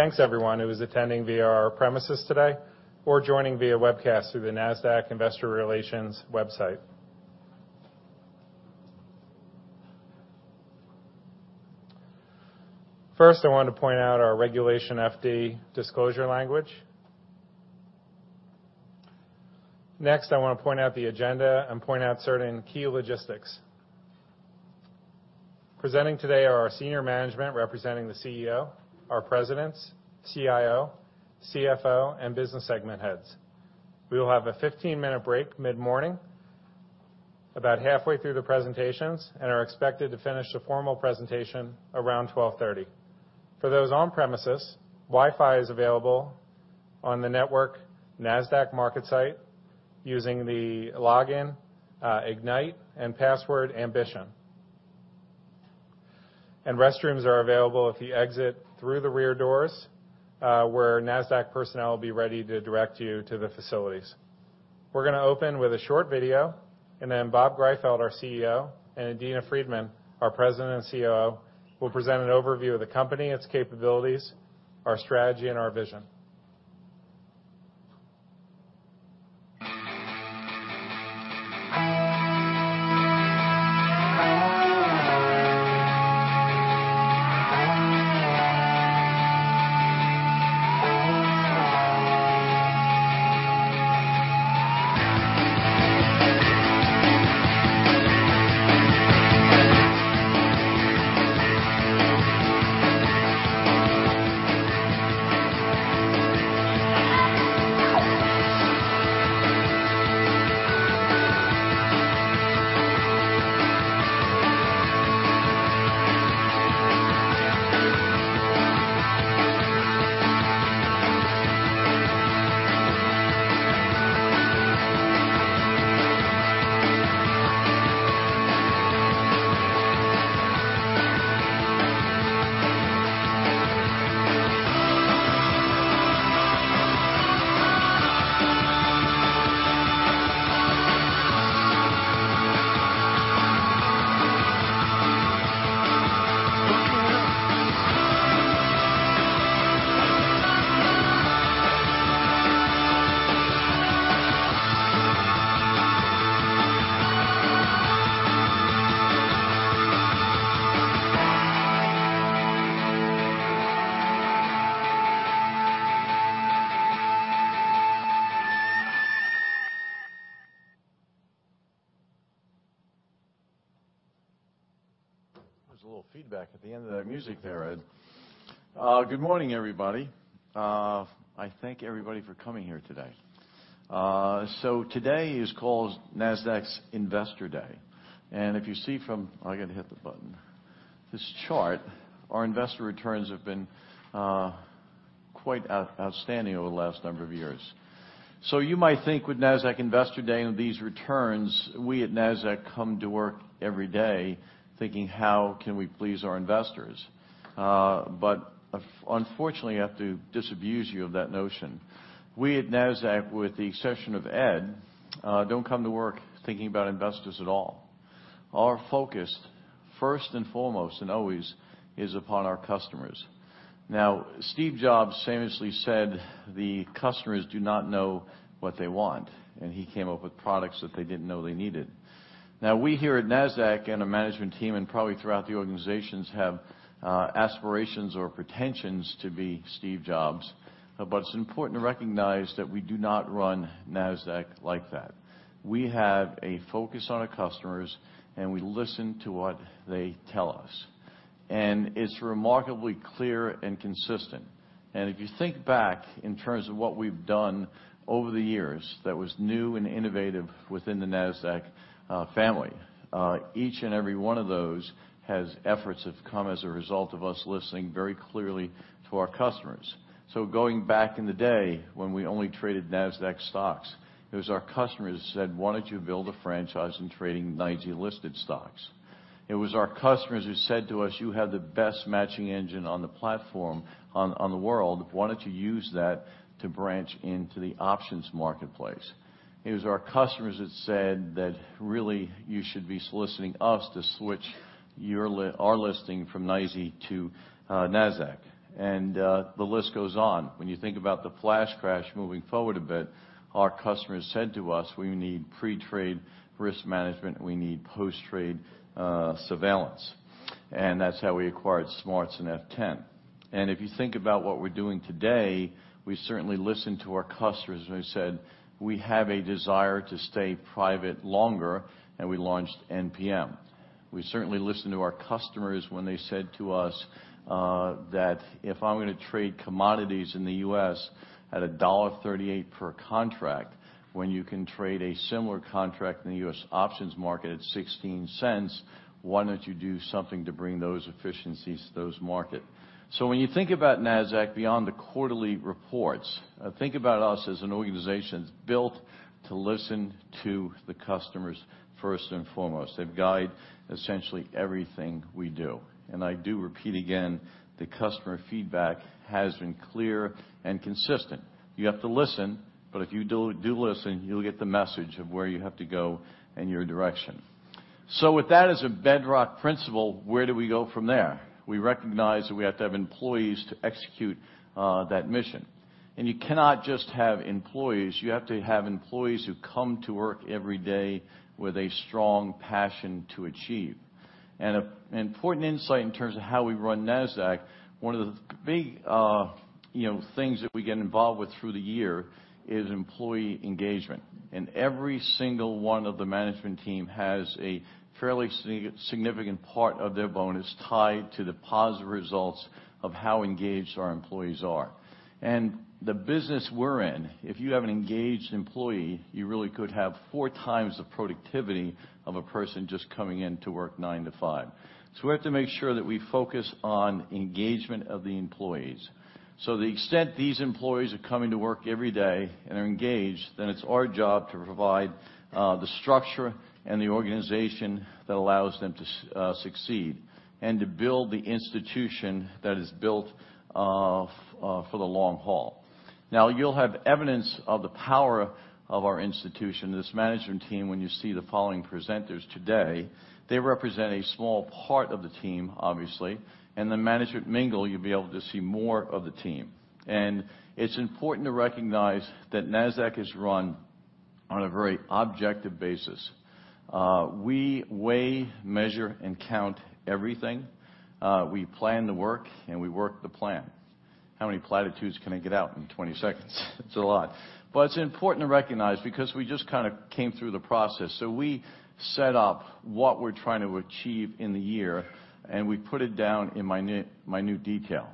Thanks, everyone who is attending via our premises today or joining via webcast through the Nasdaq Investor Relations website. First, I want to point out our Regulation FD disclosure language. Next, I want to point out the agenda and point out certain key logistics. Presenting today are our senior management representing the CEO, our presidents, CIO, CFO, and business segment heads. We will have a 15-minute break mid-morning, about halfway through the presentations, and are expected to finish the formal presentation around 12:30. For those on premises, Wi-Fi is available on the network Nasdaq Market Site using the login ignite and password ambition. Restrooms are available if you exit through the rear doors, where Nasdaq personnel will be ready to direct you to the facilities. We're going to open with a short video, and then Bob Greifeld, our CEO, and Adena Friedman, our President and COO, will present an overview of the company, its capabilities, our strategy, and our vision. There's a little feedback at the end of that music there, Ed. Good morning, everybody. I thank everybody for coming here today. Today is called Nasdaq's Investor Day. If you see from, I got to hit the button, this chart, our investor returns have been quite outstanding over the last number of years. You might think with Nasdaq Investor Day and these returns, we at Nasdaq come to work every day thinking, how can we please our investors? Unfortunately, I have to disabuse you of that notion. We at Nasdaq, with the exception of Ed, don't come to work thinking about investors at all. Our focus, first and foremost and always, is upon our customers. Steve Jobs famously said the customers do not know what they want, and he came up with products that they didn't know they needed. We here at Nasdaq and our management team, and probably throughout the organizations, have aspirations or pretensions to be Steve Jobs. It's important to recognize that we do not run Nasdaq like that. We have a focus on our customers, and we listen to what they tell us, and it's remarkably clear and consistent. If you think back in terms of what we've done over the years that was new and innovative within the Nasdaq family, each and every one of those has efforts that have come as a result of us listening very clearly to our customers. Going back in the day when we only traded Nasdaq stocks, it was our customers who said, "Why don't you build a franchise in trading NYSE-listed stocks?" It was our customers who said to us, "You have the best matching engine on the platform on the world. Why don't you use that to branch into the options marketplace?" It was our customers that said that, "Really, you should be soliciting us to switch our listing from NYSE to Nasdaq." The list goes on. When you think about the flash crash, moving forward a bit, our customers said to us, "We need pre-trade risk management, and we need post-trade surveillance." That's how we acquired SMARTS and FTEN. If you think about what we're doing today, we certainly listened to our customers when they said, "We have a desire to stay private longer," and we launched NPM. We certainly listened to our customers when they said to us that, "If I'm going to trade commodities in the U.S. at $1.38 per contract, when you can trade a similar contract in the U.S. options market at $0.16, why don't you do something to bring those efficiencies to those market?" When you think about Nasdaq beyond the quarterly reports, think about us as an organization that's built to listen to the customers first and foremost. They guide essentially everything we do. I do repeat again, the customer feedback has been clear and consistent. You have to listen, if you do listen, you'll get the message of where you have to go and your direction. With that as a bedrock principle, where do we go from there? We recognize that we have to have employees to execute that mission. You cannot just have employees. You have to have employees who come to work every day with a strong passion to achieve. An important insight in terms of how we run Nasdaq, one of the big things that we get involved with through the year is employee engagement. Every single one of the management team has a fairly significant part of their bonus tied to the positive results of how engaged our employees are. The business we're in, if you have an engaged employee, you really could have four times the productivity of a person just coming in to work 9:00 A.M. to 5:00 P.M. We have to make sure that we focus on engagement of the employees. The extent these employees are coming to work every day and are engaged, then it's our job to provide the structure and the organization that allows them to succeed and to build the institution that is built for the long haul. You'll have evidence of the power of our institution, this management team, when you see the following presenters today. They represent a small part of the team, obviously. In the management mingle, you'll be able to see more of the team. It's important to recognize that Nasdaq is run on a very objective basis. We weigh, measure, and count everything. We plan the work, and we work the plan. How many platitudes can I get out in 20 seconds? It's a lot. It's important to recognize because we just kind of came through the process. We set up what we're trying to achieve in the year, we put it down in minute detail.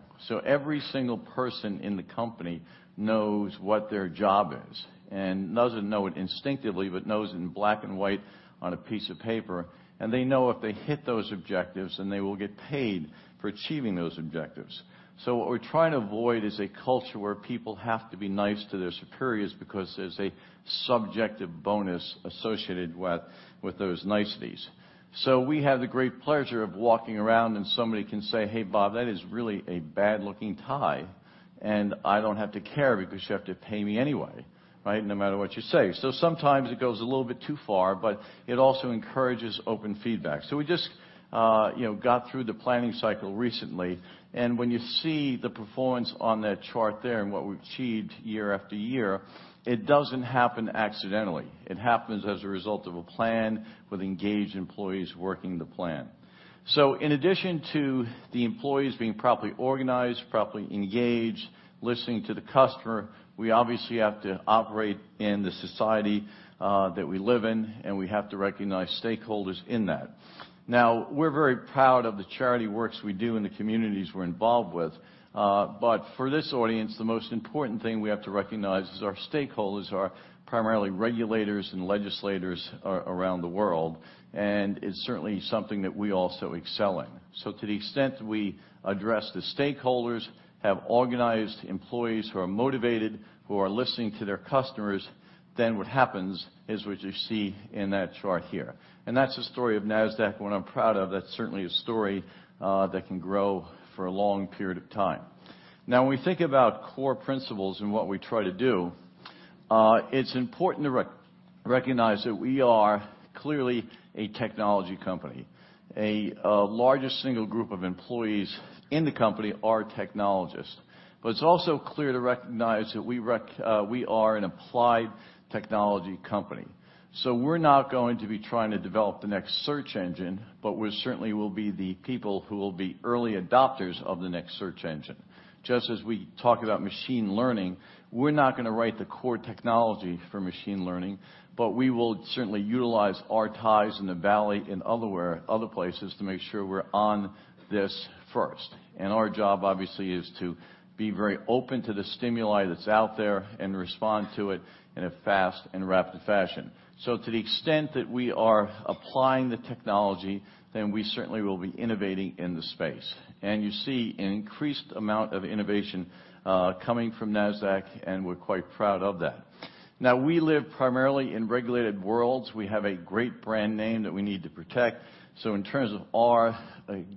Every single person in the company knows what their job is and doesn't know it instinctively, but knows in black and white on a piece of paper. They know if they hit those objectives, they will get paid for achieving those objectives. What we're trying to avoid is a culture where people have to be nice to their superiors because there's a subjective bonus associated with those niceties. We have the great pleasure of walking around and somebody can say, "Hey, Bob, that is really a bad-looking tie," and I don't have to care because you have to pay me anyway, right? No matter what you say. Sometimes it goes a little bit too far, but it also encourages open feedback. We just got through the planning cycle recently, when you see the performance on that chart there and what we've achieved year after year, it doesn't happen accidentally. It happens as a result of a plan with engaged employees working the plan. In addition to the employees being properly organized, properly engaged, listening to the customer, we obviously have to operate in the society that we live in, and we have to recognize stakeholders in that. We're very proud of the charity works we do in the communities we're involved with. For this audience, the most important thing we have to recognize is our stakeholders are primarily regulators and legislators around the world, it's certainly something that we also excel in. To the extent we address the stakeholders, have organized employees who are motivated, who are listening to their customers, what happens is what you see in that chart here. That's the story of Nasdaq, one I'm proud of. That's certainly a story that can grow for a long period of time. When we think about core principles and what we try to do, it's important to recognize that we are clearly a technology company. A largest single group of employees in the company are technologists. It's also clear to recognize that we are an applied technology company. We're not going to be trying to develop the next search engine, but we certainly will be the people who will be early adopters of the next search engine. Just as we talk about machine learning, we're not going to write the core technology for machine learning, but we will certainly utilize our ties in the Valley and other places to make sure we're on this first. Our job, obviously, is to be very open to the stimuli that's out there and respond to it in a fast and rapid fashion. To the extent that we are applying the technology, we certainly will be innovating in the space. You see an increased amount of innovation coming from Nasdaq, and we're quite proud of that. We live primarily in regulated worlds. We have a great brand name that we need to protect. In terms of our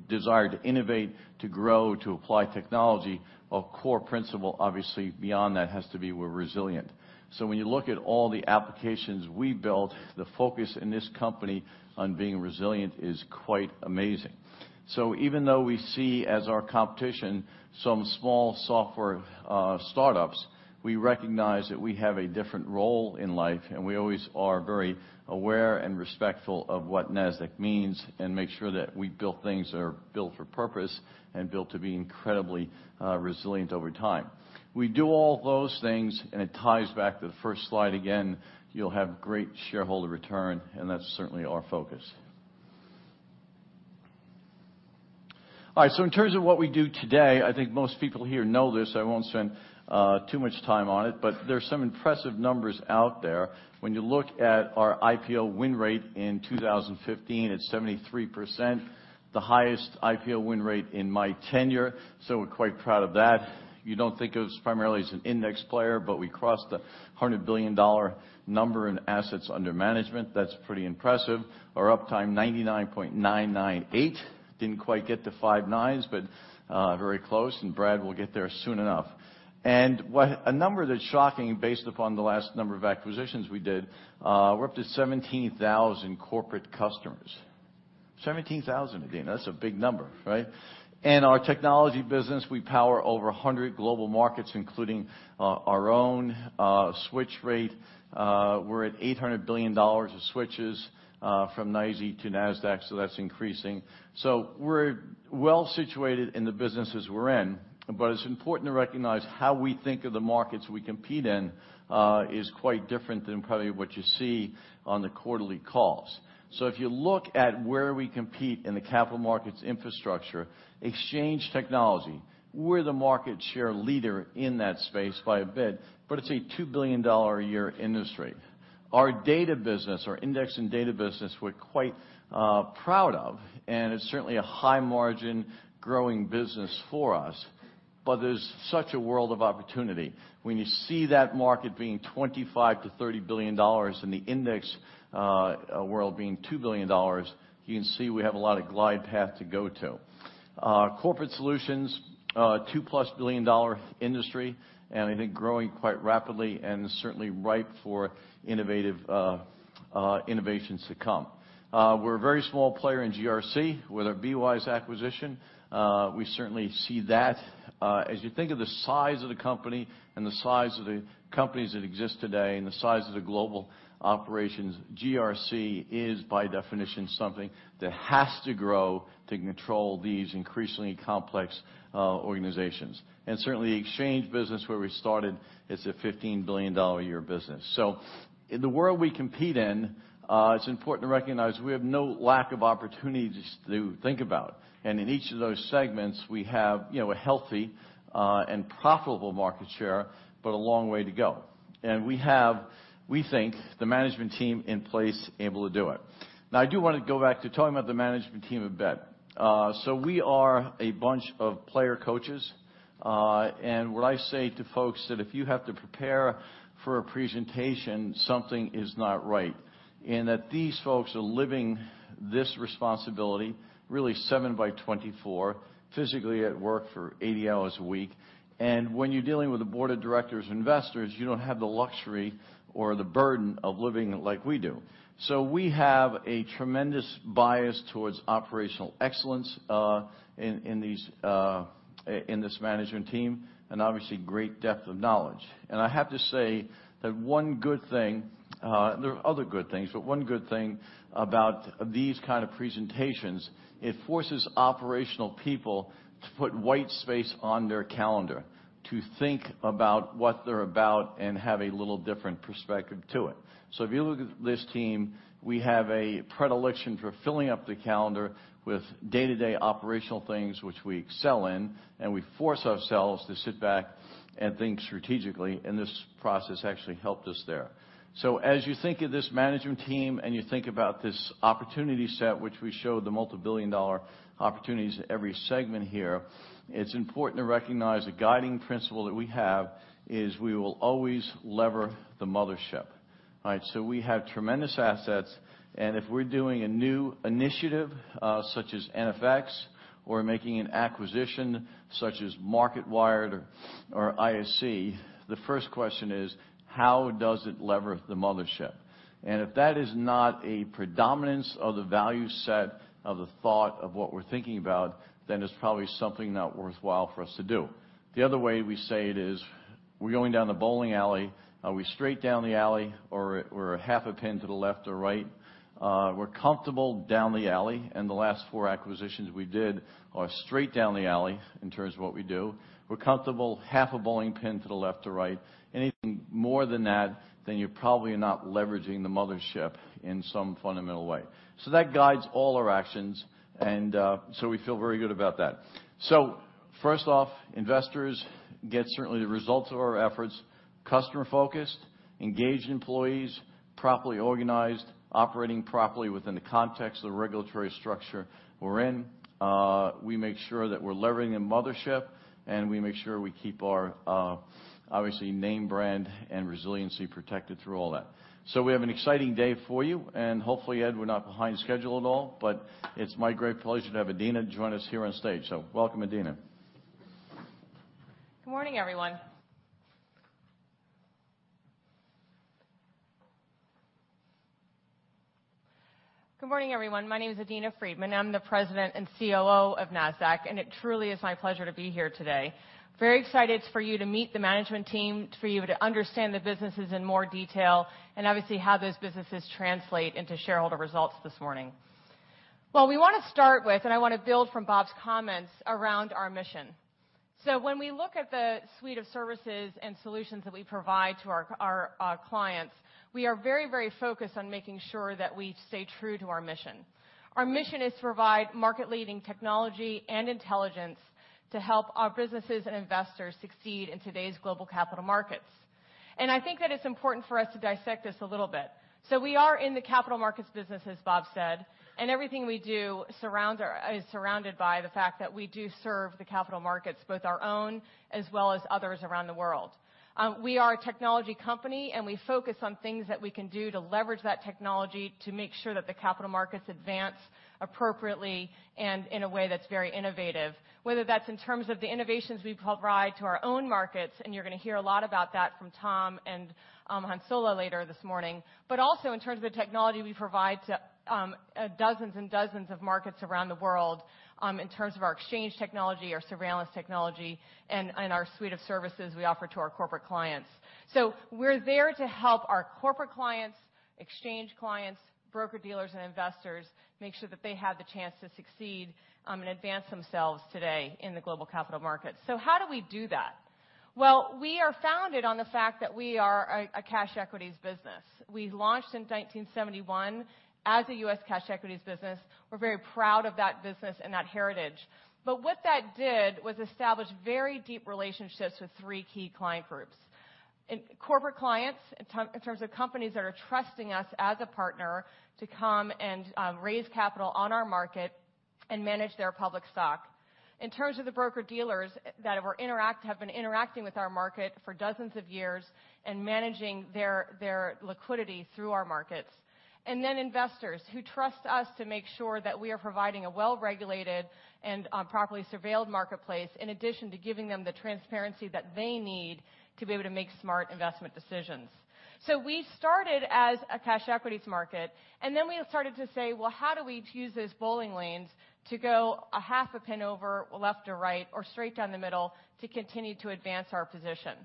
desire to innovate, to grow, to apply technology, our core principle, obviously, beyond that has to be we're resilient. When you look at all the applications we build, the focus in this company on being resilient is quite amazing. Even though we see as our competition some small software startups, we recognize that we have a different role in life, and we always are very aware and respectful of what Nasdaq means and make sure that we build things that are built for purpose and built to be incredibly resilient over time. We do all those things, and it ties back to the first slide again. You'll have great shareholder return, and that's certainly our focus. All right. In terms of what we do today, I think most people here know this, so I won't spend too much time on it, but there's some impressive numbers out there. When you look at our IPO win rate in 2015, it's 73%, the highest IPO win rate in my tenure. We're quite proud of that. You don't think of us primarily as an index player, but we crossed the $100 billion number in assets under management. That's pretty impressive. Our uptime, 99.998. Didn't quite get to five nines, but very close, and Brad will get there soon enough. A number that's shocking based upon the last number of acquisitions we did, we're up to 17,000 corporate customers. 17,000, Adena. That's a big number, right? In our technology business, we power over 100 global markets, including our own. Switch rate, we're at $800 billion of switches from NYSE to Nasdaq, so that's increasing. We're well-situated in the businesses we're in, but it's important to recognize how we think of the markets we compete in is quite different than probably what you see on the quarterly calls. If you look at where we compete in the capital markets infrastructure, exchange technology, we're the market share leader in that space by a bit, but it's a $2 billion a year industry. Our data business, our index and data business, we're quite proud of, and it's certainly a high-margin growing business for us, but there's such a world of opportunity. When you see that market being $25 billion to $30 billion, and the index world being $2 billion, you can see we have a lot of glide path to go to. Corporate Solutions, a $2-plus billion industry, and I think growing quite rapidly and certainly ripe for innovations to come. We're a very small player in GRC with our BWise acquisition. We certainly see that. As you think of the size of the company and the size of the companies that exist today and the size of the global operations, GRC is by definition something that has to grow to control these increasingly complex organizations. Certainly, the exchange business where we started, it's a $15 billion a year business. In the world we compete in, it's important to recognize we have no lack of opportunities to think about. In each of those segments, we have a healthy and profitable market share, but a long way to go. We have, we think, the management team in place able to do it. I do want to go back to talking about the management team a bit. We are a bunch of player coaches. What I say to folks, that if you have to prepare for a presentation, something is not right, and that these folks are living this responsibility really 7 by 24, physically at work for 80 hours a week. When you're dealing with a board of directors, investors, you don't have the luxury or the burden of living like we do. We have a tremendous bias towards operational excellence in this management team, and obviously, great depth of knowledge. I have to say that one good thing, there are other good things, but one good thing about these kind of presentations, it forces operational people to put white space on their calendar to think about what they're about and have a little different perspective to it. If you look at this team, we have a predilection for filling up the calendar with day-to-day operational things which we excel in, and we force ourselves to sit back and think strategically, and this process actually helped us there. As you think of this management team and you think about this opportunity set, which we showed the multi-billion dollar opportunities every segment here, it's important to recognize the guiding principle that we have is we will always lever the mothership. We have tremendous assets, and if we're doing a new initiative, such as NFX, or making an acquisition such as Marketwired or ISE, the first question is, how does it lever the mothership? If that is not a predominance of the value set of the thought of what we're thinking about, then it's probably something not worthwhile for us to do. The other way we say it is, we're going down the bowling alley. Are we straight down the alley or half a pin to the left or right? We're comfortable down the alley, and the last four acquisitions we did are straight down the alley in terms of what we do. We're comfortable half a bowling pin to the left or right. Anything more than that, then you're probably not leveraging the mothership in some fundamental way. That guides all our actions, and we feel very good about that. First off, investors get certainly the results of our efforts, customer-focused, engaged employees, properly organized, operating properly within the context of the regulatory structure we're in. We make sure that we're levering a mothership, and we make sure we keep our, obviously, name brand and resiliency protected through all that. We have an exciting day for you, and hopefully, Ed, we're not behind schedule at all, but it's my great pleasure to have Adena join us here on stage. Welcome, Adena. Good morning, everyone. Good morning, everyone. My name is Adena Friedman. I am the President and COO of Nasdaq, and it truly is my pleasure to be here today. Very excited for you to meet the management team, for you to understand the businesses in more detail, and obviously, how those businesses translate into shareholder results this morning. We want to start with. I want to build from Bob's comments around our mission. When we look at the suite of services and solutions that we provide to our clients, we are very focused on making sure that we stay true to our mission. Our mission is to provide market-leading technology and intelligence to help our businesses and investors succeed in today's global capital markets. I think that it is important for us to dissect this a little bit. We are in the capital markets business, as Bob said, and everything we do is surrounded by the fact that we do serve the capital markets, both our own as well as others around the world. We are a technology company, and we focus on things that we can do to leverage that technology to make sure that the capital markets advance appropriately and in a way that is very innovative. Whether that is in terms of the innovations we provide to our own markets, and you are going to hear a lot about that from Tom and Hans-Ole later this morning, but also in terms of the technology we provide to dozens and dozens of markets around the world, in terms of our exchange technology, our surveillance technology, and our suite of services we offer to our corporate clients. We are there to help our corporate clients, exchange clients, broker-dealers, and investors make sure that they have the chance to succeed and advance themselves today in the global capital market. How do we do that? We are founded on the fact that we are a cash equities business. We launched in 1971 as a U.S. cash equities business. We are very proud of that business and that heritage. What that did was establish very deep relationships with three key client groups. Corporate clients, in terms of companies that are trusting us as a partner to come and raise capital on our market and manage their public stock. In terms of the broker-dealers that have been interacting with our market for dozens of years and managing their liquidity through our markets. Investors who trust us to make sure that we are providing a well-regulated and properly surveilled marketplace, in addition to giving them the transparency that they need to be able to make smart investment decisions. We started as a cash equities market. We started to say, "How do we use those bowling lanes to go a half a pin over left or right or straight down the middle to continue to advance our position?"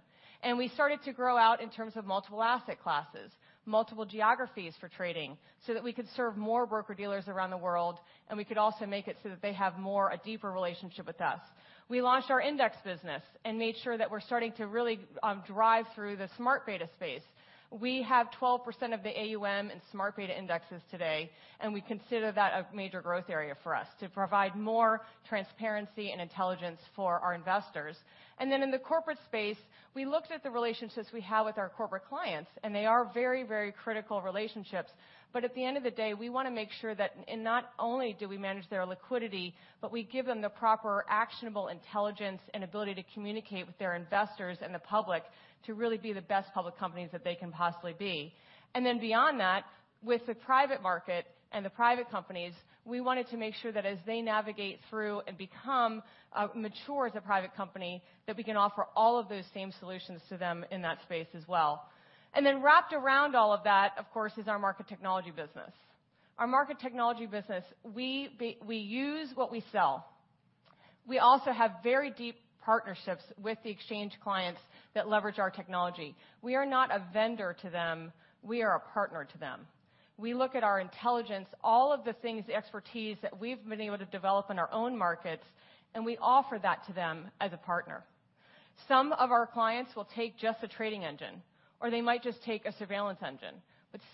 We started to grow out in terms of multiple asset classes, multiple geographies for trading, so that we could serve more broker-dealers around the world, and we could also make it so that they have more, a deeper relationship with us. We launched our index business and made sure that we are starting to really drive through the smart beta space. We have 12% of the AUM in smart beta indexes today, we consider that a major growth area for us to provide more transparency and intelligence for our investors. In the corporate space, we looked at the relationships we have with our corporate clients, they are very, very critical relationships, at the end of the day, we want to make sure that not only do we manage their liquidity, but we give them the proper actionable intelligence and ability to communicate with their investors and the public to really be the best public companies that they can possibly be. Beyond that, with the private market and the private companies, we wanted to make sure that as they navigate through and become mature as a private company, that we can offer all of those same solutions to them in that space as well. Wrapped around all of that, of course, is our Market Technology business. Our Market Technology business, we use what we sell. We also have very deep partnerships with the exchange clients that leverage our technology. We are not a vendor to them; we are a partner to them. We look at our intelligence, all of the things, the expertise that we've been able to develop in our own markets, and we offer that to them as a partner. Some of our clients will take just a trading engine, or they might just take a surveillance engine,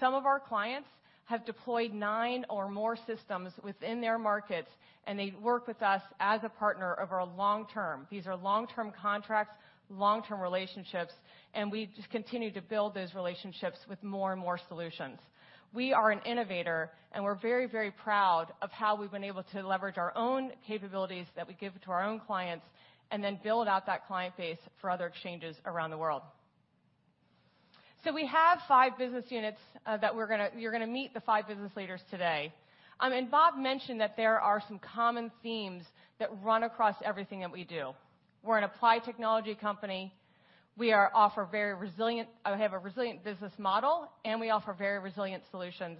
some of our clients have deployed nine or more systems within their markets, and they work with us as a partner over a long term. These are long-term contracts, long-term relationships, and we just continue to build those relationships with more and more solutions. We are an innovator, we're very, very proud of how we've been able to leverage our own capabilities that we give to our own clients then build out that client base for other exchanges around the world. We have five business units. You're going to meet the five business leaders today. Bob mentioned that there are some common themes that run across everything that we do. We're an applied technology company. We have a resilient business model, we offer very resilient solutions,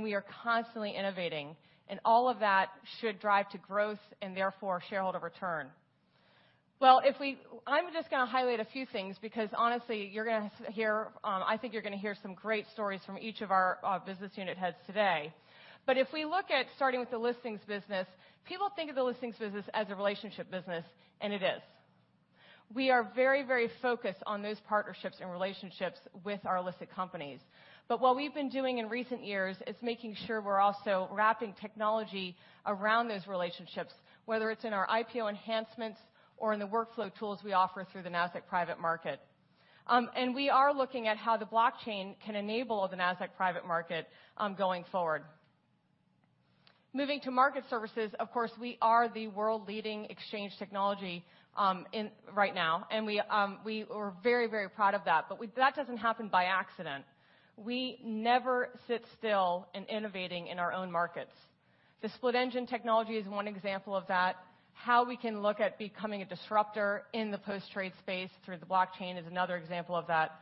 we are constantly innovating. All of that should drive to growth and therefore shareholder return. I'm just going to highlight a few things because honestly, I think you're going to hear some great stories from each of our business unit heads today. If we look at starting with the Listings business, people think of the Listings business as a relationship business, it is. We are very, very focused on those partnerships and relationships with our listed companies. What we've been doing in recent years is making sure we're also wrapping technology around those relationships, whether it's in our IPO enhancements or in the workflow tools we offer through the Nasdaq Private Market. We are looking at how the blockchain can enable the Nasdaq Private Market going forward. Moving to Market Services, of course, we are the world leading exchange technology right now, and we are very, very proud of that. That doesn't happen by accident. We never sit still in innovating in our own markets. The split engine technology is one example of that. How we can look at becoming a disruptor in the post-trade space through the blockchain is another example of that.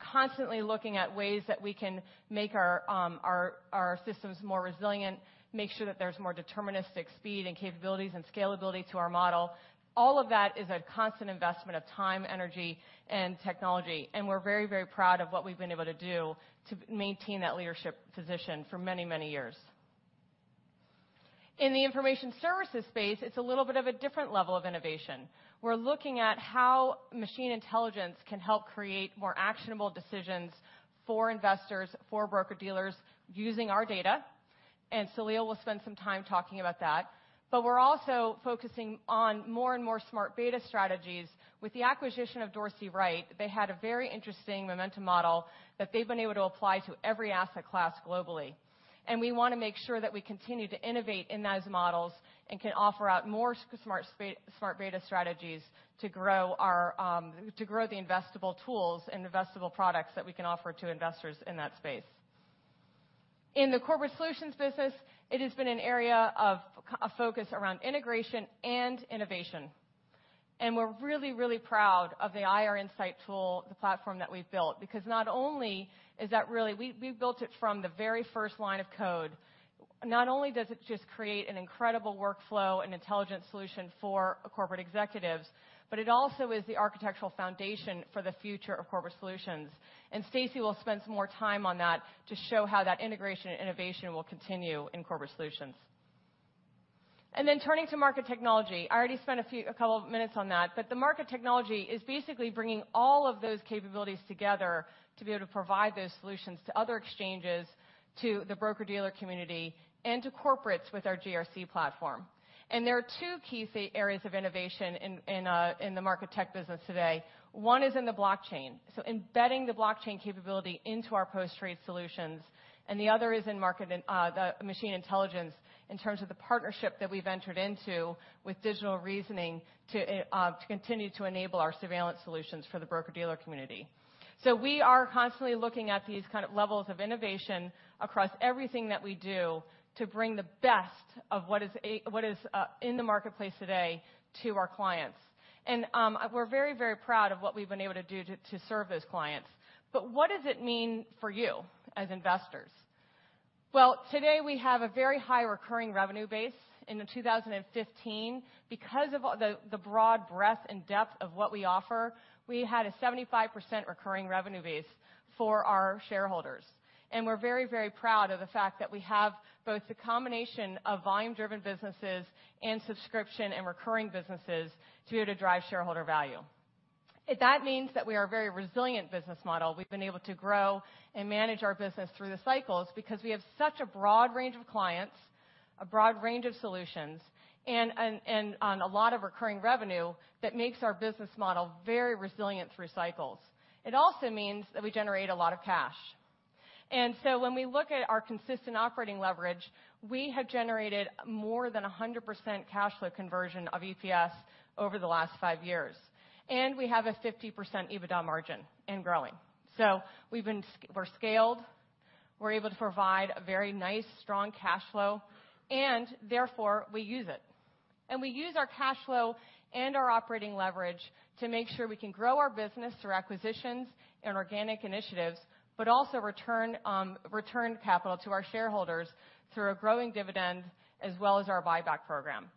Constantly looking at ways that we can make our systems more resilient, make sure that there's more deterministic speed and capabilities and scalability to our model. All of that is a constant investment of time, energy, and technology, and we're very, very proud of what we've been able to do to maintain that leadership position for many, many years. In the information services space, it's a little bit of a different level of innovation. We're looking at how machine intelligence can help create more actionable decisions for investors, for broker-dealers, using our data. Salil will spend some time talking about that. We're also focusing on more and more smart beta strategies. With the acquisition of Dorsey Wright, they had a very interesting momentum model that they've been able to apply to every asset class globally. We want to make sure that we continue to innovate in those models and can offer out more smart beta strategies to grow the investable tools and investable products that we can offer to investors in that space. In the corporate solutions business, it has been an area of focus around integration and innovation. We're really, really proud of the IR Insight tool, the platform that we've built. We built it from the very first line of code. Not only does it just create an incredible workflow and intelligent solution for corporate executives, but it also is the architectural foundation for the future of corporate solutions. Stacey will spend some more time on that to show how that integration and innovation will continue in corporate solutions. Turning to Market Technology. I already spent a couple of minutes on that, but the Market Technology is basically bringing all of those capabilities together to be able to provide those solutions to other exchanges, to the broker-dealer community, and to corporates with our GRC platform. There are two key areas of innovation in the Market Tech business today. One is in the blockchain, so embedding the blockchain capability into our post-trade solutions. The other is in machine intelligence in terms of the partnership that we've entered into with Digital Reasoning to continue to enable our surveillance solutions for the broker-dealer community. We are constantly looking at these kind of levels of innovation across everything that we do to bring the best of what is in the marketplace today to our clients. We're very, very proud of what we've been able to do to serve those clients. What does it mean for you as investors? Well, today, we have a very high recurring revenue base. In 2015, because of the broad breadth and depth of what we offer, we had a 75% recurring revenue base for our shareholders. We're very, very proud of the fact that we have both the combination of volume-driven businesses and subscription and recurring businesses to be able to drive shareholder value. That means that we are a very resilient business model. We've been able to grow and manage our business through the cycles because we have such a broad range of clients, a broad range of solutions, and a lot of recurring revenue that makes our business model very resilient through cycles. It also means that we generate a lot of cash. When we look at our consistent operating leverage, we have generated more than 100% cash flow conversion of EPS over the last five years. We have a 50% EBITDA margin and growing. We're scaled, we're able to provide a very nice, strong cash flow, and therefore, we use it. We use our cash flow and our operating leverage to make sure we can grow our business through acquisitions and organic initiatives, but also return capital to our shareholders through a growing dividend, as well as our buyback program.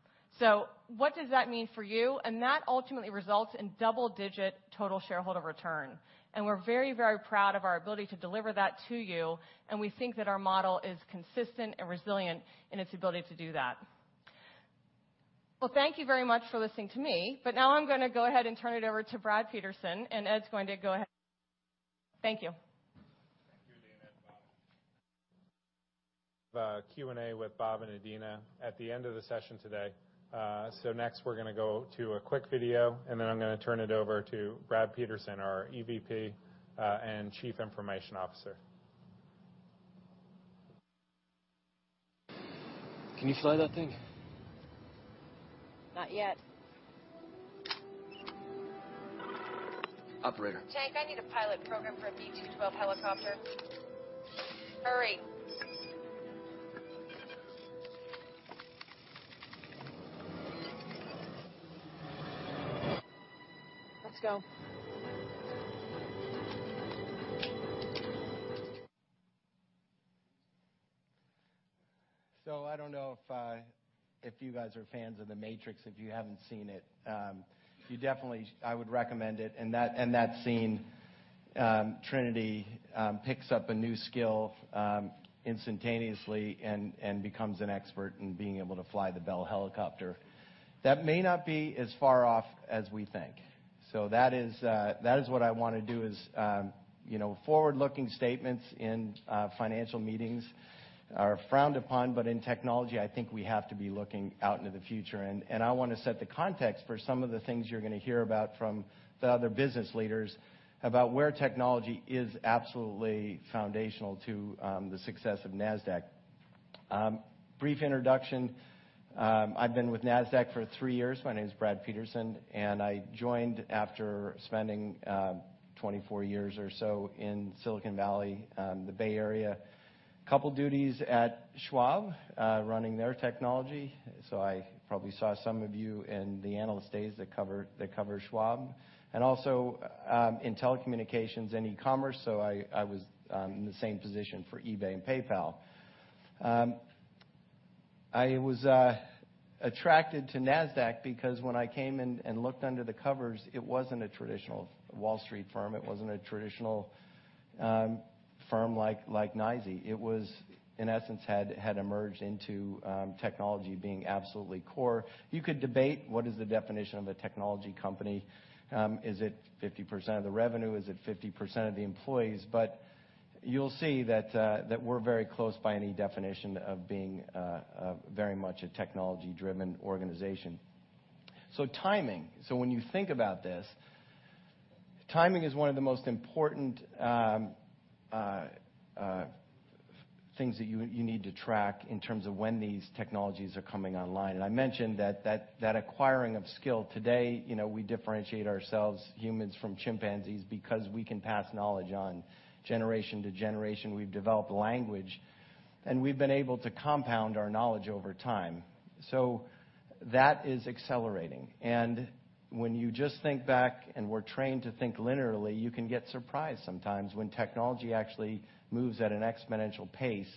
What does that mean for you? That ultimately results in double-digit total shareholder return. We're very, very proud of our ability to deliver that to you, and we think that our model is consistent and resilient in its ability to do that. Well, thank you very much for listening to me, now I'm going to go ahead and turn it over to Brad Peterson, and Ed's going to go ahead. Thank you. Thank you, Adena and Bob. Q&A with Bob and Adena at the end of the session today. Next, we're going to go to a quick video, and then I'm going to turn it over to Brad Peterson, our EVP, and Chief Information Officer. Can you fly that thing? Not yet. Operator. Jake, I need a pilot programmed for a V-212 helicopter. Hurry. Let's go. I don't know if you guys are fans of "The Matrix." If you haven't seen it, I would recommend it. In that scene, Trinity picks up a new skill instantaneously and becomes an expert in being able to fly the Bell helicopter. That may not be as far off as we think. That is what I want to do is, forward-looking statements in financial meetings are frowned upon, but in technology, I think we have to be looking out into the future. I want to set the context for some of the things you're going to hear about from the other business leaders about where technology is absolutely foundational to the success of Nasdaq. Brief introduction. I've been with Nasdaq for three years. My name is Brad Peterson, and I joined after spending 24 years or so in Silicon Valley, the Bay Area. Couple duties at Schwab, running their technology. I probably saw some of you in the analyst days that cover Schwab. Also, in telecommunications and e-commerce, I was in the same position for eBay and PayPal. I was attracted to Nasdaq because when I came in and looked under the covers, it wasn't a traditional Wall Street firm. It wasn't a traditional firm like NYSE. It was, in essence, had emerged into technology being absolutely core. You could debate what is the definition of a technology company. Is it 50% of the revenue? Is it 50% of the employees? You'll see that we're very close by any definition of being very much a technology-driven organization. Timing. When you think about this, timing is one of the most important things that you need to track in terms of when these technologies are coming online. I mentioned that acquiring of skill today, we differentiate ourselves, humans from chimpanzees, because we can pass knowledge on generation to generation. We've developed language, and we've been able to compound our knowledge over time. That is accelerating, and when you just think back and we're trained to think linearly, you can get surprised sometimes when technology actually moves at an exponential pace.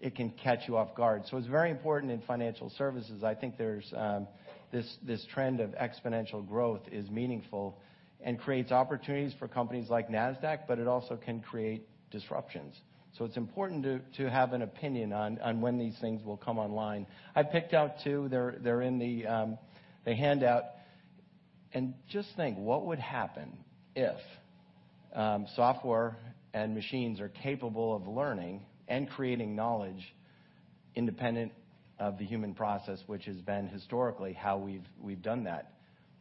It can catch you off guard. It's very important in financial services. I think this trend of exponential growth is meaningful and creates opportunities for companies like Nasdaq, but it also can create disruptions. It's important to have an opinion on when these things will come online. I picked out two, they're in the handout. Just think, what would happen if software and machines are capable of learning and creating knowledge independent of the human process, which has been historically how we've done that.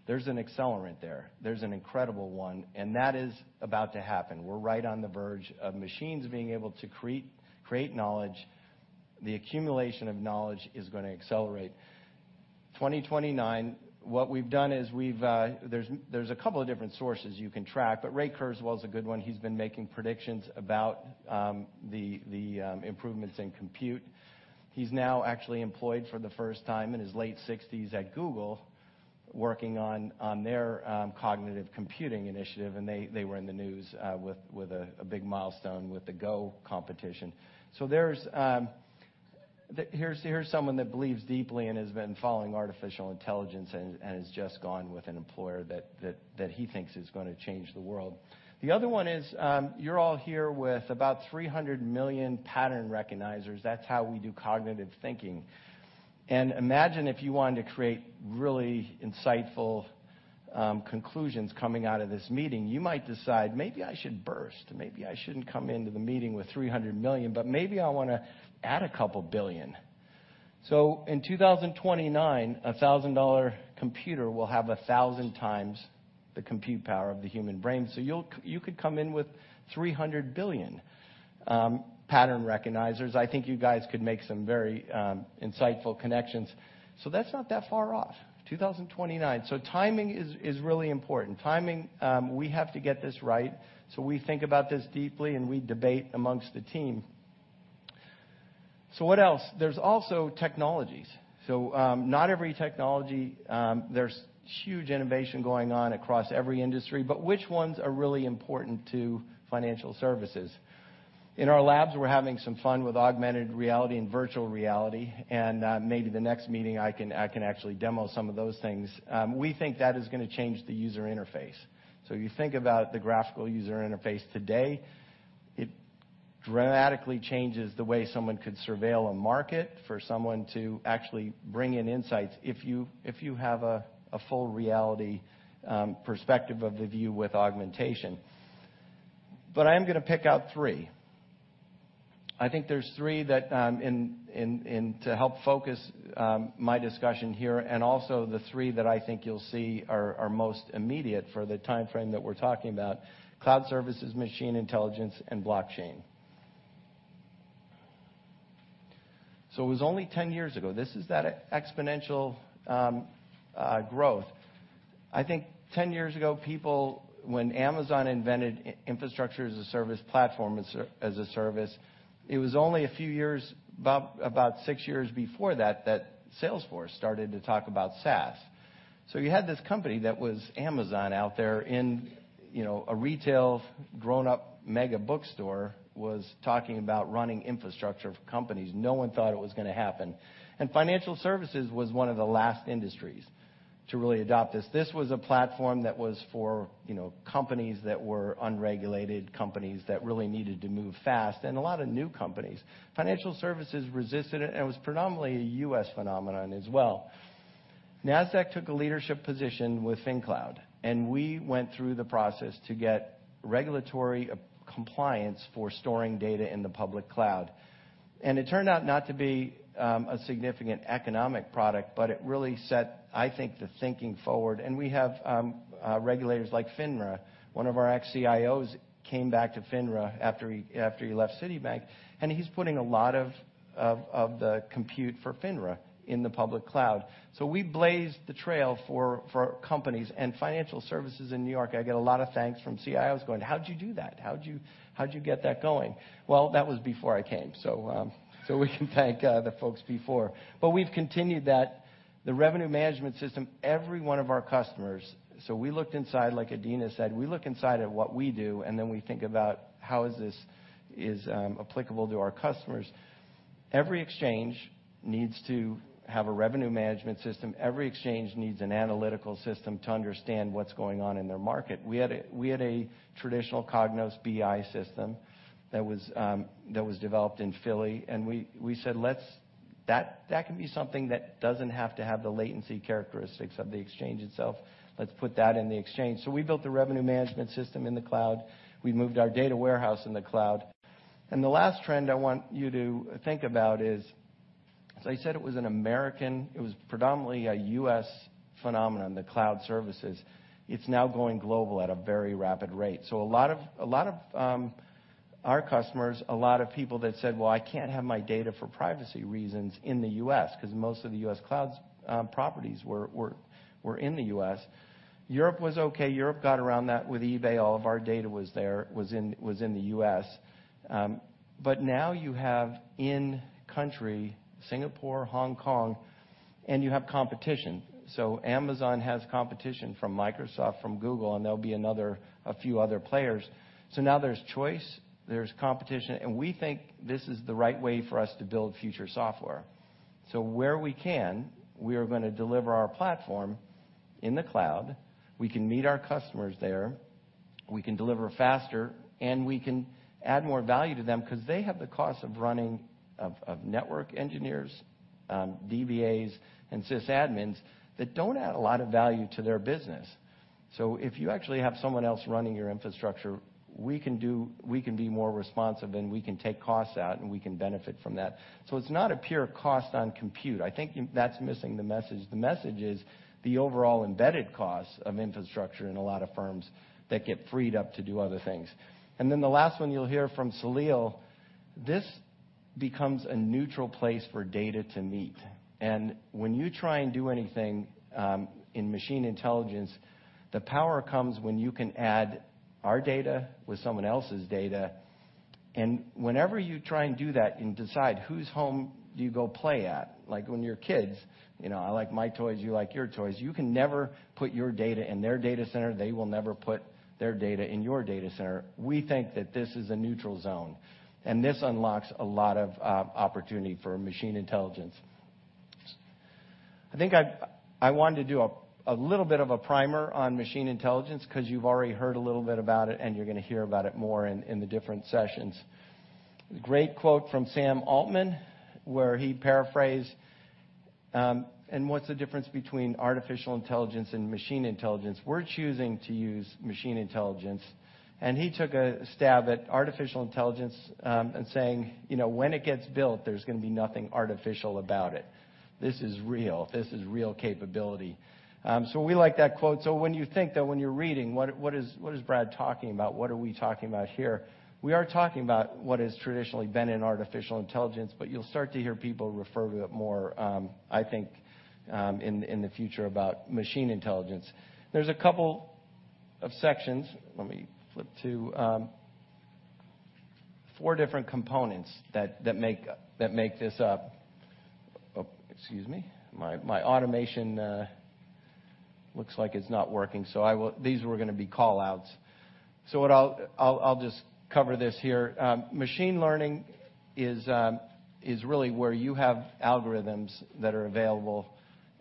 There's an accelerant there. There's an incredible one, and that is about to happen. We're right on the verge of machines being able to create knowledge. The accumulation of knowledge is going to accelerate. 2029, what we've done is there's a couple of different sources you can track, but Ray Kurzweil is a good one. He's been making predictions about the improvements in compute. He's now actually employed for the first time in his late 60s at Google, working on their cognitive computing initiative, and they were in the news with a big milestone with the Go competition. Here's someone that believes deeply and has been following artificial intelligence and has just gone with an employer that he thinks is going to change the world. The other one is, you're all here with about 300 million pattern recognizers. That's how we do cognitive thinking. Imagine if you wanted to create really insightful conclusions coming out of this meeting. You might decide, maybe I should burst. Maybe I shouldn't come into the meeting with 300 million, but maybe I want to add a couple billion. In 2029, a $1,000 computer will have 1,000 times the compute power of the human brain. You could come in with 300 billion pattern recognizers. I think you guys could make some very insightful connections. That's not that far off, 2029. Timing is really important. Timing, we have to get this right, so we think about this deeply, and we debate amongst the team. What else? There's also technologies. Not every technology. There's huge innovation going on across every industry, but which ones are really important to financial services? In our labs, we're having some fun with augmented reality and virtual reality, and maybe the next meeting, I can actually demo some of those things. We think that is going to change the user interface. You think about the graphical user interface today. It dramatically changes the way someone could surveil a market for someone to actually bring in insights if you have a full reality perspective of the view with augmentation. I am going to pick out three. I think there's three to help focus my discussion here, and also the three that I think you'll see are most immediate for the timeframe that we're talking about. Cloud services, machine intelligence, and blockchain. It was only 10 years ago. This is that exponential growth. I think 10 years ago, people, when Amazon invented infrastructure as a service platform, as a service, it was only a few years, about six years before that Salesforce started to talk about SaaS. You had this company that was Amazon out there in a retail, grown-up mega bookstore, was talking about running infrastructure of companies. No one thought it was going to happen. Financial services was one of the last industries to really adopt this. This was a platform that was for companies that were unregulated, companies that really needed to move fast, and a lot of new companies. Financial services resisted it. It was predominantly a U.S. phenomenon as well. Nasdaq took a leadership position with FinQloud, we went through the process to get regulatory compliance for storing data in the public cloud. It turned out not to be a significant economic product, but it really set, I think, the thinking forward. We have regulators like FINRA. One of our ex-CIOs came back to FINRA after he left Citibank, he's putting a lot of the compute for FINRA in the public cloud. We blazed the trail for companies and financial services in New York. I get a lot of thanks from CIOs going, "How'd you do that? How'd you get that going?" Well, that was before I came, so we can thank the folks before. We've continued that. The revenue management system, every one of our customers. We looked inside, like Adena said, we look inside at what we do, then we think about how is this applicable to our customers. Every exchange needs to have a revenue management system. Every exchange needs an analytical system to understand what's going on in their market. We had a traditional Cognos BI system that was developed in Philly, we said, "That can be something that doesn't have to have the latency characteristics of the exchange itself. Let's put that in the exchange." We built a revenue management system in the cloud. We moved our data warehouse in the cloud. The last trend I want you to think about is As I said, it was an American, it was predominantly a U.S. phenomenon, the cloud services. It's now going global at a very rapid rate. A lot of our customers, a lot of people that said, "Well, I can't have my data for privacy reasons in the U.S.," because most of the U.S. clouds properties were in the U.S. Europe was okay. Europe got around that with eBay. All of our data was there, was in the U.S. Now you have in country, Singapore, Hong Kong, you have competition. Amazon has competition from Microsoft, from Google, there'll be a few other players. Now there's choice, there's competition, we think this is the right way for us to build future software. Where we can, we are going to deliver our platform in the cloud. We can meet our customers there, we can deliver faster, and we can add more value to them because they have the cost of running of network engineers, DBAs, and sysadmins that don't add a lot of value to their business. So if you actually have someone else running your infrastructure, we can be more responsive, and we can take costs out, and we can benefit from that. So it's not a pure cost on compute. I think that's missing the message. The message is the overall embedded costs of infrastructure in a lot of firms that get freed up to do other things. Then the last one you'll hear from Salil, this becomes a neutral place for data to meet. When you try and do anything, in machine intelligence, the power comes when you can add our data with someone else's data. Whenever you try and do that and decide whose home do you go play at, like when you're kids, I like my toys, you like your toys. You can never put your data in their data center. They will never put their data in your data center. We think that this is a neutral zone, and this unlocks a lot of opportunity for machine intelligence. I think I wanted to do a little bit of a primer on machine intelligence because you've already heard a little bit about it, and you're going to hear about it more in the different sessions. Great quote from Sam Altman, where he paraphrased, what's the difference between Artificial Intelligence and machine intelligence? We're choosing to use machine intelligence, and he took a stab at Artificial Intelligence, saying, when it gets built, there's going to be nothing artificial about it. This is real. This is real capability. So we like that quote. So when you think that when you're reading, what is Brad talking about? What are we talking about here? We are talking about what has traditionally been in Artificial Intelligence, but you'll start to hear people refer to it more, I think, in the future about machine intelligence. There's a couple of sections, let me flip to, four different components that make this up. Oh, excuse me. My automation looks like it's not working, so these were going to be call-outs. So I'll just cover this here. Machine learning is really where you have algorithms that are available,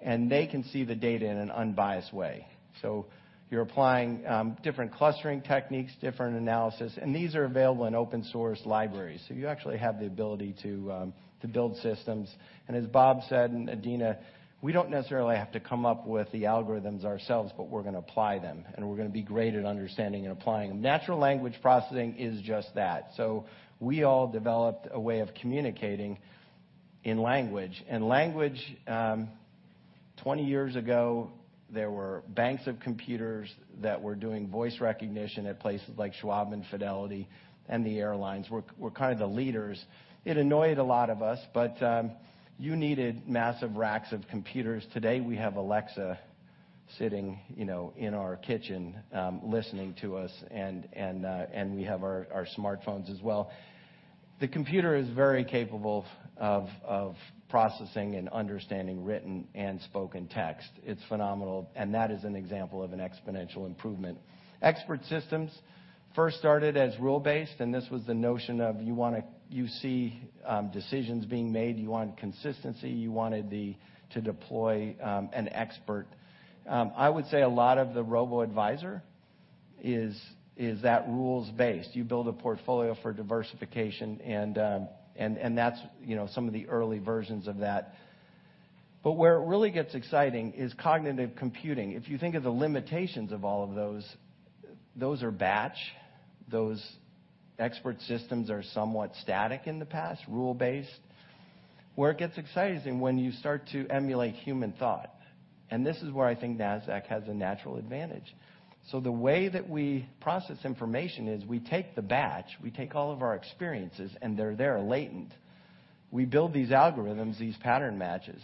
and they can see the data in an unbiased way. So you're applying different clustering techniques, different analysis, and these are available in open source libraries. So you actually have the ability to build systems. As Bob said, and Adena, we don't necessarily have to come up with the algorithms ourselves, but we're going to apply them, and we're going to be great at understanding and applying them. Natural language processing is just that. So we all developed a way of communicating in language. Language, 20 years ago, there were banks of computers that were doing voice recognition at places like Schwab and Fidelity, and the airlines were kind of the leaders. It annoyed a lot of us, but you needed massive racks of computers. Today, we have Alexa sitting in our kitchen, listening to us and we have our smartphones as well. The computer is very capable of processing and understanding written and spoken text. It's phenomenal, and that is an example of an exponential improvement. Expert systems first started as rule-based, this was the notion of you see decisions being made, you want consistency, you wanted to deploy an expert. I would say a lot of the robo-advisor is that rules-based. You build a portfolio for diversification and that's some of the early versions of that. Where it really gets exciting is cognitive computing. If you think of the limitations of all of those are batch. Those expert systems are somewhat static in the past, rule-based. Where it gets exciting, when you start to emulate human thought, this is where I think Nasdaq has a natural advantage. The way that we process information is we take the batch, we take all of our experiences, and they're there latent. We build these algorithms, these pattern matches.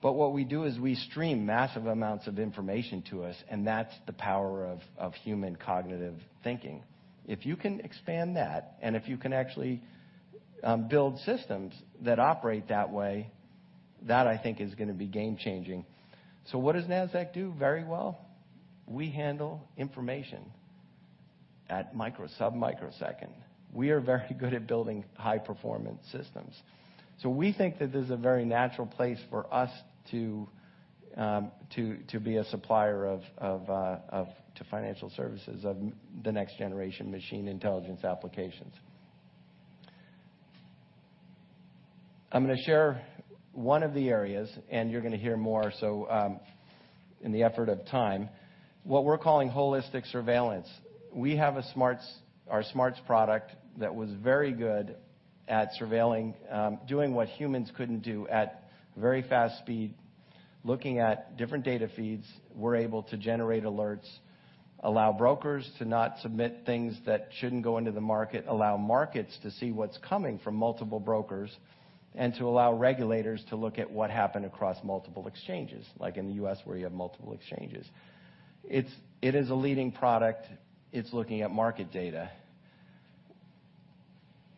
What we do is we stream massive amounts of information to us, and that's the power of human cognitive thinking. If you can expand that and if you can actually build systems that operate that way, that I think is going to be game-changing. What does Nasdaq do very well? We handle information at micro, sub-microsecond. We are very good at building high-performance systems. We think that this is a very natural place for us to be a supplier to financial services of the next-generation machine intelligence applications. I'm going to share one of the areas, and you're going to hear more, In the effort of time, what we're calling holistic surveillance. We have our SMARTS product that was very good at surveilling, doing what humans couldn't do at very fast speed, looking at different data feeds. We're able to generate alerts, allow brokers to not submit things that shouldn't go into the market, allow markets to see what's coming from multiple brokers, and to allow regulators to look at what happened across multiple exchanges, like in the U.S. where you have multiple exchanges. It is a leading product. It's looking at market data.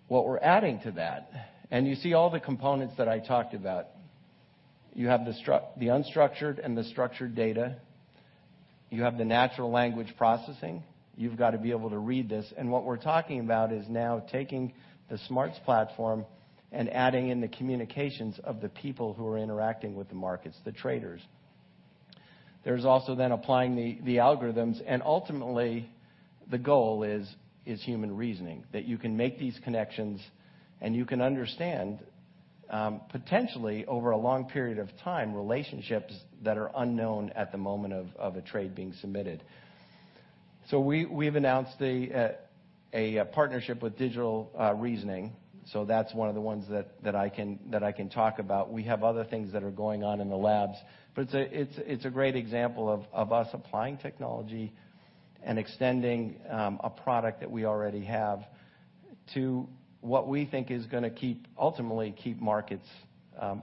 What we're adding to that, and you see all the components that I talked about. You have the unstructured and the structured data. You have the natural language processing. You've got to be able to read this, and what we're talking about is now taking the Smarts platform and adding in the communications of the people who are interacting with the markets, the traders. There's also then applying the algorithms, and ultimately, the goal is human reasoning. That you can make these connections and you can understand, potentially over a long period of time, relationships that are unknown at the moment of a trade being submitted. We've announced a partnership with Digital Reasoning. That's one of the ones that I can talk about. We have other things that are going on in the labs. It's a great example of us applying technology and extending a product that we already have to what we think is going to ultimately keep markets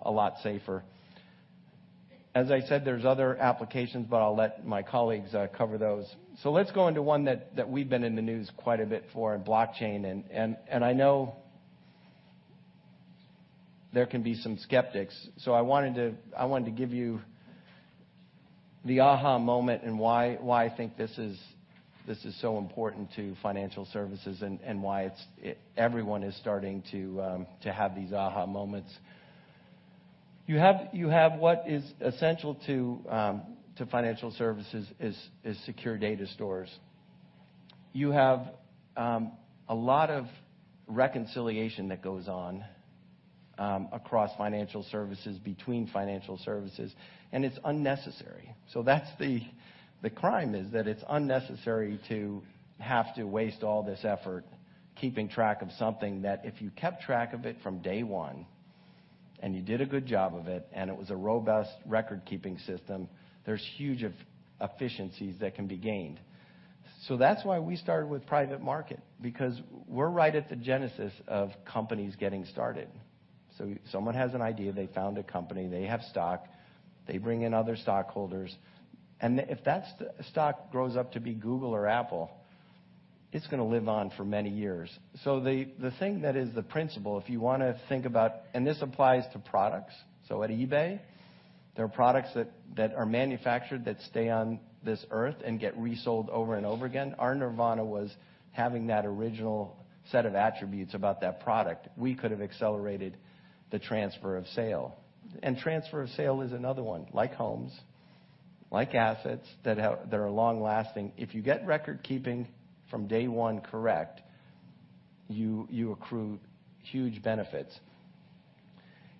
a lot safer. As I said, there's other applications, but I'll let my colleagues cover those. Let's go into one that we've been in the news quite a bit for, blockchain, and I know there can be some skeptics. I wanted to give you the aha moment and why I think this is so important to financial services, and why everyone is starting to have these aha moments. You have what is essential to financial services, is secure data stores. You have a lot of reconciliation that goes on across financial services, between financial services, and it's unnecessary. The crime is that it's unnecessary to have to waste all this effort keeping track of something that if you kept track of it from day one and you did a good job of it, and it was a robust record-keeping system, there's huge efficiencies that can be gained. That's why we started with private market, because we're right at the genesis of companies getting started. Someone has an idea, they found a company, they have stock, they bring in other stockholders, and if that stock grows up to be Google or Apple, it's going to live on for many years. The thing that is the principle, if you want to think about, and this applies to products. At eBay, there are products that are manufactured that stay on this earth and get resold over and over again. Our nirvana was having that original set of attributes about that product. We could have accelerated the transfer of sale. Transfer of sale is another one. Like homes, like assets that are long-lasting. If you get record keeping from day one correct, you accrue huge benefits.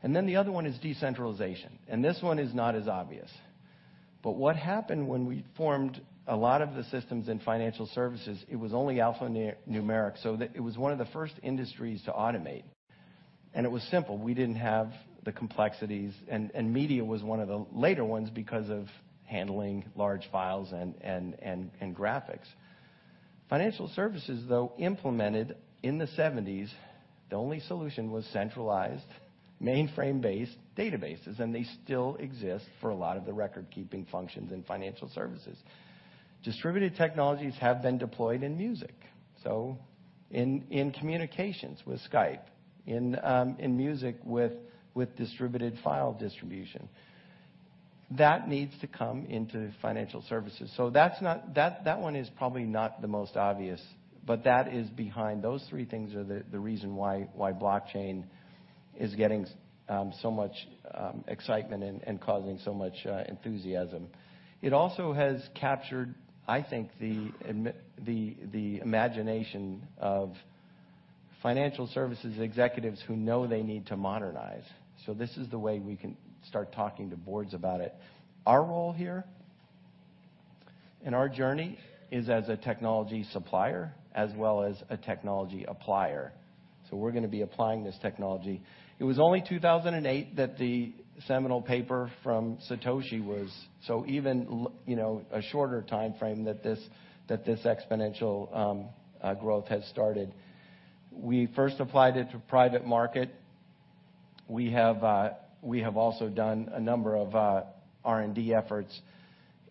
Then the other one is decentralization, and this one is not as obvious. What happened when we formed a lot of the systems in financial services, it was only alphanumeric. It was one of the first industries to automate. It was simple. We didn't have the complexities, and media was one of the later ones because of handling large files and graphics. Financial services, though, implemented in the 1970s, the only solution was centralized, mainframe-based databases, and they still exist for a lot of the record-keeping functions in financial services. Distributed technologies have been deployed in music. In communications with Skype, in music with distributed file distribution. That needs to come into financial services. That one is probably not the most obvious. Those three things are the reason why blockchain is getting so much excitement and causing so much enthusiasm. It also has captured, I think, the imagination of financial services executives who know they need to modernize. This is the way we can start talking to boards about it. Our role here in our journey is as a technology supplier as well as a technology applier. We're going to be applying this technology. It was only 2008 that the seminal paper from Satoshi was, so even a shorter timeframe that this exponential growth has started. We first applied it to private market. We have also done a number of R&D efforts,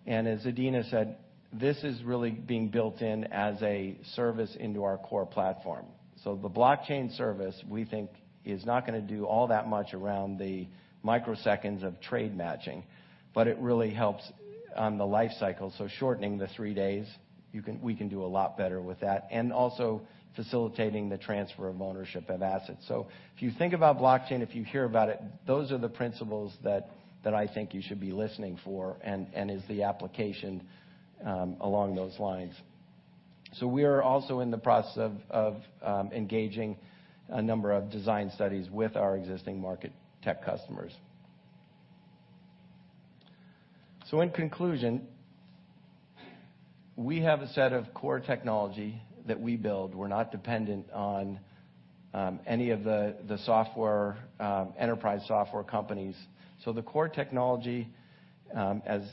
and as Adena said, this is really being built in as a service into our core platform. The blockchain service, we think, is not going to do all that much around the microseconds of trade matching, but it really helps on the life cycle. Shortening the three days, we can do a lot better with that, and also facilitating the transfer of ownership of assets. If you think about blockchain, if you hear about it, those are the principles that I think you should be listening for and is the application along those lines. We are also in the process of engaging a number of design studies with our existing Market Technology customers. In conclusion, we have a set of core technology that we build. We're not dependent on any of the enterprise software companies. The core technology, as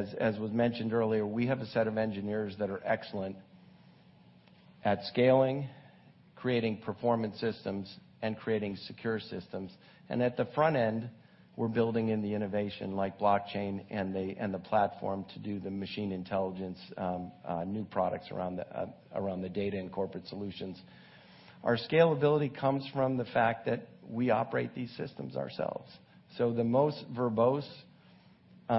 was mentioned earlier, we have a set of engineers that are excellent at scaling, creating performance systems, and creating secure systems. At the front end, we're building in the innovation like blockchain and the platform to do the machine intelligence, new products around the data and Corporate Solutions. Our scalability comes from the fact that we operate these systems ourselves. The most verbose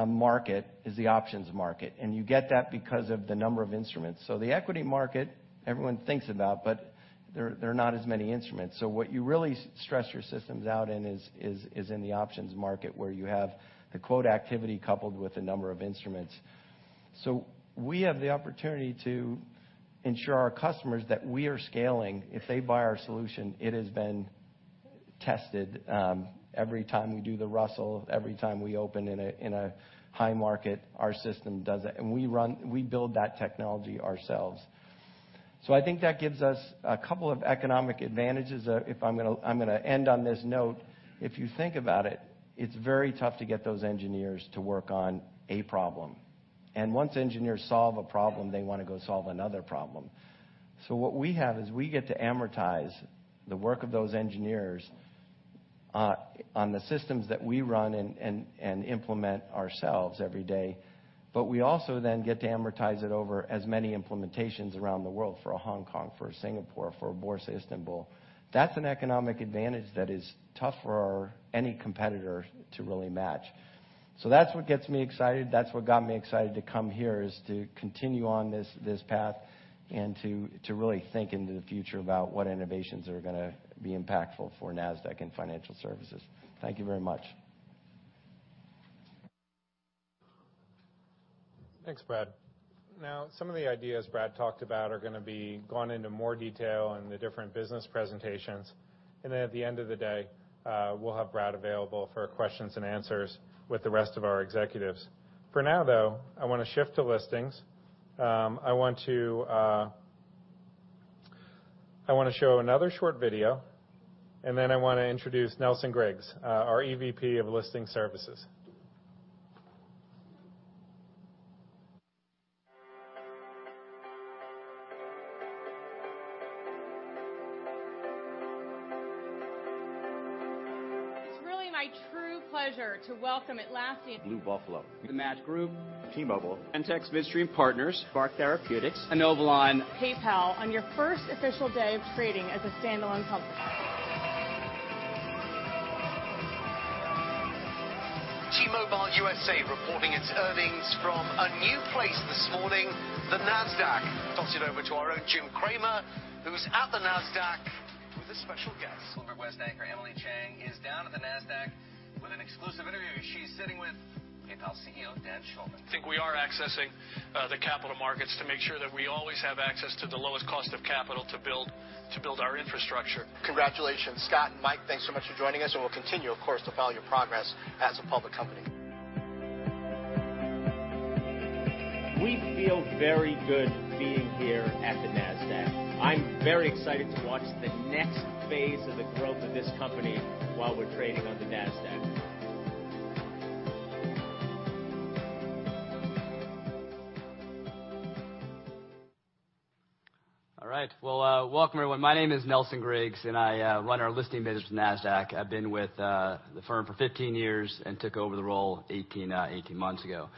market is the options market, and you get that because of the number of instruments. The equity market, everyone thinks about, but there are not as many instruments. What you really stress your systems out in is in the options market, where you have the quote activity coupled with the number of instruments. We have the opportunity to ensure our customers that we are scaling. If they buy our solution, it has been tested. Every time we do the Russell, every time we open in a high market, our system does it. We build that technology ourselves. I think that gives us a couple of economic advantages. I'm going to end on this note. If you think about it's very tough to get those engineers to work on a problem. Once engineers solve a problem, they want to go solve another problem. What we have is we get to amortize the work of those engineers on the systems that we run and implement ourselves every day. We also then get to amortize it over as many implementations around the world for a Hong Kong, for a Singapore, for a Borsa İstanbul. That's an economic advantage that is tough for any competitor to really match. That's what gets me excited. That's what got me excited to come here, is to continue on this path and to really think into the future about what innovations are going to be impactful for Nasdaq and financial services. Thank you very much. Thanks, Brad. Some of the ideas Brad talked about are going to be gone into more detail in the different business presentations. At the end of the day, we'll have Brad available for questions and answers with the rest of our executives. For now, though, I want to shift to listings. I want to show another short video, and then I want to introduce Nelson Griggs, our EVP of Listing Services. It's really my true pleasure to welcome at last. Blue Buffalo. The Match Group. T-Mobile. Crestwood Midstream Partners. Barx Therapeutics. Inovalon. PayPal, on your first official day of trading as a standalone company. T-Mobile US reporting its earnings from a new place this morning, the Nasdaq. Toss it over to our own Jim Cramer, who's at the Nasdaq with a special guest. Silver West anchor Emily Chang is down at the Nasdaq with an exclusive interview. She's sitting with PayPal CEO, Dan Schulman. I think we are accessing the capital markets to make sure that we always have access to the lowest cost of capital to build our infrastructure. Congratulations. Scott and Mike, thanks so much for joining us. We'll continue, of course, to follow your progress as a public company. We feel very good being here at Nasdaq. I'm very excited to watch the next phase of the growth of this company while we're trading on Nasdaq. All right. Well, welcome everyone. My name is Nelson Griggs, and I run our listing business at Nasdaq. I've been with the firm for 15 years and took over the role 18 months ago.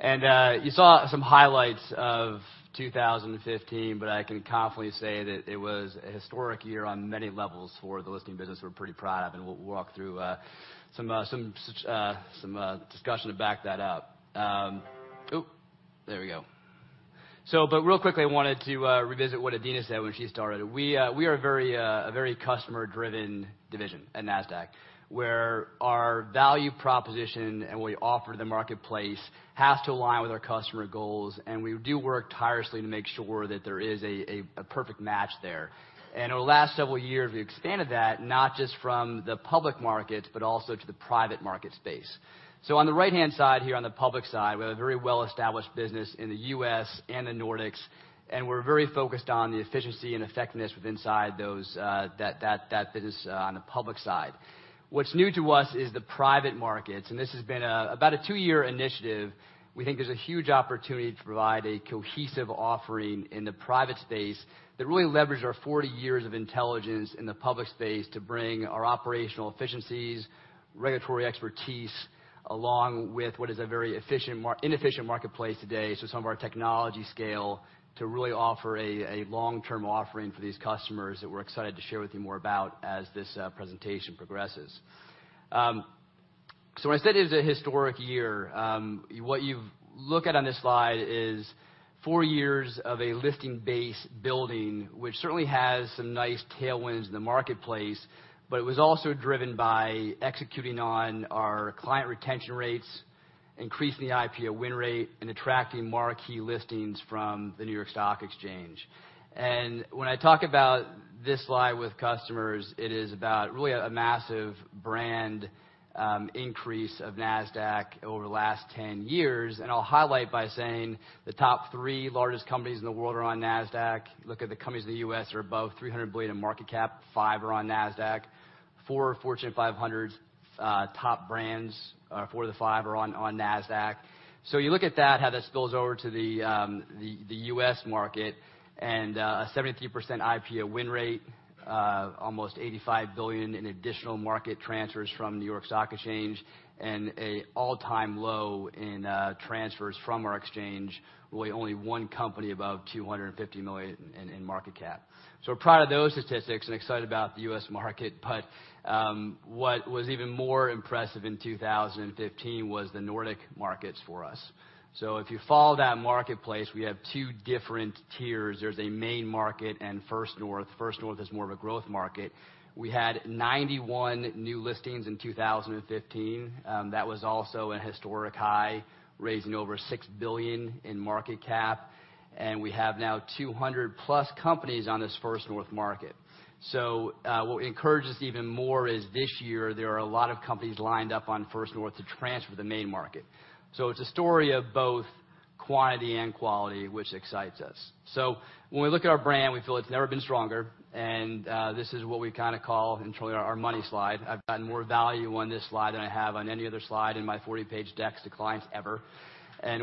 You saw some highlights of 2015. I can confidently say that it was a historic year on many levels for the listing business we're pretty proud of. We'll walk through some discussion to back that up. Ooh, there we go. Real quickly, I wanted to revisit what Adena said when she started. We are a very customer-driven division at Nasdaq, where our value proposition and what we offer the marketplace has to align with our customer goals, and we do work tirelessly to make sure that there is a perfect match there. Over the last several years, we expanded that, not just from the public market, but also to the private market space. On the right-hand side here, on the public side, we have a very well-established business in the U.S. and the Nordics, and we're very focused on the efficiency and effectiveness inside that business on the public side. What's new to us is the private markets, and this has been about a two-year initiative. We think there's a huge opportunity to provide a cohesive offering in the private space that really leverages our 40 years of intelligence in the public space to bring our operational efficiencies, regulatory expertise, along with what is a very inefficient marketplace today. Some of our technology scale to really offer a long-term offering for these customers that we're excited to share with you more about as this presentation progresses. When I said it was a historic year, what you look at on this slide is four years of a listing base building, which certainly has some nice tailwinds in the marketplace, but it was also driven by executing on our client retention rates, increasing the IPO win rate, and attracting more key listings from the New York Stock Exchange. When I talk about this slide with customers, it is about really a massive brand increase of Nasdaq over the last 10 years. I'll highlight by saying the top three largest companies in the world are on Nasdaq. Look at the companies in the U.S. that are above $300 billion in market cap, five are on Nasdaq. Four Fortune 500 top brands, four of the five are on Nasdaq. You look at that, how that spills over to the U.S. market, a 73% IPO win rate, almost $85 billion in additional market transfers from New York Stock Exchange, an all-time low in transfers from our exchange, with only one company above $250 million in market cap. We're proud of those statistics and excited about the U.S. market. What was even more impressive in 2015 was the Nordic markets for us. If you follow that marketplace, we have two different tiers. There's a main market and First North. First North is more of a growth market. We had 91 new listings in 2015. That was also a historic high, raising over $6 billion in market cap. We have now 200+ companies on this First North market. What encourages even more is this year there are a lot of companies lined up on First North to transfer to the main market. It's a story of both quantity and quality, which excites us. When we look at our brand, we feel it's never been stronger, this is what we call internally our money slide. I've gotten more value on this slide than I have on any other slide in my 40-page decks to clients ever.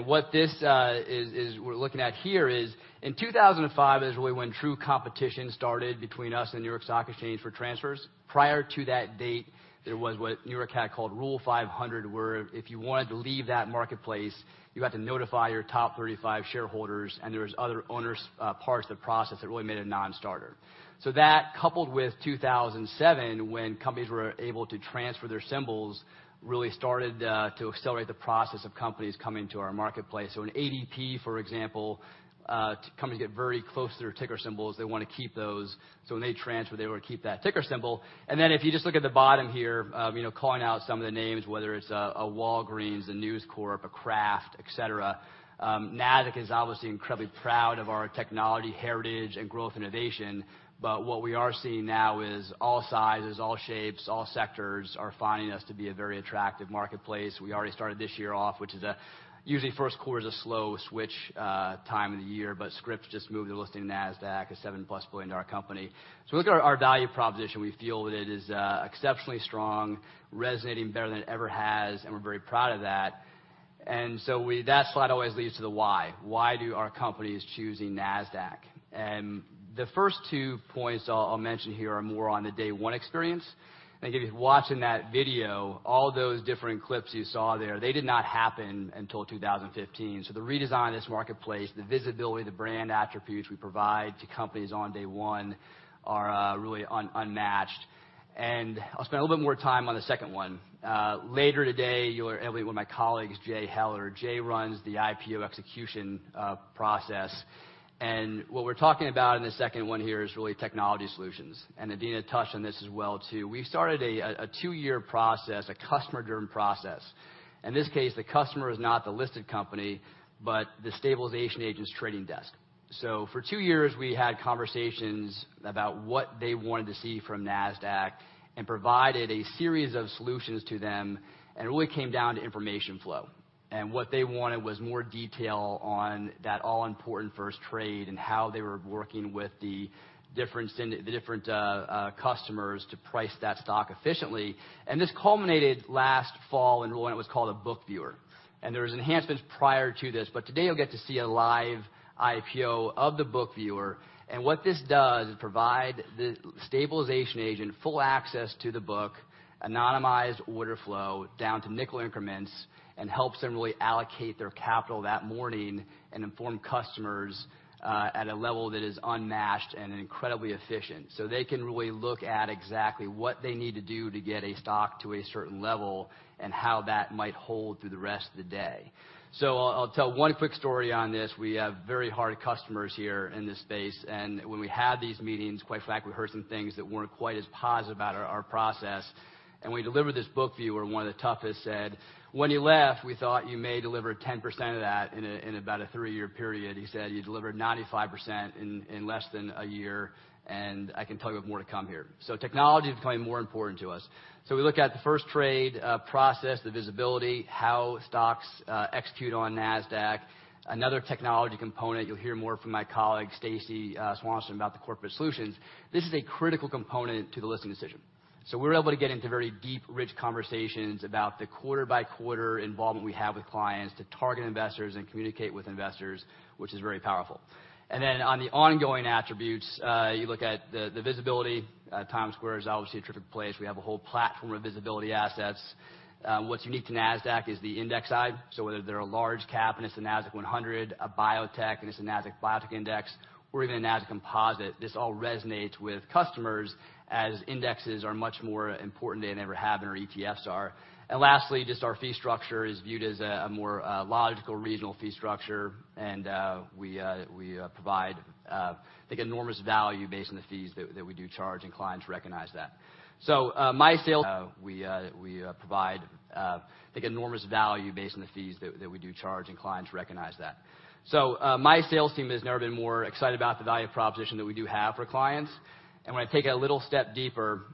What we're looking at here is, in 2005 is really when true competition started between us and New York Stock Exchange for transfers. Prior to that date, there was what New York had called Rule 500, where if you wanted to leave that marketplace, you had to notify your top 35 shareholders, there was other parts of the process that really made it a non-starter. That, coupled with 2007, when companies were able to transfer their symbols, really started to accelerate the process of companies coming to our marketplace. An Automatic Data Processing, for example, companies get very close to their ticker symbols. They want to keep those. When they transfer, they want to keep that ticker symbol. Then if you just look at the bottom here, calling out some of the names, whether it's a Walgreens, a News Corp, a Kraft, et cetera. Nasdaq is obviously incredibly proud of our technology heritage and growth innovation. What we are seeing now is all sizes, all shapes, all sectors are finding us to be a very attractive marketplace. We already started this year off, which is usually first quarter is a slow switch time of the year, The E.W. Scripps Company just moved their listing to Nasdaq, a $7-plus billion company. When we look at our value proposition, we feel that it is exceptionally strong, resonating better than it ever has, and we're very proud of that. That slide always leads to the why. Why do our companies choose Nasdaq? The first two points I'll mention here are more on the day one experience. If you watch in that video, all those different clips you saw there, they did not happen until 2015. The redesign of this marketplace, the visibility, the brand attributes we provide to companies on day one are really unmatched. I'll spend a little bit more time on the second one. Later today, you'll hear one of my colleagues, Jay Heller. Jay runs the IPO execution process. What we're talking about in the second one here is really technology solutions. Adena touched on this as well too. We started a two-year process, a customer-driven process. In this case, the customer is not the listed company, but the stabilization agent's trading desk. For two years, we had conversations about what they wanted to see from Nasdaq and provided a series of solutions to them, and it really came down to information flow. What they wanted was more detail on that all-important first trade and how they were working with the different customers to price that stock efficiently. This culminated last fall in what was called a BookViewer. There was enhancements prior to this, but today you'll get to see a live IPO of the BookViewer. What this does is provide the stabilization agent full access to the book, anonymized order flow down to nickel increments, and helps them really allocate their capital that morning and inform customers at a level that is unmatched and incredibly efficient. They can really look at exactly what they need to do to get a stock to a certain level and how that might hold through the rest of the day. I'll tell one quick story on this. We have very hard customers here in this space, and when we had these meetings, quite frankly, we heard some things that weren't quite as positive about our process. When we delivered this BookViewer, one of the toughest said, "When you left, we thought you may deliver 10% of that in about a three-year period." He said, "You delivered 95% in less than a year, and I can tell you have more to come here." Technology is becoming more important to us. We look at the first trade process, the visibility, how stocks execute on Nasdaq. Another technology component, you will hear more from my colleague Stacie Swanstrom about the corporate solutions. This is a critical component to the listing decision. We are able to get into very deep, rich conversations about the quarter by quarter involvement we have with clients to target investors and communicate with investors, which is very powerful. Then on the ongoing attributes, you look at the visibility. Times Square is obviously a terrific place. We have a whole platform of visibility assets. What is unique to Nasdaq is the index side. Whether they are a large cap and it is a Nasdaq-100, a biotech, and it is a Nasdaq Biotechnology Index, or even a Nasdaq Composite, this all resonates with customers as indexes are much more important than they ever have than our ETFs are. Lastly, just our fee structure is viewed as a more logical, regional fee structure. We provide, I think, enormous value based on the fees that we do charge, and clients recognize that. My sales team has never been more excited about the value proposition that we do have for clients. When I take it a little step deeper,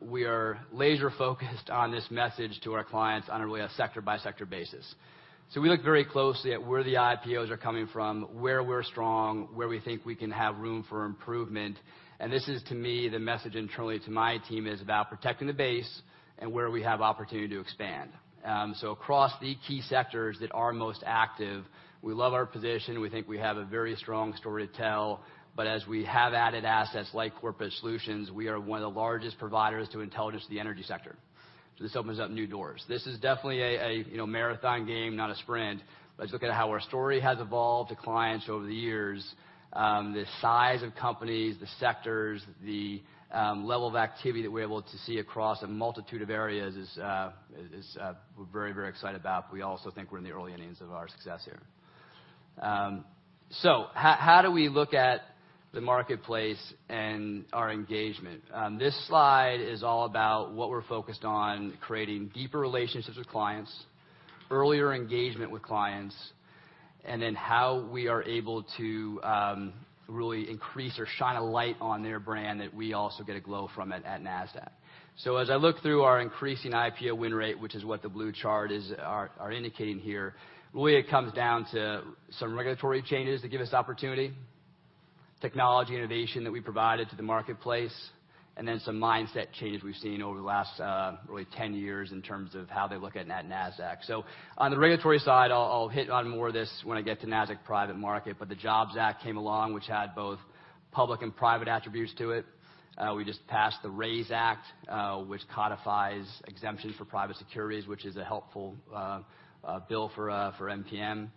we are laser focused on this message to our clients on really a sector-by-sector basis. We look very closely at where the IPOs are coming from, where we are strong, where we think we can have room for improvement. This is to me, the message internally to my team is about protecting the base and where we have opportunity to expand. Across the key sectors that are most active, we love our position. We think we have a very strong story to tell, but as we have added assets like Corporate Solutions, we are one of the largest providers to intelligence in the energy sector. This opens up new doors. This is definitely a marathon game, not a sprint, but just look at how our story has evolved to clients over the years. The size of companies, the sectors, the level of activity that we are able to see across a multitude of areas is, we are very excited about, but we also think we are in the early innings of our success here. How do we look at the marketplace and our engagement? This slide is all about what we are focused on, creating deeper relationships with clients, earlier engagement with clients, then how we are able to really increase or shine a light on their brand that we also get a glow from at Nasdaq. As I look through our increasing IPO win rate, which is what the blue chart is indicating here, really it comes down to some regulatory changes that give us opportunity, technology innovation that we provided to the marketplace, and then some mindset changes we've seen over the last really 10 years in terms of how they look at Nasdaq. On the regulatory side, I'll hit on more of this when I get to Nasdaq Private Market, but the JOBS Act came along, which had both public and private attributes to it. We just passed the RAISE Act, which codifies exemptions for private securities, which is a helpful bill for NPM.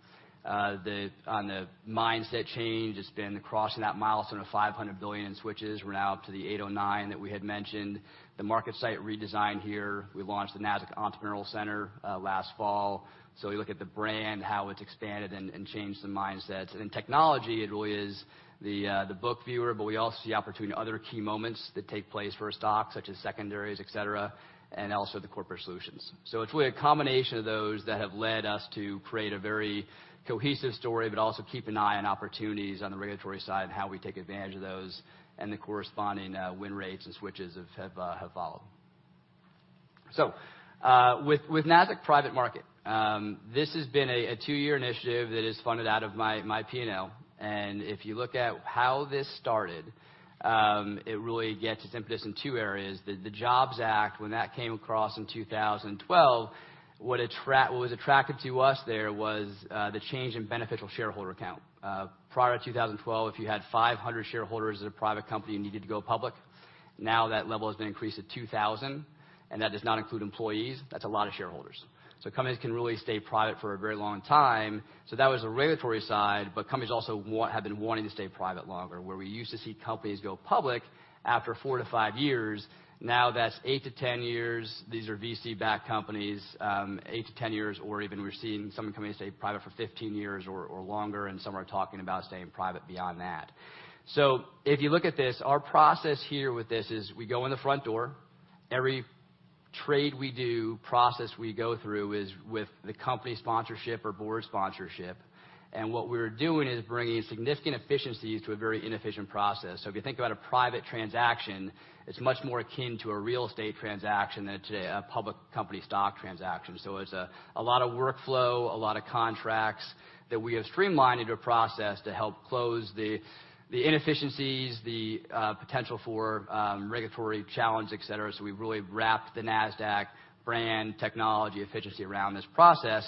On the mindset change, it's been crossing that milestone of $500 billion in switches. We're now up to the $809 that we had mentioned. The MarketSite redesign here. We launched the Nasdaq Entrepreneurial Center last fall. We look at the brand, how it's expanded and changed the mindsets. In technology, it really is the BookViewer, but we also see opportunity in other key moments that take place for a stock, such as secondaries, et cetera, and also the Corporate Solutions. It's really a combination of those that have led us to create a very cohesive story, but also keep an eye on opportunities on the regulatory side and how we take advantage of those, and the corresponding win rates and switches have followed. With Nasdaq Private Market, this has been a two-year initiative that is funded out of my P&L. If you look at how this started, it really gets its impetus in two areas. The JOBS Act, when that came across in 2012, what was attractive to us there was the change in beneficial shareholder count. Prior to 2012, if you had 500 shareholders as a private company and needed to go public, now that level has been increased to 2,000, and that does not include employees. That's a lot of shareholders. Companies can really stay private for a very long time. That was the regulatory side, but companies also have been wanting to stay private longer. Where we used to see companies go public after four to five years, now that's 8 to 10 years. These are VC-backed companies, 8 to 10 years, or even we're seeing some companies stay private for 15 years or longer, and some are talking about staying private beyond that. If you look at this, our process here with this is we go in the front door. Every trade we do, process we go through is with the company sponsorship or board sponsorship. What we're doing is bringing significant efficiencies to a very inefficient process. If you think about a private transaction, it's much more akin to a real estate transaction than it is to a public company stock transaction. It's a lot of workflow, a lot of contracts that we have streamlined into a process to help close the inefficiencies, the potential for regulatory challenge, et cetera. We've really wrapped the Nasdaq brand technology efficiency around this process.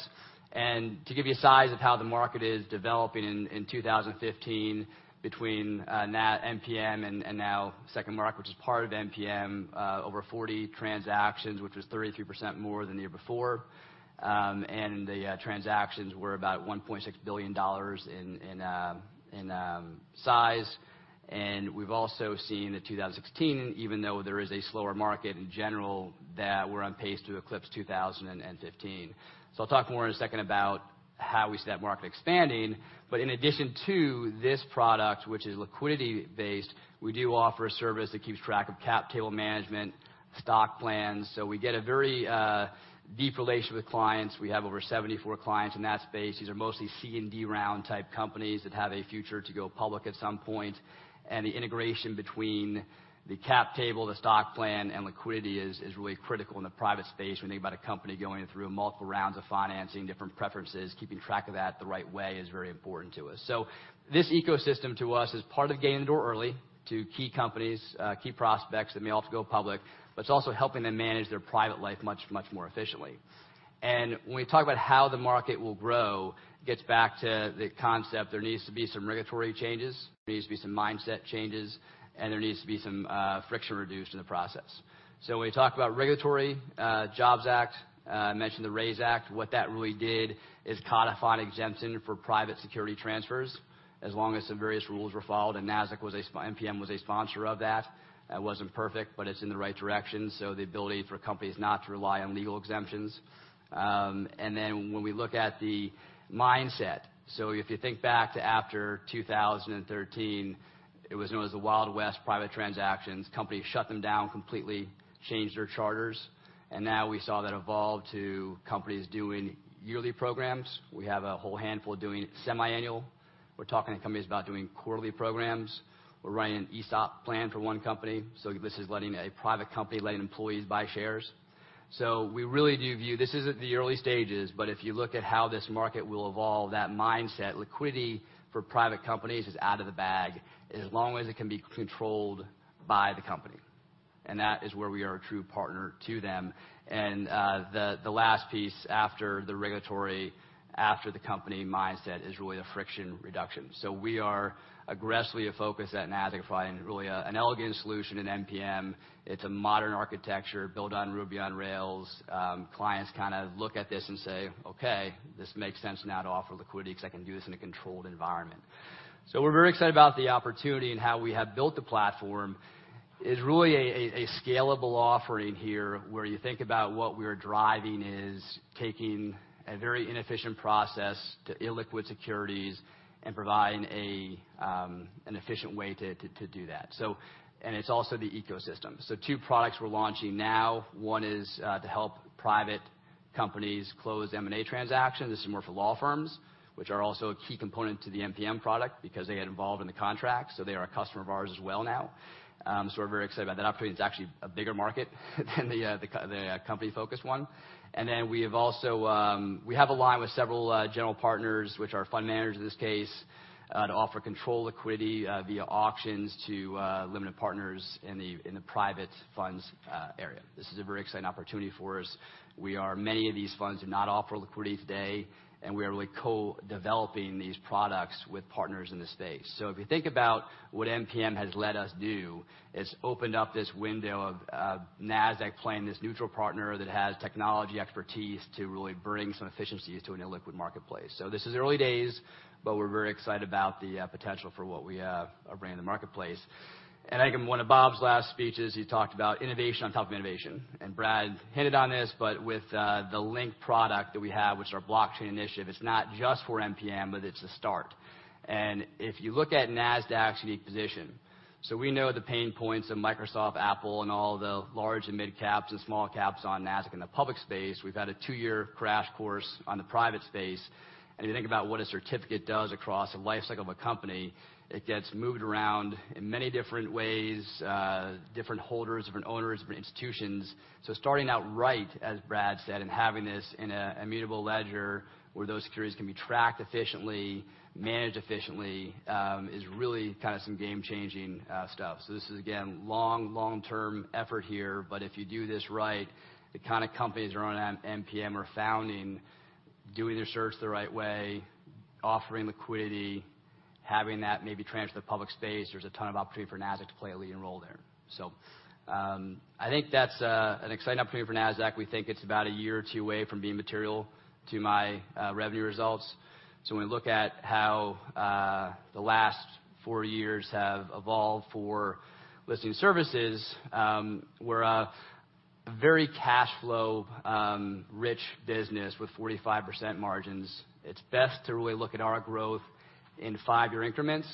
To give you a size of how the market is developing in 2015 between NPM and now SecondMarket, which is part of NPM, over 40 transactions, which was 33% more than the year before. The transactions were about $1.6 billion in size. We've also seen that 2016, even though there is a slower market in general, that we're on pace to eclipse 2015. I'll talk more in a second about how we see that market expanding. In addition to this product, which is liquidity based, we do offer a service that keeps track of cap table management, stock plans. We get a very deep relationship with clients. We have over 74 clients in that space. These are mostly C and D round type companies that have a future to go public at some point. The integration between the cap table, the stock plan, and liquidity is really critical in the private space when you think about a company going through multiple rounds of financing, different preferences, keeping track of that the right way is very important to us. This ecosystem to us is part of getting in the door early to key companies, key prospects that may also go public, but it's also helping them manage their private life much more efficiently. When we talk about how the market will grow, it gets back to the concept there needs to be some regulatory changes, there needs to be some mindset changes, and there needs to be some friction reduced in the process. When we talk about regulatory, JOBS Act, I mentioned the RAISE Act. What that really did is codify an exemption for private security transfers, as long as some various rules were followed, and NPM was a sponsor of that. That wasn't perfect, but it's in the right direction, the ability for companies not to rely on legal exemptions. Then when we look at the mindset, if you think back to after 2013, it was known as the Wild West private transactions. Companies shut them down completely, changed their charters, and now we saw that evolve to companies doing yearly programs. We have a whole handful doing semi-annual. We're talking to companies about doing quarterly programs. We're running an ESOP plan for one company. This is letting a private company letting employees buy shares. We really do view this is at the early stages, but if you look at how this market will evolve, that mindset, liquidity for private companies is out of the bag, as long as it can be controlled by the company. That is where we are a true partner to them. The last piece, after the regulatory, after the company mindset, is really the friction reduction. We are aggressively focused at Nasdaq, finding really an elegant solution in NPM. It's a modern architecture built on Ruby on Rails. Clients look at this and say, "Okay, this makes sense now to offer liquidity because I can do this in a controlled environment." We're very excited about the opportunity and how we have built the platform. It's really a scalable offering here, where you think about what we're driving is taking a very inefficient process to illiquid securities and providing an efficient way to do that. It's also the ecosystem. Two products we're launching now. One is to help private companies close M&A transactions. This is more for law firms, which are also a key component to the NPM product because they get involved in the contracts, they are a customer of ours as well now. We're very excited about that opportunity. It's actually a bigger market than the company-focused one. We have aligned with several general partners, which are fund managers in this case, to offer controlled liquidity via auctions to limited partners in the private funds area. This is a very exciting opportunity for us. Many of these funds do not offer liquidity today, and we are really co-developing these products with partners in the space. If you think about what NPM has let us do, it's opened up this window of Nasdaq playing this neutral partner that has technology expertise to really bring some efficiencies to an illiquid marketplace. This is early days, but we're very excited about the potential for what we have bringing to the marketplace. I think in one of Bob's last speeches, he talked about innovation on top of innovation. Brad hinted on this, but with the Linq product that we have, which is our blockchain initiative, it's not just for NPM, but it's a start. If you look at Nasdaq's unique position, we know the pain points of Microsoft, Apple, and all the large and mid caps and small caps on Nasdaq in the public space. We've had a 2-year crash course on the private space. If you think about what a certificate does across the lifecycle of a company, it gets moved around in many different ways, different holders, different owners, different institutions. Starting out right, as Brad said, and having this in an immutable ledger where those securities can be tracked efficiently, managed efficiently, is really some game-changing stuff. This is, again, long, long-term effort here, but if you do this right, the kind of companies that are on MPM are founding, doing their certs the right way, offering liquidity, having that maybe transfer to the public space. There's a ton of opportunity for Nasdaq to play a leading role there. I think that's an exciting opportunity for Nasdaq. We think it's about a year or two away from being material to my revenue results. When we look at how the last four years have evolved for listing services, we're a very cash flow rich business with 45% margins. It's best to really look at our growth in five-year increments.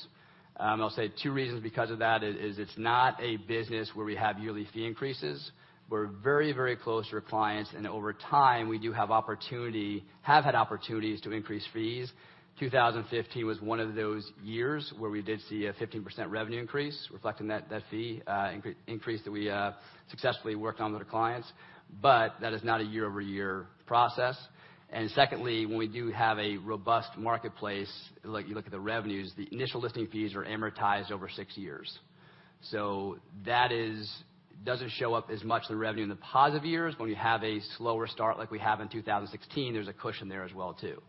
I'll say two reasons because of that is it's not a business where we have yearly fee increases. We're very, very close to our clients, and over time, we do have had opportunities to increase fees. 2015 was one of those years where we did see a 15% revenue increase reflecting that fee increase that we successfully worked on with our clients. That is not a year-over-year process. Secondly, when we do have a robust marketplace, like you look at the revenues, the initial listing fees are amortized over six years. That doesn't show up as much of the revenue in the positive years. When we have a slower start like we have in 2016, there's a cushion there as well, too.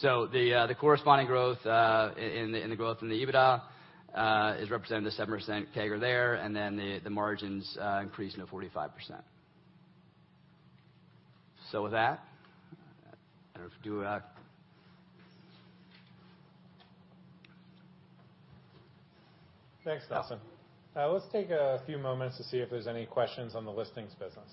The corresponding growth in the EBITDA is represented at 7% CAGR there, and then the margins increasing to 45%. With that, I don't know if do. Thanks, Nelson. Let's take a few moments to see if there's any questions on the listings business.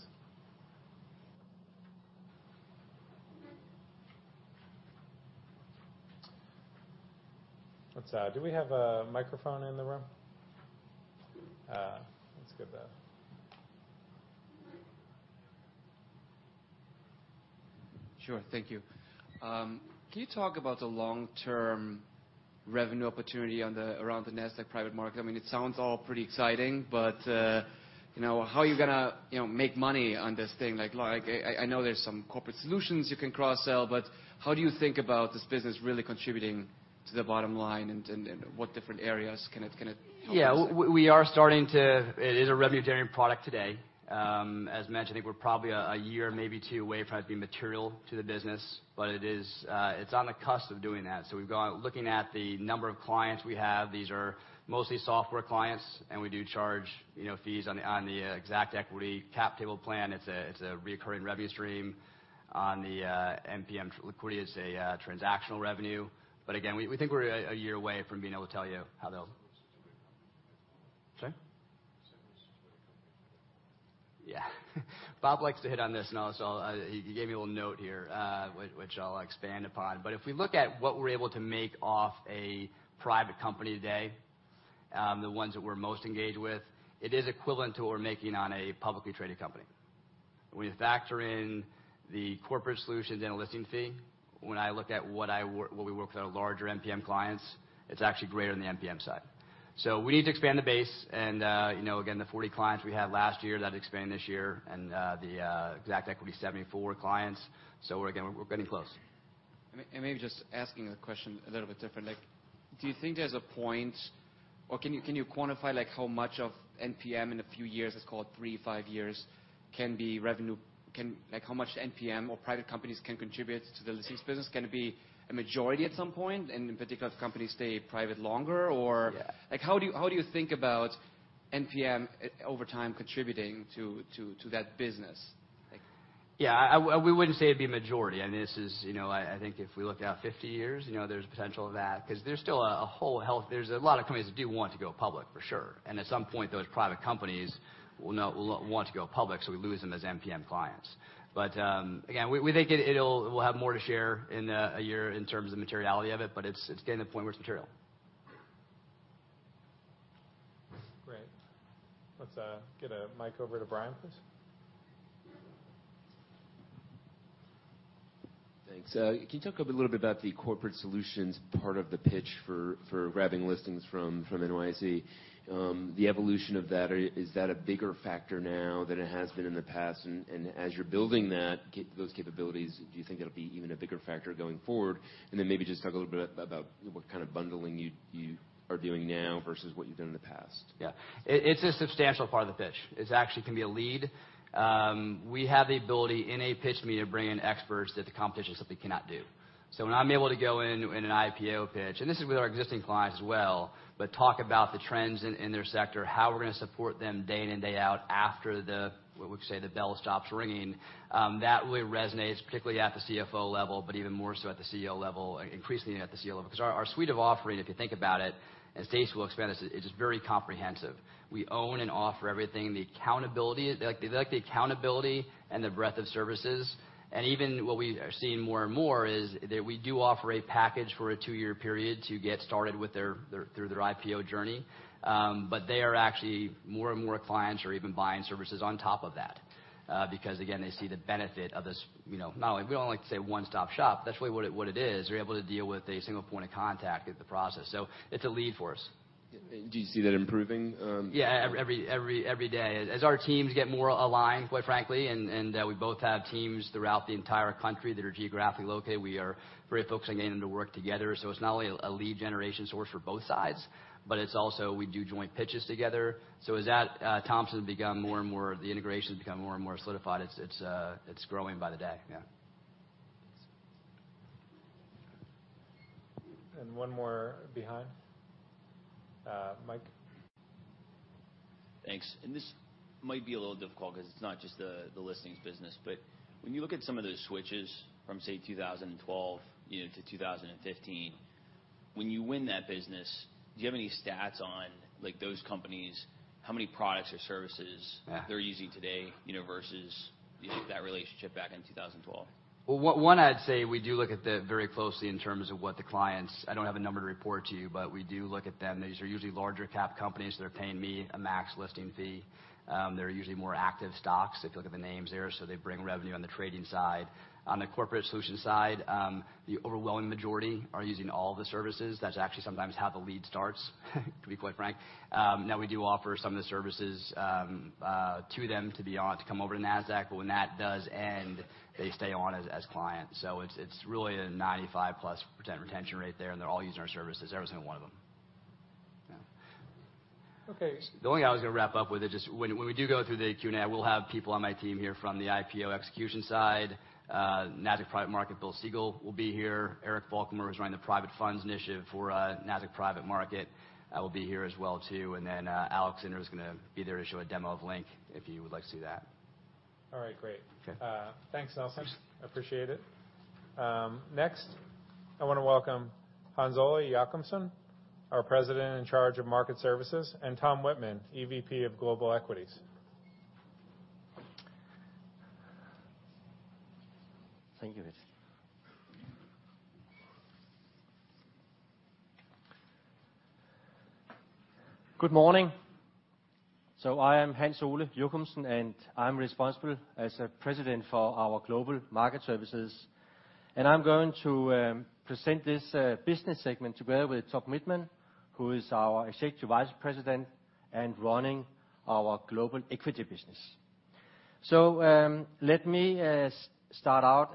Let's do it. Do we have a microphone in the room? Let's get that. Sure. Thank you. Can you talk about the long-term revenue opportunity around the Nasdaq Private Market? It sounds all pretty exciting. How are you going to make money on this thing? I know there's some corporate solutions you can cross-sell. How do you think about this business really contributing to the bottom line, and what different areas can it focus on? Yeah. It is a revenue-generating product today. As mentioned, I think we're probably a year, maybe two, away from it being material to the business. It's on the cusp of doing that. We've gone looking at the number of clients we have. These are mostly software clients, and we do charge fees on the exact equity cap table plan. It's a reoccurring revenue stream. On the MPM liquidity, it's a transactional revenue. Again, we think we're a year away from being able to tell you how they'll Sorry? Yeah. Bob likes to hit on this, and he gave me a little note here, which I'll expand upon. If we look at what we're able to make off a private company today, the ones that we're most engaged with, it is equivalent to what we're making on a publicly traded company. When you factor in the corporate solutions and the listing fee. When I look at what we work with our larger NPM clients, it's actually greater than the NPM side. We need to expand the base and, again, the 40 clients we had last year, that expanded this year, and the exact equity, 74 clients. Again, we're getting close. Maybe just asking the question a little bit different. Do you think there's a point or can you quantify how much of NPM in a few years, let's call it three to five years, like how much NPM or private companies can contribute to the listings business? Can it be a majority at some point? In particular, if the companies stay private longer or Yeah How do you think about NPM over time contributing to that business? We wouldn't say it'd be a majority. I think if we looked out 50 years, there's a potential of that because there's still a lot of companies that do want to go public, for sure. At some point, those private companies will want to go public, so we lose them as NPM clients. Again, we think we'll have more to share in a year in terms of materiality of it, but it's getting to the point where it's material. Great. Let's get a mic over to Brian, please. Thanks. Can you talk a little bit about the corporate solutions part of the pitch for grabbing listings from NYSE? The evolution of that, is that a bigger factor now than it has been in the past? As you're building those capabilities, do you think it'll be even a bigger factor going forward? Then maybe just talk a little bit about what kind of bundling you are doing now versus what you've done in the past. Yeah. It's a substantial part of the pitch. It actually can be a lead. We have the ability in a pitch meeting to bring in experts that the competition simply cannot do. When I'm able to go in in an IPO pitch, and this is with our existing clients as well, but talk about the trends in their sector, how we're going to support them day in and day out after the, what we say, the bell stops ringing. That really resonates, particularly at the CFO level, but even more so at the CEO level, increasingly at the CEO level. Our suite of offering, if you think about it, and Stacie will expand this, it is very comprehensive. We own and offer everything. They like the accountability and the breadth of services. Even what we are seeing more and more is that we do offer a package for a two-year period to get started with through their IPO journey. They are actually more and more clients are even buying services on top of that. Again, they see the benefit of this, not only we all like to say one-stop shop, but that's really what it is. We're able to deal with a single point of contact with the process. It's a lead for us. Do you see that improving? Yeah, every day. As our teams get more aligned, quite frankly, and that we both have teams throughout the entire country that are geographically located, we are very focused on getting them to work together. It's not only a lead generation source for both sides, but it's also we do joint pitches together. As that, Thomson become more and more, the integration's become more and more solidified. It's growing by the day. Yeah. One more behind. Mike. Thanks. This might be a little difficult because it's not just the listings business, but when you look at some of the switches from, say, 2012 to 2015, when you win that business, do you have any stats on those companies, how many products or services- Yeah they're using today, versus that relationship back in 2012? One, I'd say we do look at them very closely in terms of what the clients. I don't have a number to report to you, but we do look at them. These are usually larger cap companies that are paying me a max listing fee. They're usually more active stocks if you look at the names there, so they bring revenue on the trading side. On the Corporate Solutions side, the overwhelming majority are using all the services. That's actually sometimes how the lead starts, to be quite frank. We do offer some of the services to them to come over to Nasdaq, but when that does end, they stay on as clients. It's really a 95%+ retention rate there, and they're all using our services, every single one of them. Yeah. Okay. The only thing I was going to wrap up with is just when we do go through the Q&A, we'll have people on my team here from the IPO Execution side, Nasdaq Private Market, Bill Siegel will be here. Eric Folkemer, who's running the private funds initiative for Nasdaq Private Market, will be here as well too. Alex Zinder is going to be there to show a demo of Linq if you would like to see that. All right, great. Okay. Thanks, Nelson. Appreciate it. I want to welcome Hans-Ole Jochumsen, our President in charge of Market Services, and Tom Wittman, EVP of Global Equities. Thank you. Good morning. I am Hans-Ole Jochumsen, and I am responsible as a President for our global market services. I am going to present this business segment together with Tom Wittman, who is our Executive Vice President and running our global equity business. Let me start out,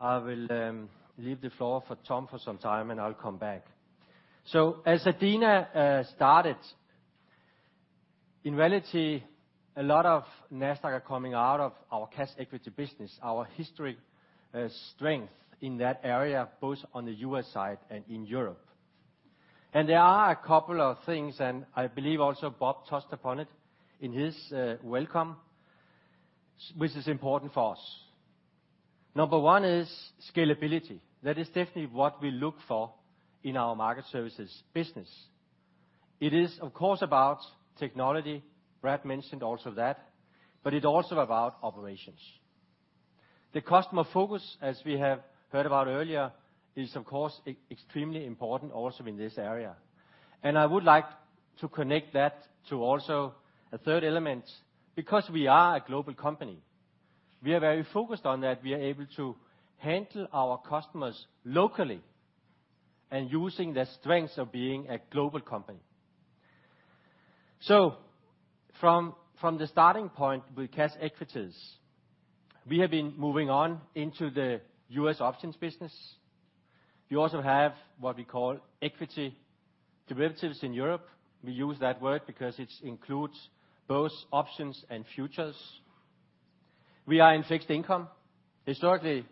I will leave the floor for Tom for some time, I will come back. As Adena started, in reality, a lot of Nasdaq are coming out of our cash equity business, our history strength in that area, both on the U.S. side and in Europe. There are a couple of things, I believe also Bob touched upon it in his welcome, which is important for us. Number one is scalability. That is definitely what we look for in our market services business. It is, of course, about technology. Brad mentioned also that. It is also about operations. The customer focus, as we have heard about earlier, is, of course, extremely important also in this area. I would like to connect that to also a third element, because we are a global company. We are very focused on that. We are able to handle our customers locally and using the strengths of being a global company. From the starting point with cash equities, we have been moving on into the U.S. options business. We also have what we call equity derivatives in Europe. We use that word because it includes both options and futures. We are in fixed income. Historically,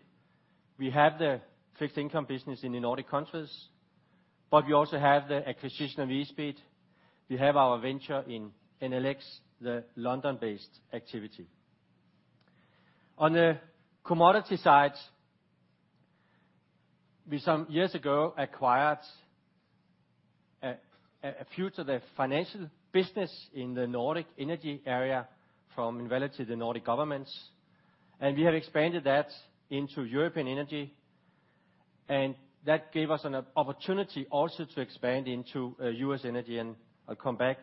we have the fixed income business in the Nordic countries, but we also have the acquisition of eSpeed. We have our venture in NLX, the London-based activity. On the commodity side, we some years ago acquired a future, the financial business in the Nordic energy area from Nord Pool, the Nordic governments. We have expanded that into European energy, that gave us an opportunity also to expand into U.S. energy, I will come back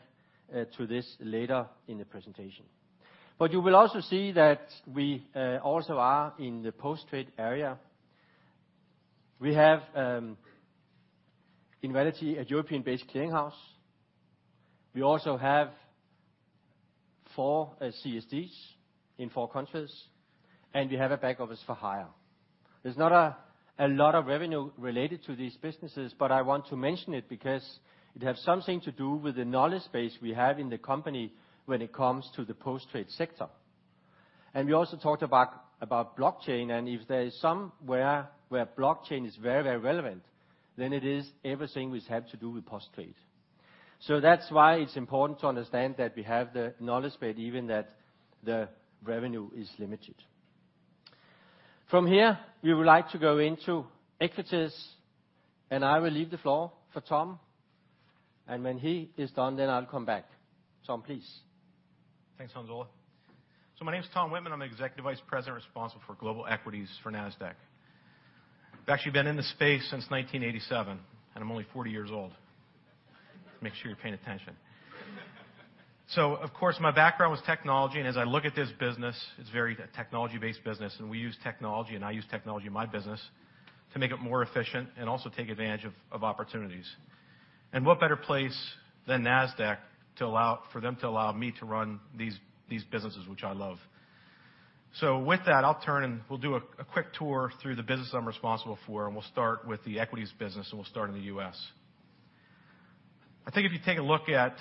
to this later in the presentation. You will also see that we also are in the post-trade area. We have, Nord Pool, a European-based clearinghouse. We also have four CSDs in four countries, and we have a back office for hire. There is not a lot of revenue related to these businesses, but I want to mention it because it has something to do with the knowledge base we have in the company when it comes to the post-trade sector. We also talked about blockchain, if there is somewhere where blockchain is very relevant, then it is everything which have to do with post-trade. That is why it is important to understand that we have the knowledge base, even that the revenue is limited. From here, we would like to go into equities, when he is done, I will come back. Tom, please. Thanks, Hans-Ole. My name's Tom Wittman. I'm the Executive Vice President responsible for global equities for Nasdaq. I've actually been in this space since 1987, and I'm only 40 years old. Make sure you're paying attention. Of course, my background was technology, and as I look at this business, it's very technology-based business, and we use technology, and I use technology in my business to make it more efficient and also take advantage of opportunities. What better place than Nasdaq for them to allow me to run these businesses, which I love. With that, I'll turn and we'll do a quick tour through the business I'm responsible for, and we'll start with the equities business, and we'll start in the U.S. I think if you take a look at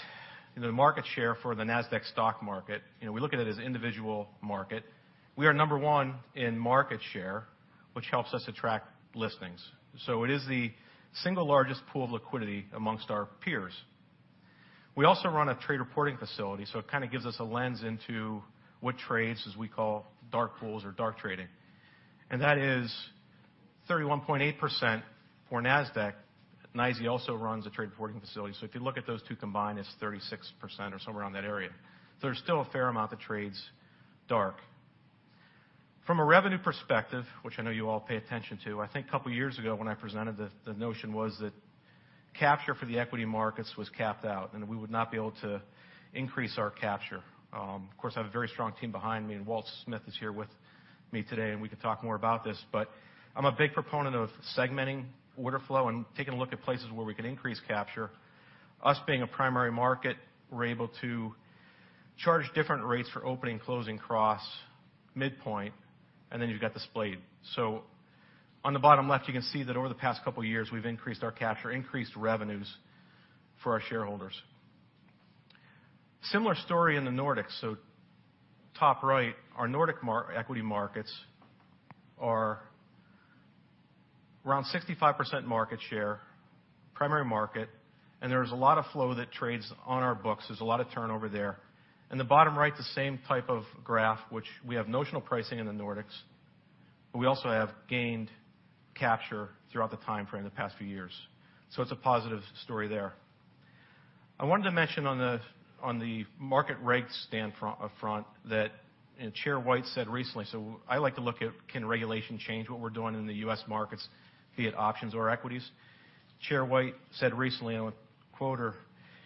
the market share for The Nasdaq Stock Market, we look at it as individual market. We are number one in market share, which helps us attract listings. It is the single largest pool of liquidity amongst our peers. We also run a trade reporting facility, so it kind of gives us a lens into what trades, as we call, dark pools or dark trading. That is 31.8% for Nasdaq. NYSE also runs a trade reporting facility. If you look at those two combined, it's 36% or somewhere around that area. There's still a fair amount that trades dark. From a revenue perspective, which I know you all pay attention to, I think a couple of years ago when I presented the notion was that capture for the equity markets was capped out, and we would not be able to increase our capture. Of course, I have a very strong team behind me, and Walt Smith is here with me today, and we can talk more about this, but I'm a big proponent of segmenting order flow and taking a look at places where we can increase capture. Us being a primary market, we're able to charge different rates for opening, closing, cross, midpoint, and then you've got the splay. On the bottom left, you can see that over the past couple of years, we've increased our capture, increased revenues for our shareholders. Similar story in the Nordics. Top right, our Nordic equity markets are around 65% market share, primary market, and there is a lot of flow that trades on our books. There's a lot of turnover there. In the bottom right, the same type of graph, which we have notional pricing in the Nordics, but we also have gained capture throughout the timeframe the past few years. It's a positive story there. I wanted to mention on the market reg stand front that Chair White said recently, I like to look at can regulation change what we're doing in the U.S. markets, be it options or equities. Chair White said recently, and I'll quote her.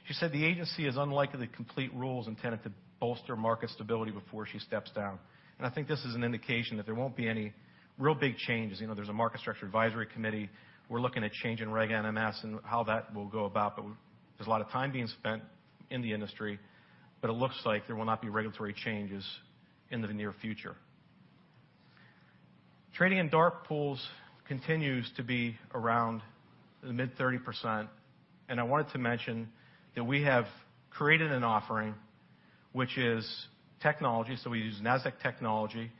She said the agency is unlikely to complete rules intended to bolster market stability before she steps down. I think this is an indication that there won't be any real big changes. There's a market structure advisory committee. We're looking at changing Reg NMS and how that will go about, but there's a lot of time being spent in the industry, but it looks like there will not be regulatory changes in the near future. Trading in dark pools continues to be around the mid-30%, and I wanted to mention that we have created an offering, which is technology. We use Nasdaq technology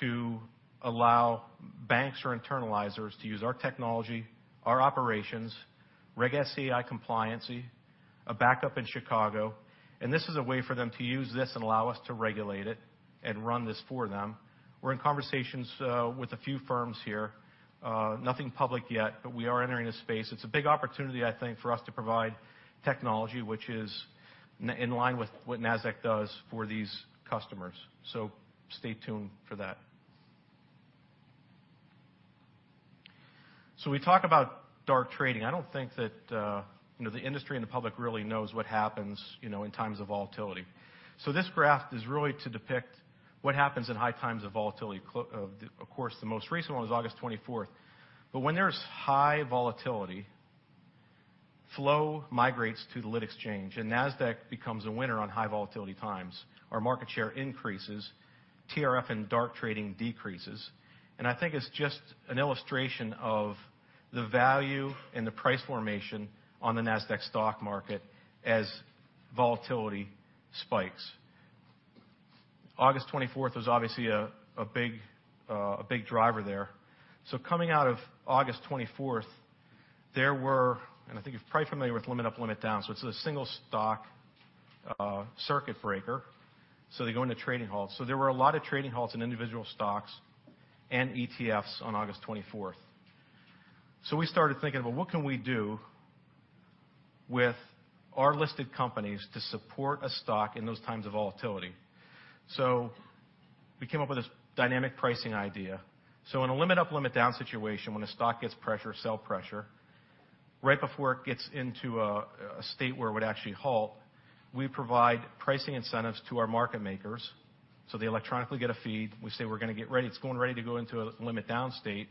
to allow banks or internalizers to use our technology, our operations, Reg SCI compliancy, a backup in Chicago. This is a way for them to use this and allow us to regulate it and run this for them. We're in conversations with a few firms here. Nothing public yet, but we are entering a space. It's a big opportunity, I think, for us to provide technology, which is in line with what Nasdaq does for these customers. Stay tuned for that. We talk about dark trading. I don't think that the industry and the public really knows what happens in times of volatility. This graph is really to depict what happens in high times of volatility. Of course, the most recent one was August 24th. When there's high volatility, flow migrates to the lit exchange, and Nasdaq becomes a winner on high volatility times. Our market share increases, TRF and dark trading decreases. I think it's just an illustration of the value and the price formation on the Nasdaq stock market as volatility spikes. August 24th was obviously a big driver there. Coming out of August 24th, there were, and I think you're probably familiar with limit up, limit down, so it's a single stock circuit breaker, so they go into trading halts. There were a lot of trading halts in individual stocks and ETFs on August 24th. We started thinking, "Well, what can we do with our listed companies to support a stock in those times of volatility?" We came up with this dynamic pricing idea. In a limit up, limit down situation, when a stock gets sell pressure, right before it gets into a state where it would actually halt, we provide pricing incentives to our market makers, so they electronically get a feed. We say, "It's getting ready to go into a limit down state,"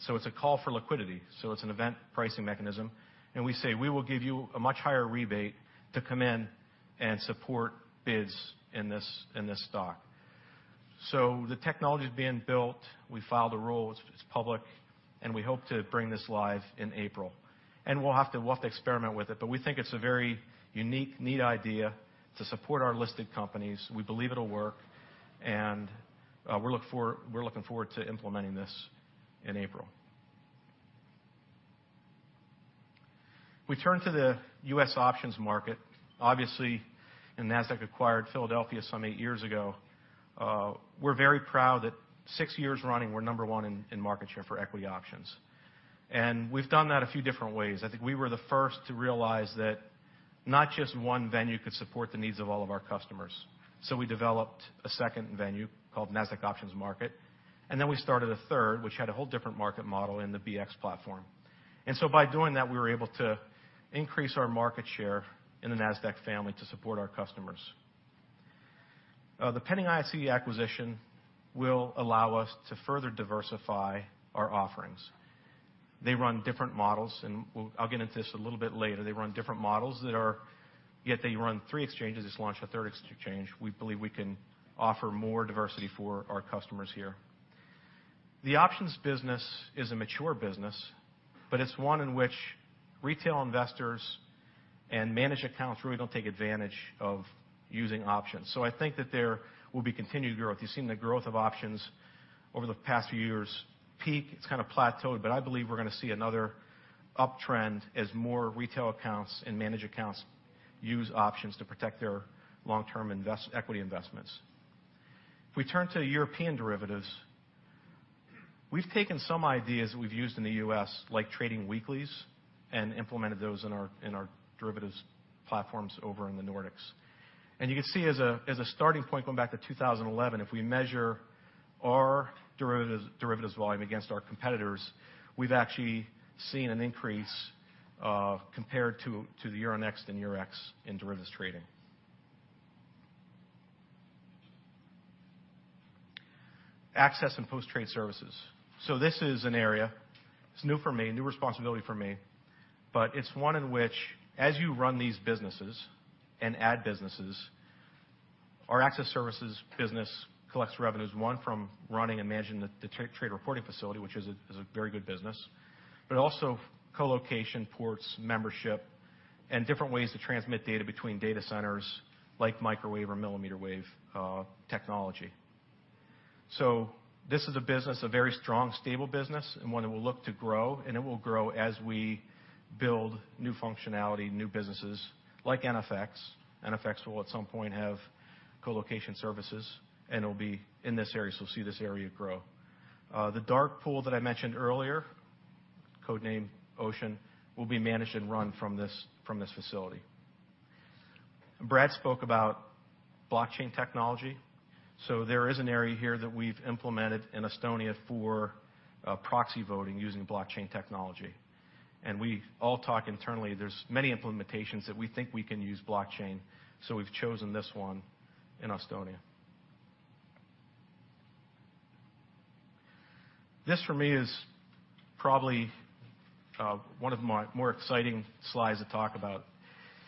so it's a call for liquidity. It's an event pricing mechanism. We say, "We will give you a much higher rebate to come in and support bids in this stock." The technology's being built. We filed the rule. It's public, we hope to bring this live in April. We'll have to experiment with it, but we think it's a very unique, neat idea to support our listed companies. We believe it'll work, and we're looking forward to implementing this in April. We turn to the U.S. options market. Obviously, when Nasdaq acquired Philadelphia some eight years ago, we're very proud that six years running, we're number one in market share for equity options. We've done that a few different ways. I think we were the first to realize that not just one venue could support the needs of all of our customers. We developed a second venue called Nasdaq Options Market, we started a third, which had a whole different market model in the BX platform. By doing that, we were able to increase our market share in the Nasdaq family to support our customers. The pending ICE acquisition will allow us to further diversify our offerings. They run different models, and I'll get into this a little bit later. They run different models, yet they run three exchanges. Just launched a third exchange. We believe we can offer more diversity for our customers here. The options business is a mature business, but it's one in which retail investors and managed accounts really don't take advantage of using options. I think that there will be continued growth. You've seen the growth of options over the past few years peak. It's kind of plateaued, but I believe we're going to see another uptrend as more retail accounts and managed accounts use options to protect their long-term equity investments. If we turn to European derivatives, we've taken some ideas that we've used in the U.S., like trading weeklies, and implemented those in our derivatives platforms over in the Nordics. You can see as a starting point, going back to 2011, if we measure our derivatives volume against our competitors, we've actually seen an increase compared to the Euronext and Eurex in derivatives trading. Access and post-trade services. This is an area, it's new for me, a new responsibility for me, but it's one in which as you run these businesses and add businesses, our access services business collects revenues, one from running and managing the trade reporting facility, which is a very good business. Also colocation, ports, membership, and different ways to transmit data between data centers like microwave or millimeter wave technology. This is a business, a very strong, stable business and one that we'll look to grow and it will grow as we build new functionality, new businesses like NFX. NFX will at some point have colocation services, and it'll be in this area, so you'll see this area grow. The dark pool that I mentioned earlier, code-named Ocean, will be managed and run from this facility. Brad spoke about blockchain technology. There is an area here that we've implemented in Estonia for proxy voting using blockchain technology. We all talk internally, there's many implementations that we think we can use blockchain, so we've chosen this one in Estonia. This, for me, is probably one of my more exciting slides to talk about.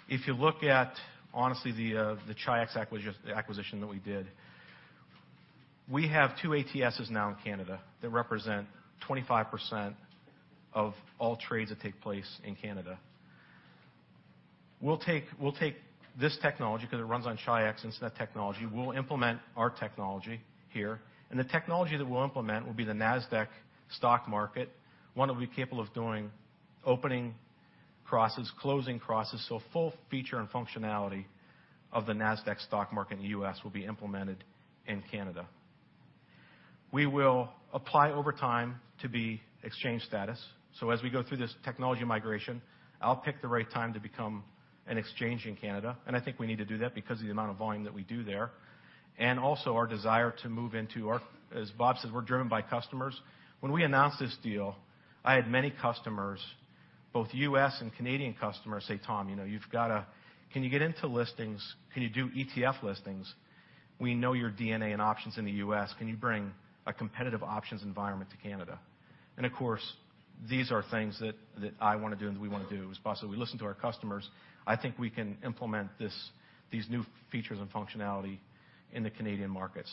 You look at, honestly, the Chi-X acquisition that we did. We have 2 ATSs now in Canada that represent 25% of all trades that take place in Canada. We'll take this technology because it runs on Chi-X, instant technology. We'll implement our technology here, and the technology that we'll implement will be The Nasdaq Stock Market, one that'll be capable of doing opening crosses, closing crosses. Full feature and functionality of The Nasdaq Stock Market in the U.S. will be implemented in Canada. We will apply over time to be exchange status. As we go through this technology migration, I'll pick the right time to become an exchange in Canada. I think we need to do that because of the amount of volume that we do there. Also our desire to move into our, as Bob says, we're driven by customers. When we announced this deal, I had many customers Both U.S. and Canadian customers say, "Tom, can you get into listings? Can you do ETF listings? We know your DNA and options in the U.S. Can you bring a competitive options environment to Canada?" Of course, these are things that I want to do and we want to do. We listen to our customers. I think we can implement these new features and functionality in the Canadian markets.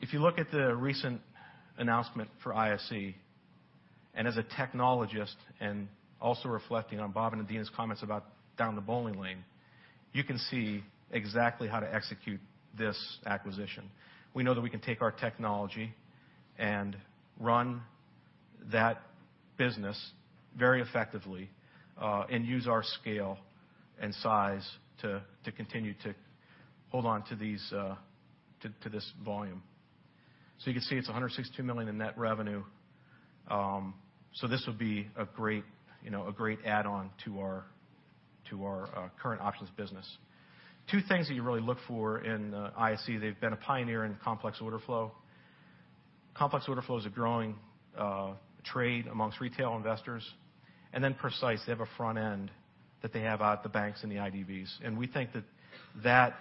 If you look at the recent announcement for ISE, as a technologist, and also reflecting on Bob and Adena's comments about down the bowling lane, you can see exactly how to execute this acquisition. We know that we can take our technology and run that business very effectively, and use our scale and size to continue to hold on to this volume. You can see it's $162 million in net revenue. This would be a great add-on to our current options business. Two things that you really look for in ISE, they've been a pioneer in complex order flow. Complex order flow is a growing trade amongst retail investors, and then Precise, they have a front end that they have out the banks and the IDBs. We think that that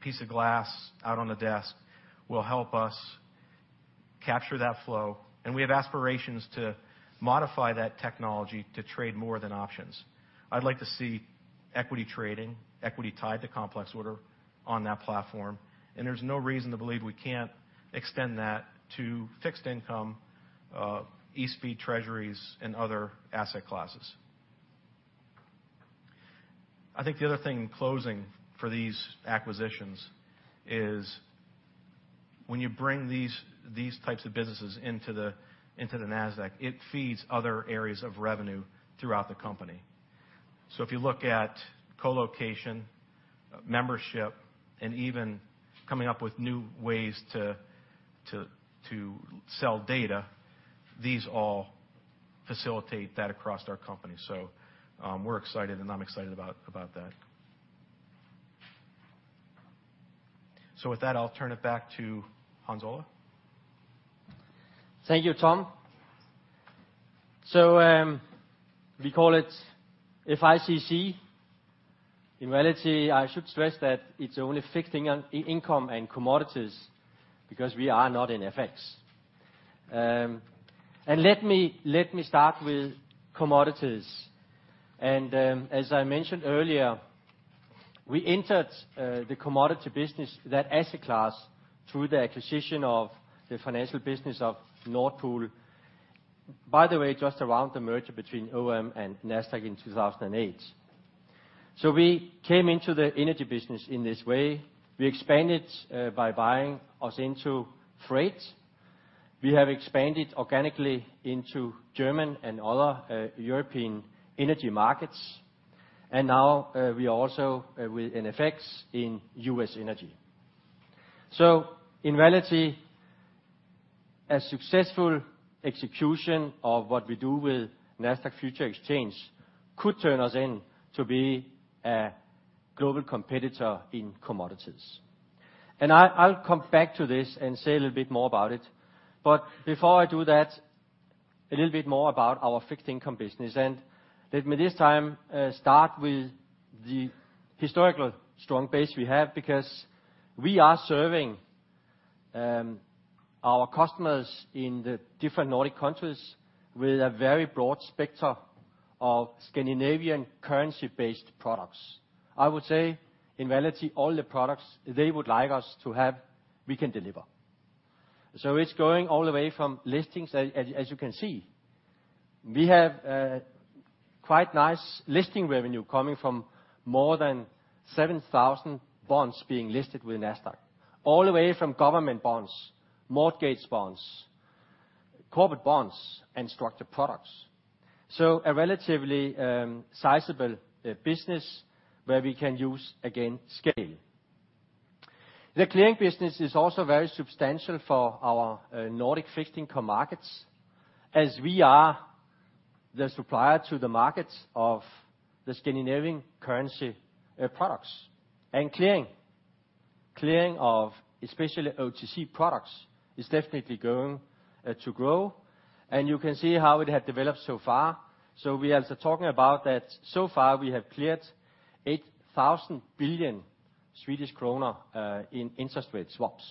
piece of glass out on the desk will help us capture that flow, and we have aspirations to modify that technology to trade more than options. I'd like to see equity trading, equity tied to complex order on that platform, and there's no reason to believe we can't extend that to fixed income, eSpeed Treasuries, and other asset classes. I think the other thing in closing for these acquisitions is when you bring these types of businesses into Nasdaq, it feeds other areas of revenue throughout the company. If you look at colocation, membership, and even coming up with new ways to sell data, these all facilitate that across our company. We're excited and I'm excited about that. With that, I'll turn it back to Hans-Ole. Thank you, Tom. We call it FICC. In reality, I should stress that it's only fixed income and commodities because we are not in FX. Let me start with commodities. As I mentioned earlier, we entered the commodity business, that asset class, through the acquisition of the financial business of Nord Pool. By the way, just around the merger between OM and Nasdaq in 2008. We came into the energy business in this way. We expanded by buying Ozinto Freight. We have expanded organically into German and other European energy markets. Now, we also with NFX in U.S. energy. In reality, a successful execution of what we do with Nasdaq Futures Exchange could turn us into a global competitor in commodities. I'll come back to this and say a little bit more about it. Before I do that, a little bit more about our fixed income business. Let me this time start with the historical strong base we have because we are serving our customers in the different Nordic countries with a very broad spectrum of Scandinavian currency-based products. I would say, in reality, all the products they would like us to have, we can deliver. It's going all the way from listings, as you can see. We have quite nice listing revenue coming from more than 7,000 bonds being listed with Nasdaq, all the way from government bonds, mortgage bonds, corporate bonds, and structured products. A relatively sizable business where we can use, again, scale. The clearing business is also very substantial for our Nordic fixed income markets as we are the supplier to the market of the Scandinavian currency products. Clearing of especially OTC products is definitely going to grow, and you can see how it had developed so far. We are talking about that so far we have cleared 8,000 billion Swedish kronor in interest rate swaps.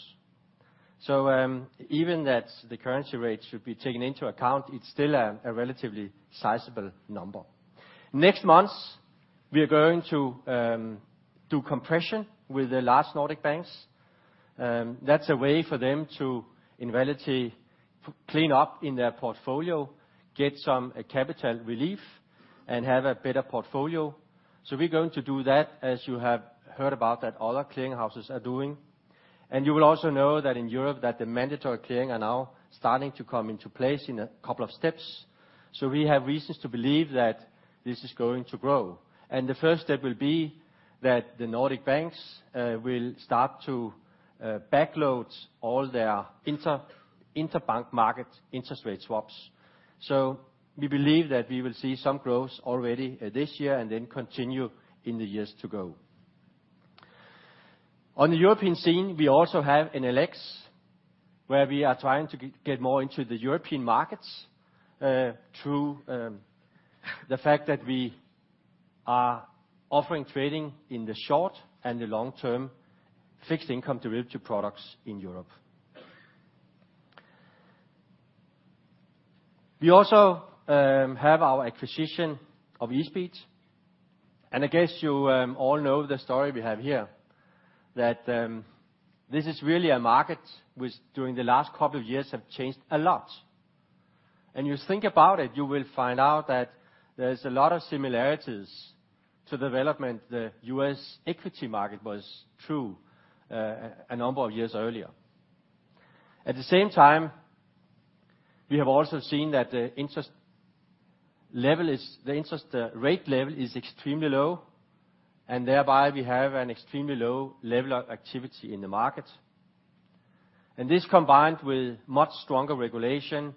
Even that the currency rate should be taken into account, it's still a relatively sizable number. Next month, we are going to do compression with the large Nordic banks. That's a way for them to, in reality, clean up in their portfolio, get some capital relief, and have a better portfolio. We're going to do that, as you have heard about that other clearing houses are doing. You will also know that in Europe that the mandatory clearing are now starting to come into place in a couple of steps, so we have reasons to believe that this is going to grow. The first step will be that the Nordic banks will start to backload all their interbank market interest rate swaps. We believe that we will see some growth already this year and then continue in the years to go. On the European scene, we also have NLX, where we are trying to get more into the European markets through the fact that we are offering trading in the short and the long-term fixed income derivative products in Europe. We also have our acquisition of eSpeed, and I guess you all know the story we have here, that this is really a market which during the last couple of years have changed a lot. You think about it, you will find out that there's a lot of similarities to development the U.S. equity market was through a number of years earlier. At the same time, we have also seen that the interest rate level is extremely low, and thereby we have an extremely low level of activity in the market. This combined with much stronger regulation,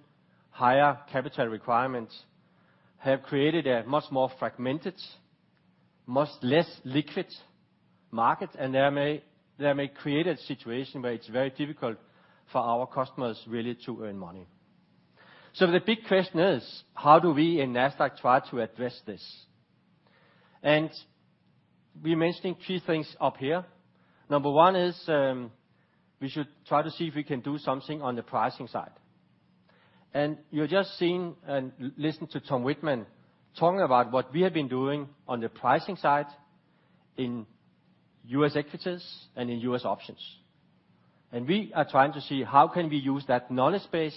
higher capital requirements, have created a much more fragmented, much less liquid market. That may create a situation where it's very difficult for our customers really to earn money. The big question is, how do we in Nasdaq try to address this? We are mentioning three things up here. Number 1 is, we should try to see if we can do something on the pricing side. You've just seen and listened to Tom Wittman talking about what we have been doing on the pricing side in U.S. equities and in U.S. options. We are trying to see how can we use that knowledge base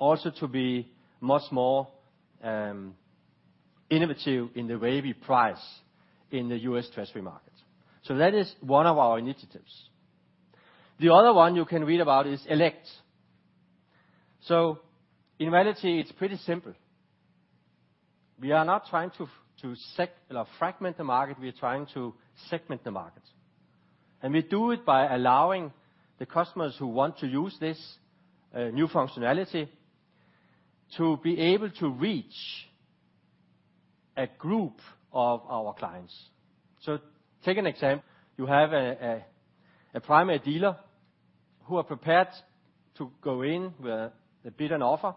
also to be much more innovative in the way we price in the U.S. Treasury market. That is one of our initiatives. The other one you can read about is Elect. In reality, it's pretty simple. We are not trying to fragment the market, we are trying to segment the market. We do it by allowing the customers who want to use this new functionality to be able to reach a group of our clients. Take an example. You have a primary dealer who are prepared to go in with a bid and offer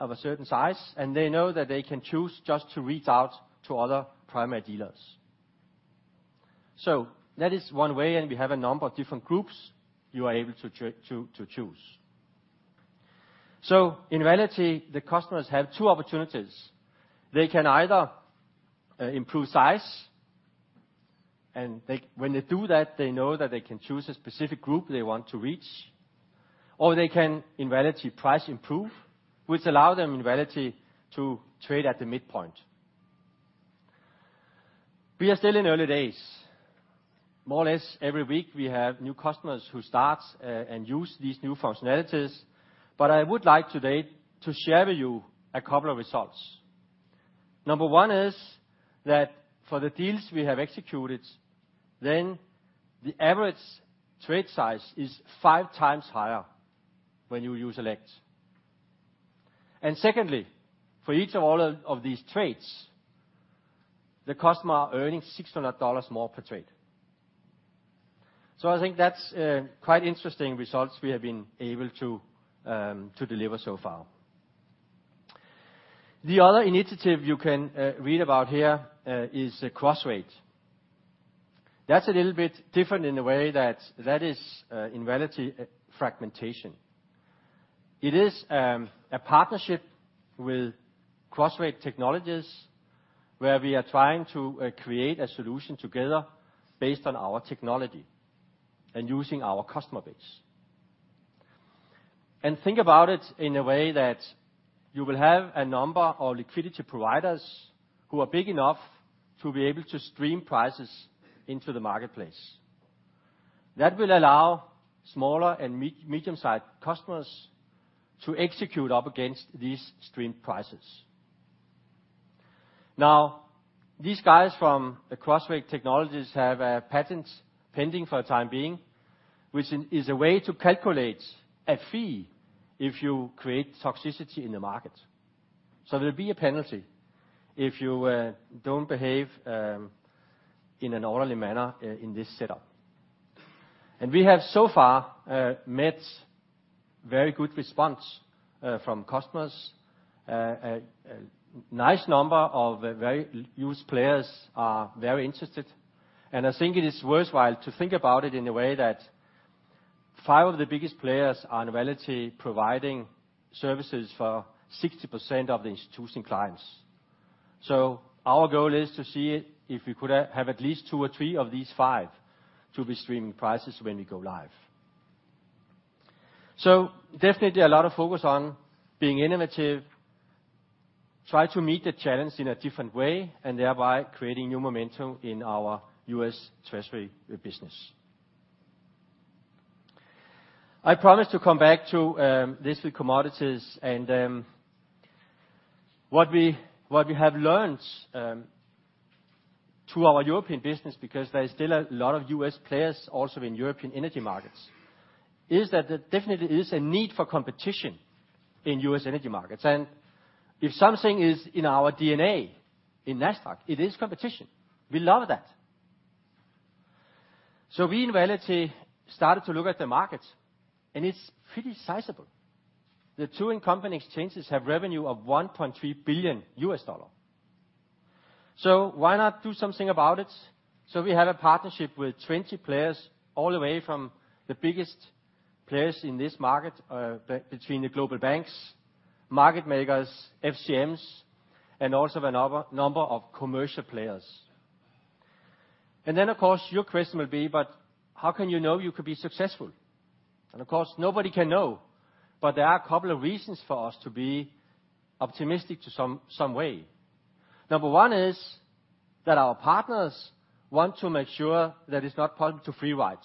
of a certain size, and they know that they can choose just to reach out to other primary dealers. That is one way, and we have a number of different groups you are able to choose. In reality, the customers have two opportunities. They can either improve size, and when they do that, they know that they can choose a specific group they want to reach, or they can, in reality, price improve, which allow them, in reality, to trade at the midpoint. We are still in early days. More or less every week we have new customers who start and use these new functionalities, but I would like today to share with you a couple of results. Number one is that for the deals we have executed, then the average trade size is five times higher when you use Elect. Secondly, for each or all of these trades, the customer are earning $600 more per trade. I think that's quite interesting results we have been able to deliver so far. The other initiative you can read about here is CrossRate. That's a little bit different in the way that is in reality fragmentation. It is a partnership with CrossRate Technology, where we are trying to create a solution together based on our technology and using our customer base. Think about it in a way that you will have a number of liquidity providers who are big enough to be able to stream prices into the marketplace. That will allow smaller and medium-sized customers to execute up against these streamed prices. These guys from the CrossRate Technologies have a patent pending for the time being, which is a way to calculate a fee if you create toxicity in the market. There'll be a penalty if you don't behave in an orderly manner in this setup. We have so far met very good response from customers. A nice number of very huge players are very interested, I think it is worthwhile to think about it in a way that five of the biggest players are in reality providing services for 60% of the institutional clients. Our goal is to see if we could have at least two or three of these five to be streaming prices when we go live. Definitely a lot of focus on being innovative, try to meet the challenge in a different way, and thereby creating new momentum in our U.S. Treasury business. I promised to come back to this with commodities and what we have learnt through our European business, because there is still a lot of U.S. players also in European energy markets, is that there definitely is a need for competition in U.S. energy markets. If something is in our DNA in Nasdaq, it is competition. We love that. We, in reality, started to look at the market, and it's pretty sizable. The two incumbent exchanges have revenue of $1.3 billion US dollar. Why not do something about it? We have a partnership with 20 players, all the way from the biggest players in this market, between the global banks, market makers, FCMs, and also a number of commercial players. Then, of course, your question will be, but how can you know you could be successful? Of course, nobody can know, but there are a couple of reasons for us to be optimistic to some way. Number 1 is that our partners want to make sure that it's not possible to free ride.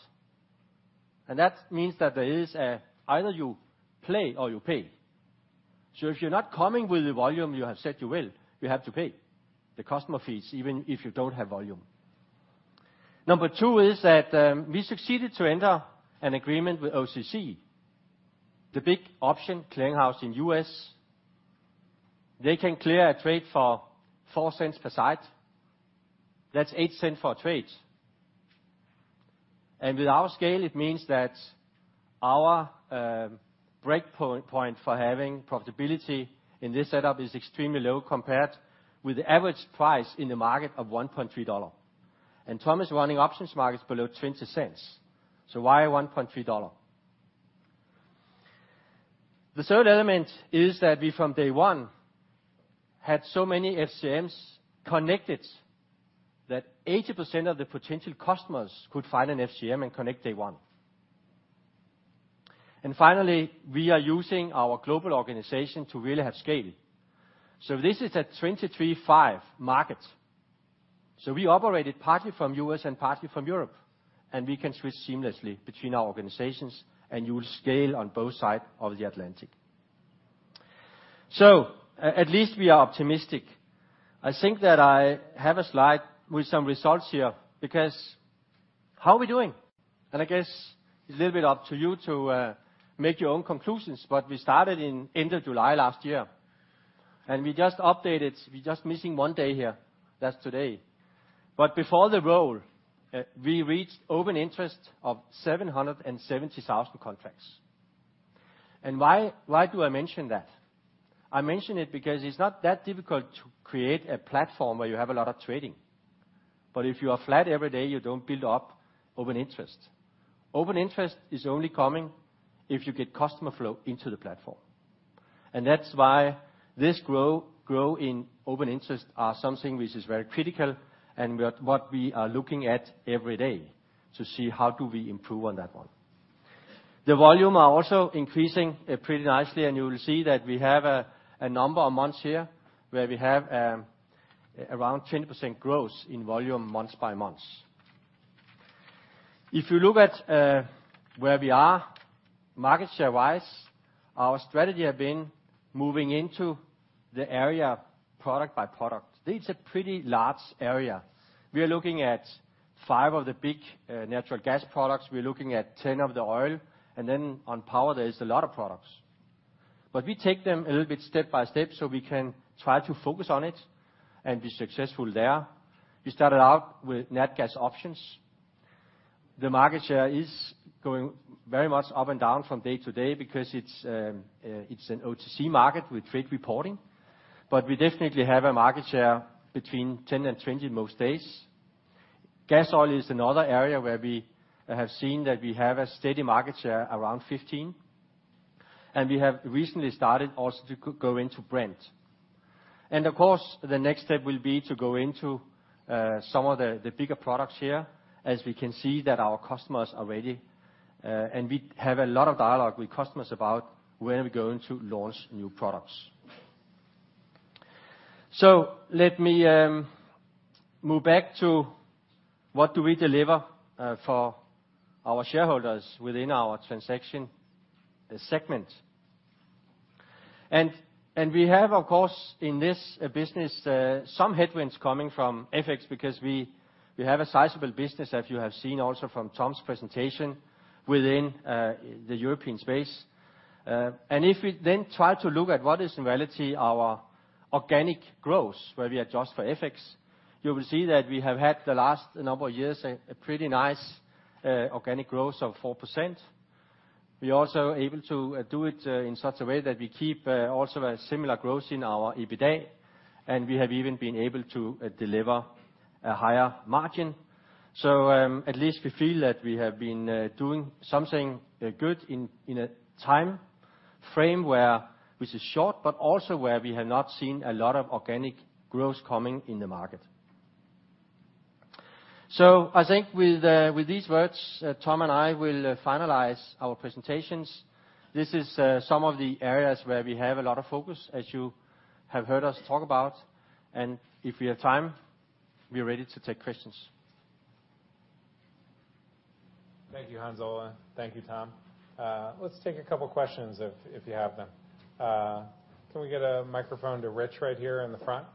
That means that there is either you play or you pay. If you're not coming with the volume you have said you will, you have to pay the customer fees, even if you don't have volume. Number 2 is that we succeeded to enter an agreement with OCC, the big option clearing house in U.S. They can clear a trade for $0.04 per side. That's $0.08 for a trade. With our scale, it means that our break point for having profitability in this setup is extremely low compared with the average price in the market of $1.3. Tom is running options markets below $0.20. Why $1.3? The 3rd element is that we, from day 1, had so many FCMs connected that 80% of the potential customers could find an FCM and connect day 1. Finally, we are using our global organization to really have scale. This is a 23/5 market. We operate it partly from U.S. and partly from Europe, and we can switch seamlessly between our organizations, and you will scale on both sides of the Atlantic. At least we are optimistic. I think that I have a slide with some results here, because how are we doing? I guess it's a little bit up to you to make your own conclusions. We started in end of July last year, and we just updated. We're just missing 1 day here. That's today. Before the roll, we reached open interest of 770,000 contracts. Why do I mention that? I mention it because it's not that difficult to create a platform where you have a lot of trading. But if you are flat every day, you don't build up open interest. Open interest is only coming if you get customer flow into the platform. That's why this grow in open interest are something which is very critical and what we are looking at every day to see how do we improve on that one. The volume are also increasing pretty nicely. You will see that we have a number of months here where we have around 20% growth in volume month by month. If you look at where we are market share-wise, our strategy have been moving into the area product by product. It's a pretty large area. We are looking at 5 of the big natural gas products. We're looking at 10 of the oil. Then on power, there is a lot of products. We take them a little bit step by step so we can try to focus on it and be successful there. We started out with nat gas options. The market share is going very much up and down from day to day because it's an OTC market with trade reporting. We definitely have a market share between 10% and 20% most days. Gas oil is another area where we have seen that we have a steady market share around 15%, and we have recently started also to go into Brent. Of course, the next step will be to go into some of the bigger products here, as we can see that our customers are ready. We have a lot of dialogue with customers about where we're going to launch new products. Let me move back to what do we deliver for our shareholders within our transaction segment. We have, of course, in this business, some headwinds coming from FX because we have a sizable business, as you have seen also from Tom's presentation, within the European space. If we then try to look at what is in reality our organic growth, where we adjust for FX, you will see that we have had the last number of years a pretty nice organic growth of 4%. We're also able to do it in such a way that we keep also a similar growth in our EBITDA, and we have even been able to deliver a higher margin. At least we feel that we have been doing something good in a time frame where, which is short, but also where we have not seen a lot of organic growth coming in the market. I think with these words, Tom and I will finalize our presentations. This is some of the areas where we have a lot of focus, as you have heard us talk about. If we have time, we are ready to take questions. Thank you, Hans-Ole. Thank you, Tom. Let's take a couple questions if you have them. Can we get a microphone to Rich right here in the front?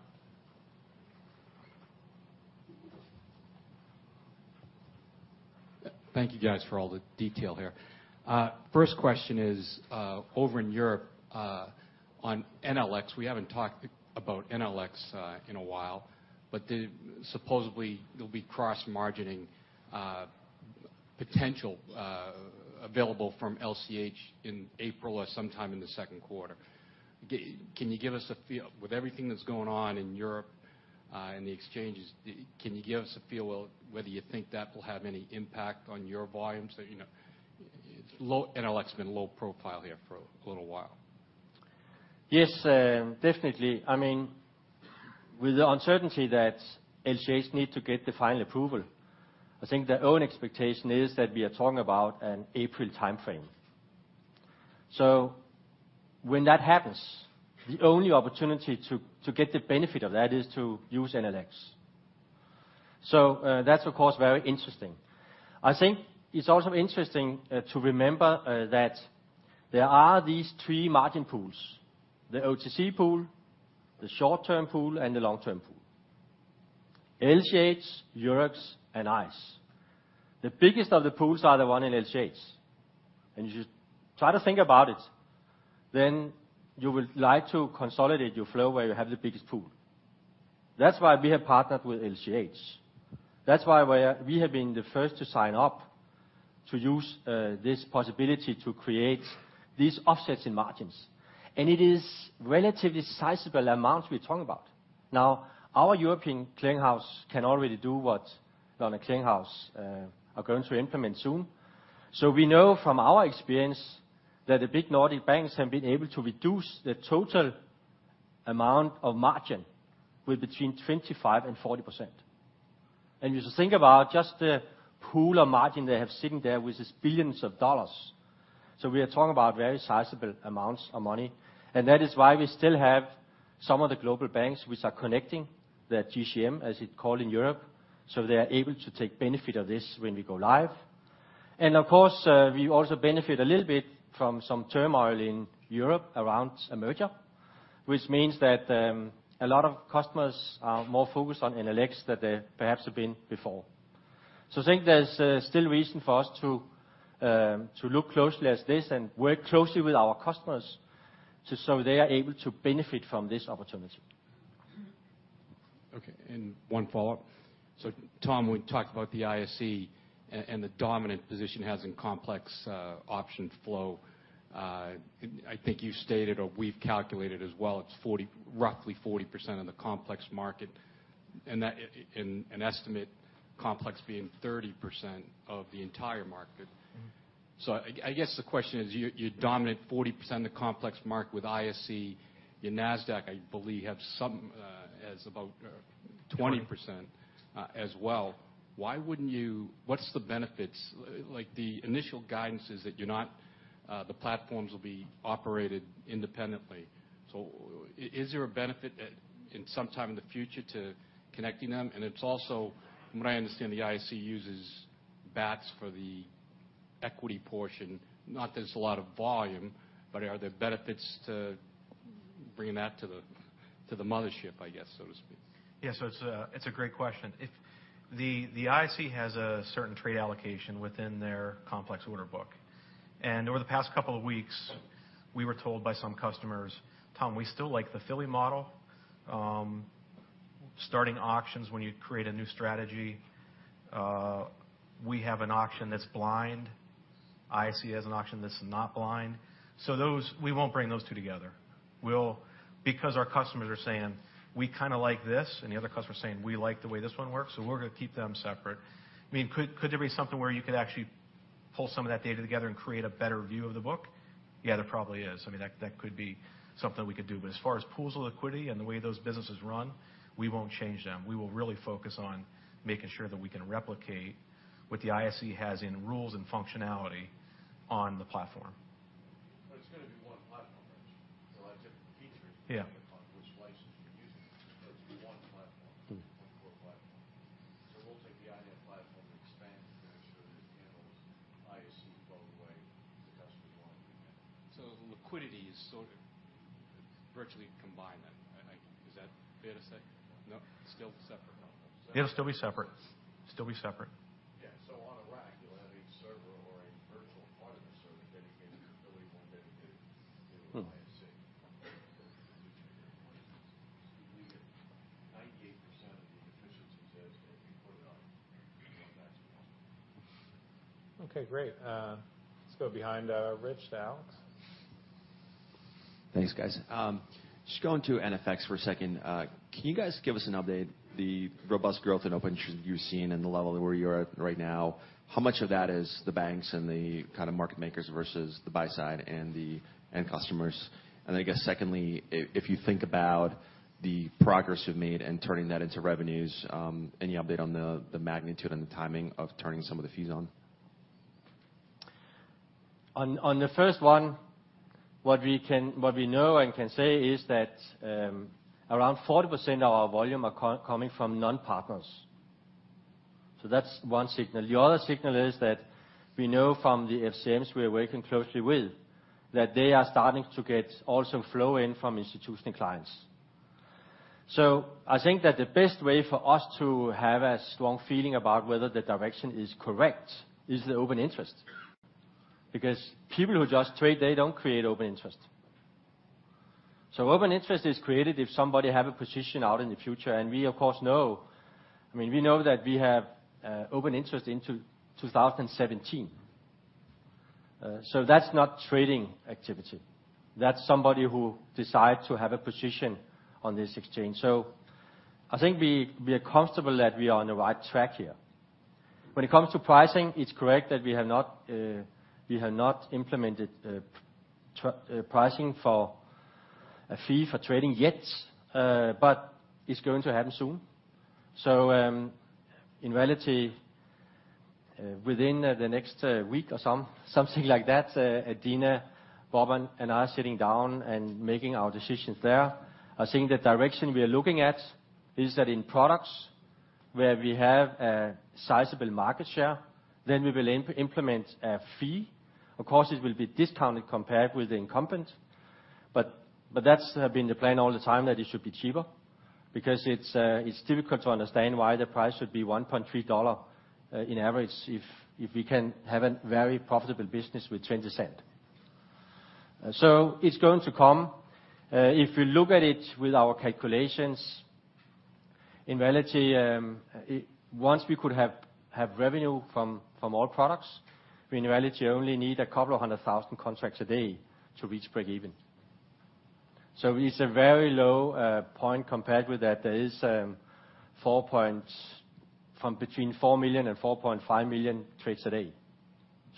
Thank you guys for all the detail here. First question is, over in Europe, on NLX, we haven't talked about NLX in a while. Supposedly there'll be cross margining potential available from LCH in April or sometime in the second quarter. With everything that's going on in Europe in the exchanges, can you give us a feel whether you think that will have any impact on your volumes? NLX's been low profile here for a little while. Yes, definitely. With the uncertainty that LCH need to get the final approval, I think their own expectation is that we are talking about an April timeframe. When that happens, the only opportunity to get the benefit of that is to use NLX. That's of course, very interesting. I think it's also interesting to remember that there are these three margin pools, the OTC pool, the short-term pool, and the long-term pool. LCH, Eurex, and ICE. The biggest of the pools are the one in LCH. You just try to think about it, you would like to consolidate your flow where you have the biggest pool. That's why we have partnered with LCH. That's why we have been the first to sign up to use this possibility to create these offsets in margins. It is relatively sizable amounts we're talking about. Our European clearinghouse can already do what London Clearing House are going to implement soon. We know from our experience that the big Nordic banks have been able to reduce the total amount of margin with between 25% and 40%. You think about just the pool of margin they have sitting there, which is $ billions. We are talking about very sizable amounts of money, and that is why we still have some of the global banks which are connecting their GCM, as it's called in Europe, so they are able to take benefit of this when we go live. Of course, we also benefit a little bit from some turmoil in Europe around a merger, which means that a lot of customers are more focused on NLX than they perhaps have been before. I think there's still reason for us to look closely at this and work closely with our customers, so they are able to benefit from this opportunity. One follow-up. Tom, when you talked about the ISE and the dominant position it has in complex option flow, I think you stated or we've calculated as well, it's roughly 40% of the complex market, and that in an estimate, complex being 30% of the entire market. I guess the question is, you dominate 40% of the complex market with ISE. Your Nasdaq, I believe, has about 20% as well. What's the benefits? The initial guidance is that the platforms will be operated independently. Is there a benefit in sometime in the future to connecting them? It's also, from what I understand, the ISE uses Bats for the equity portion, not that it's a lot of volume, but are there benefits to bringing that to the mothership, I guess, so to speak? It's a great question. The ISE has a certain trade allocation within their complex order book. Over the past couple of weeks, we were told by some customers, "Tom, we still like the Philly model, starting auctions when you create a new strategy. We have an auction that's blind. ISE has an auction that's not blind." We won't bring those two together. Our customers are saying, "We kind of like this," and the other customer is saying, "We like the way this one works," so we're going to keep them separate. Could there be something where you could actually pull some of that data together and create a better view of the book? Yeah, there probably is. That could be something that we could do. As far as pools of liquidity and the way those businesses run, we won't change them. We will really focus on making sure that we can replicate what the ISE has in rules and functionality on the platform. It's going to be one platform, right? There'll be different features. Yeah depending upon which license you're using, it's one platform. One core platform. We'll take the INET platform and expand it and make sure that it handles ISE the way the customers want it to be handled. The liquidity is sort of virtually combined then. Is that fair to say? No? Still separate platforms. It'll still be separate. Still be separate. On a rack, you'll have a server or a virtual part of a server dedicated, fully dedicated to ISE. We get 98% of the efficiency says that if you put it on one platform. Okay, great. Let's go behind Rich to Alex. Thanks, guys. Just going to NFX for a second. Can you guys give us an update, the robust growth in open interest you've seen and the level where you're at right now, how much of that is the banks and the kind of market makers versus the buy side and the end customers? I guess secondly, if you think about the progress you've made in turning that into revenues, any update on the magnitude and the timing of turning some of the fees on? On the first one, what we know and can say is that around 40% of our volume are coming from non-partners. That's one signal. The other signal is that we know from the FCMs we are working closely with, that they are starting to get also flow in from institutional clients. I think that the best way for us to have a strong feeling about whether the direction is correct is the open interest. Because people who just trade, they don't create open interest. Open interest is created if somebody have a position out in the future, and we of course know that we have open interest into 2017. That's not trading activity. That's somebody who decide to have a position on this exchange. I think we are comfortable that we are on the right track here. When it comes to pricing, it's correct that we have not implemented pricing for a fee for trading yet. It's going to happen soon. In reality, within the next week or something like that, Adena, Bob, and Hans Ola are sitting down and making our decisions there. I think the direction we are looking at is that in products where we have a sizable market share, we will implement a fee. Of course, it will be discounted compared with the incumbent, that's been the plan all the time, that it should be cheaper, because it's difficult to understand why the price should be $1.3 in average if we can have a very profitable business with $0.20. It's going to come. If you look at it with our calculations, in reality, once we could have revenue from all products, we, in reality, only need a couple of hundred thousand contracts a day to reach break even. It's a very low point compared with that. There is between 4 million and 4.5 million trades a day.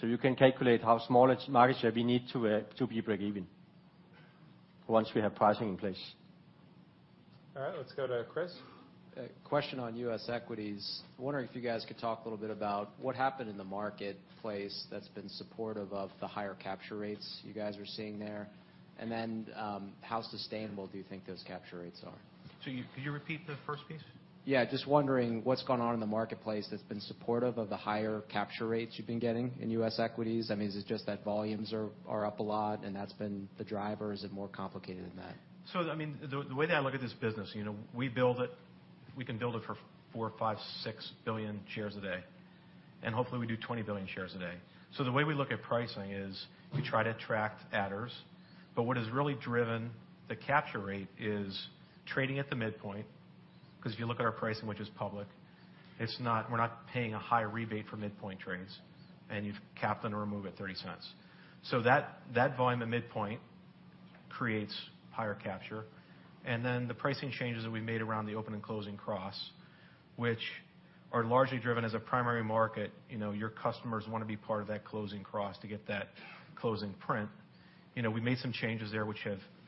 You can calculate how small a market share we need to be break even once we have pricing in place. All right. Let's go to Chris. A question on U.S. equities. Wondering if you guys could talk a little bit about what happened in the marketplace that's been supportive of the higher capture rates you guys are seeing there. How sustainable do you think those capture rates are? Could you repeat the first piece? I mean, just wondering what's gone on in the marketplace that's been supportive of the higher capture rates you've been getting in U.S. equities. I mean, is it just that volumes are up a lot and that's been the driver? Is it more complicated than that? The way that I look at this business, we can build it for four, five, six billion shares a day, and hopefully we do 20 billion shares a day. The way we look at pricing is we try to attract adders, but what has really driven the capture rate is trading at the midpoint, because if you look at our pricing, which is public, we're not paying a high rebate for midpoint trades, and you cap and remove at $0.30. That volume at midpoint creates higher capture. The pricing changes that we made around the open and closing cross, which are largely driven as a primary market. Your customers want to be part of that closing cross to get that closing print. We made some changes there which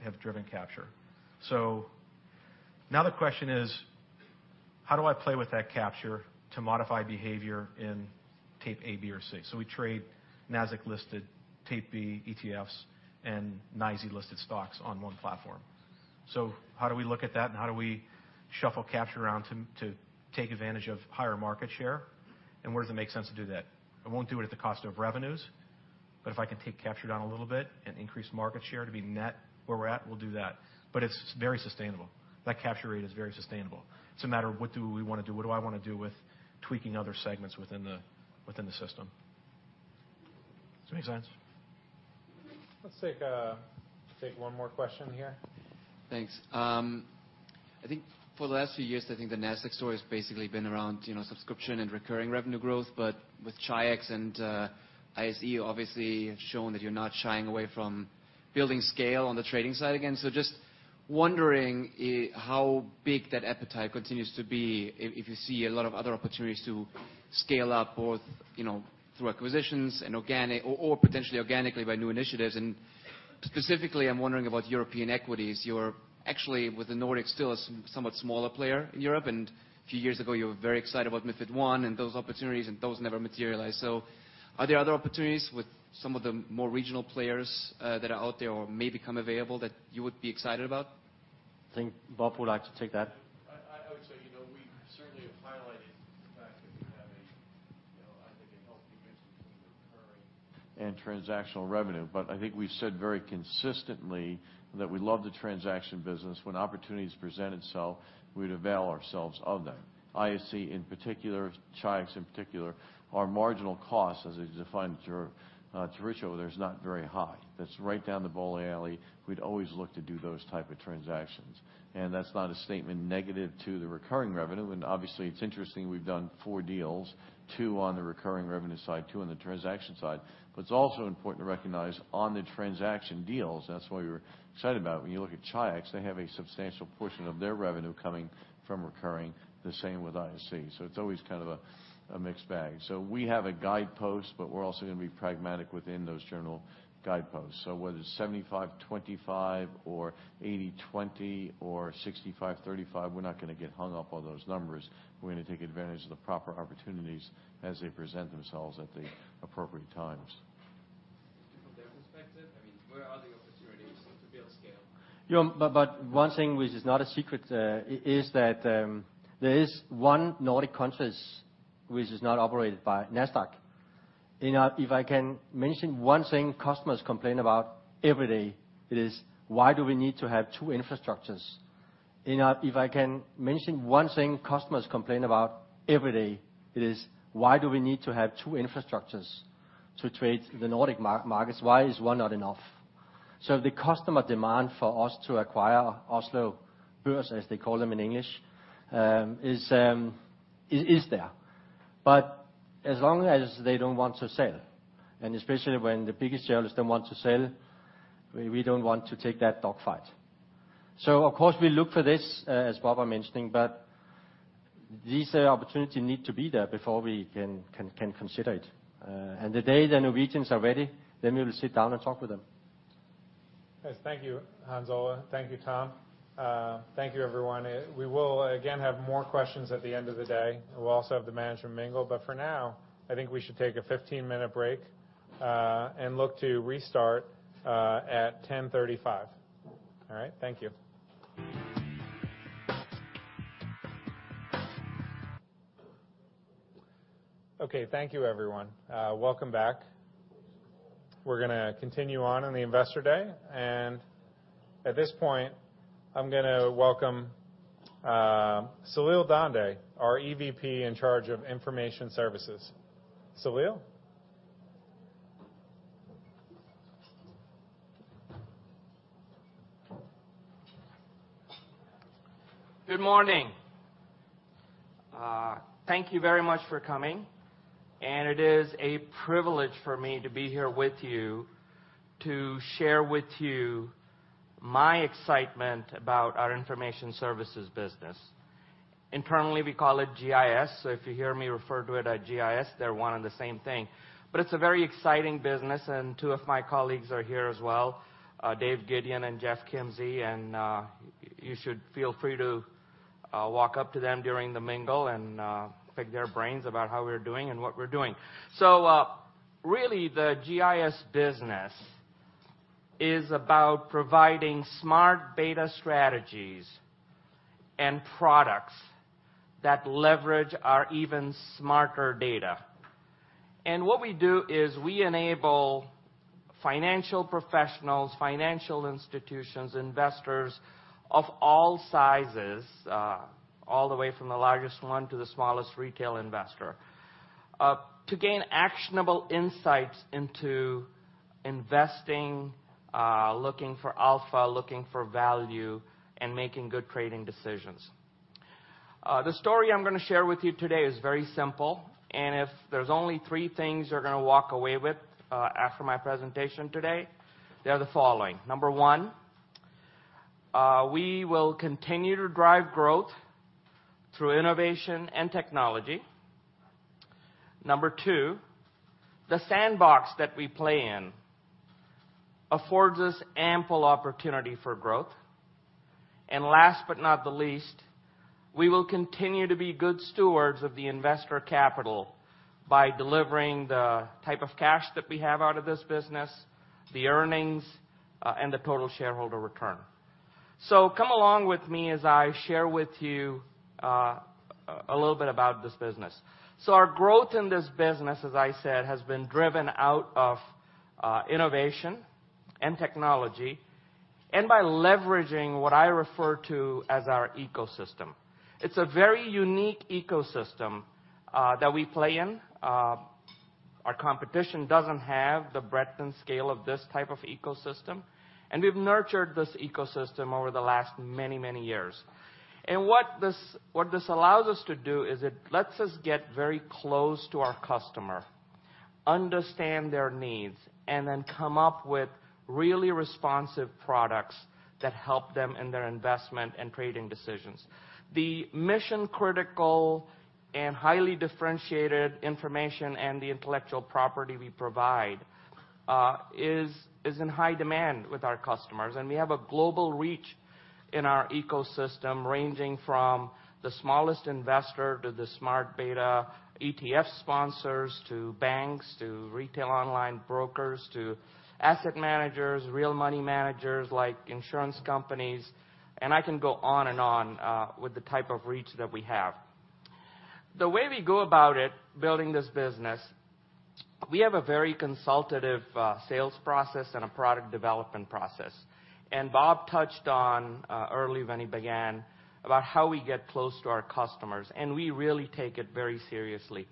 have driven capture. Now the question is, how do I play with that capture to modify behavior in Tape A, B, or C? We trade Nasdaq-listed Tape B, ETFs, and NYSE-listed stocks on one platform. How do we look at that, and how do we shuffle capture around to take advantage of higher market share? Where does it make sense to do that? I won't do it at the cost of revenues, but if I can take capture down a little bit and increase market share to be net where we're at, we'll do that. It's very sustainable. That capture rate is very sustainable. It's a matter of what do we want to do? What do I want to do with tweaking other segments within the system? Does that make sense? Let's take one more question here. Thanks. I think for the last few years, I think the Nasdaq story has basically been around subscription and recurring revenue growth. With Chi-X and ISE obviously have shown that you're not shying away from building scale on the trading side again. Just wondering how big that appetite continues to be if you see a lot of other opportunities to scale up, both through acquisitions or potentially organically by new initiatives. Specifically, I'm wondering about European equities. You're actually, with the Nordics, still a somewhat smaller player in Europe, and a few years ago, you were very excited about MiFID I and those opportunities, and those never materialized. Are there other opportunities with some of the more regional players that are out there or may become available that you would be excited about? I think Bob would like to take that. I would say, we certainly have highlighted the fact that we have, I think, a healthy mix between recurring and transactional revenue. I think we've said very consistently that we love the transaction business. When opportunities present itself, we'd avail ourselves of them. ISE in particular, Chi-X in particular, our marginal costs as a defined ratio there is not very high. That's right down the bowling alley. We'd always look to do those type of transactions, and that's not a statement negative to the recurring revenue. Obviously, it's interesting we've done 4 deals, two on the recurring revenue side, two on the transaction side. It's also important to recognize on the transaction deals, that's why we were excited about when you look at Chi-X, they have a substantial portion of their revenue coming from recurring, the same with ISE. It's always kind of a mixed bag. We have a guidepost, we're also going to be pragmatic within those general guideposts. Whether it's 75/25 or 80/20 or 65/35, we're not going to get hung up on those numbers. We're going to take advantage of the proper opportunities as they present themselves at the appropriate times. From their perspective, where are the opportunities to build scale? One thing which is not a secret is that there is one Nordic country which is not operated by Nasdaq. If I can mention one thing customers complain about every day, it is, why do we need to have two infrastructures? If I can mention one thing customers complain about every day, it is, why do we need to have two infrastructures to trade the Nordic markets? Why is one not enough? The customer demand for us to acquire Oslo Børs, as they call them in English, is there. As long as they don't want to sell, and especially when the biggest shareholders don't want to sell, we don't want to take that dogfight. Of course, we look for this, as Bob was mentioning, these opportunities need to be there before we can consider it. The day the Norwegians are ready, we will sit down and talk with them. Yes, thank you, Hans-Ole. Thank you, Tom. Thank you, everyone. We will, again, have more questions at the end of the day. We will also have the management mingle. For now, I think we should take a 15-minute break, and look to restart at 10:35. All right? Thank you. Okay. Thank you, everyone. Welcome back. We are going to continue on in the Investor Day, and at this point, I am going to welcome Salil Dhande, our EVP in charge of Information Services. Salil. Good morning. Thank you very much for coming, and it is a privilege for me to be here with you to share with you my excitement about our Information Services business. Internally, we call it GIS. If you hear me refer to it as GIS, they are one and the same thing. It is a very exciting business, and two of my colleagues are here as well, Dave Gedeon and Jeff Kimsey, and you should feel free to walk up to them during the mingle and pick their brains about how we are doing and what we are doing. Really, the GIS business is about providing smart beta strategies and products that leverage our even smarter data. What we do is we enable financial professionals, financial institutions, investors of all sizes, all the way from the largest one to the smallest retail investor, to gain actionable insights into investing, looking for alpha, looking for value, and making good trading decisions. The story I am going to share with you today is very simple, and if there is only three things you are going to walk away with after my presentation today, they are the following. Number one, we will continue to drive growth through innovation and technology. Number two, the sandbox that we play in affords us ample opportunity for growth. Last but not the least, we will continue to be good stewards of the investor capital by delivering the type of cash that we have out of this business, the earnings, and the total shareholder return. Come along with me as I share with you a little bit about this business. Our growth in this business, as I said, has been driven out of innovation and technology and by leveraging what I refer to as our ecosystem. It is a very unique ecosystem that we play in. Our competition does not have the breadth and scale of this type of ecosystem, and we have nurtured this ecosystem over the last many, many years. What this allows us to do is it lets us get very close to our customer, understand their needs, and then come up with really responsive products that help them in their investment and trading decisions. The mission-critical and highly differentiated information and the intellectual property we provide is in high demand with our customers. We have a global reach in our ecosystem, ranging from the smallest investor to the smart beta ETF sponsors, to banks, to retail online brokers, to asset managers, real money managers like insurance companies, and I can go on and on, with the type of reach that we have. The way we go about it, building this business, we have a very consultative sales process and a product development process. Bob touched on, early when he began, about how we get close to our customers, and we really take it very seriously.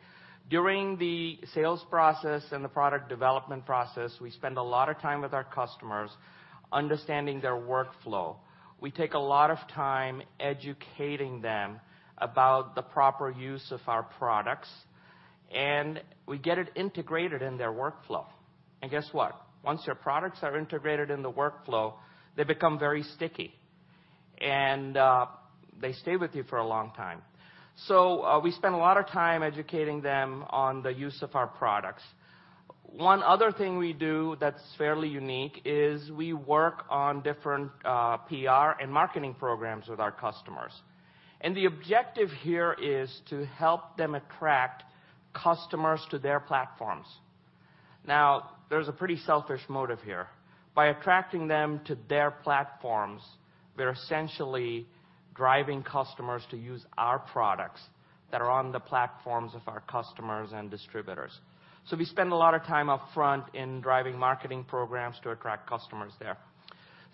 During the sales process and the product development process, we spend a lot of time with our customers understanding their workflow. We take a lot of time educating them about the proper use of our products, and we get it integrated in their workflow. Guess what? Once their products are integrated in the workflow, they become very sticky and they stay with you for a long time. We spend a lot of time educating them on the use of our products. One other thing we do that's fairly unique is we work on different PR and marketing programs with our customers. The objective here is to help them attract customers to their platforms. There's a pretty selfish motive here. By attracting them to their platforms, we're essentially driving customers to use our products that are on the platforms of our customers and distributors. We spend a lot of time upfront in driving marketing programs to attract customers there.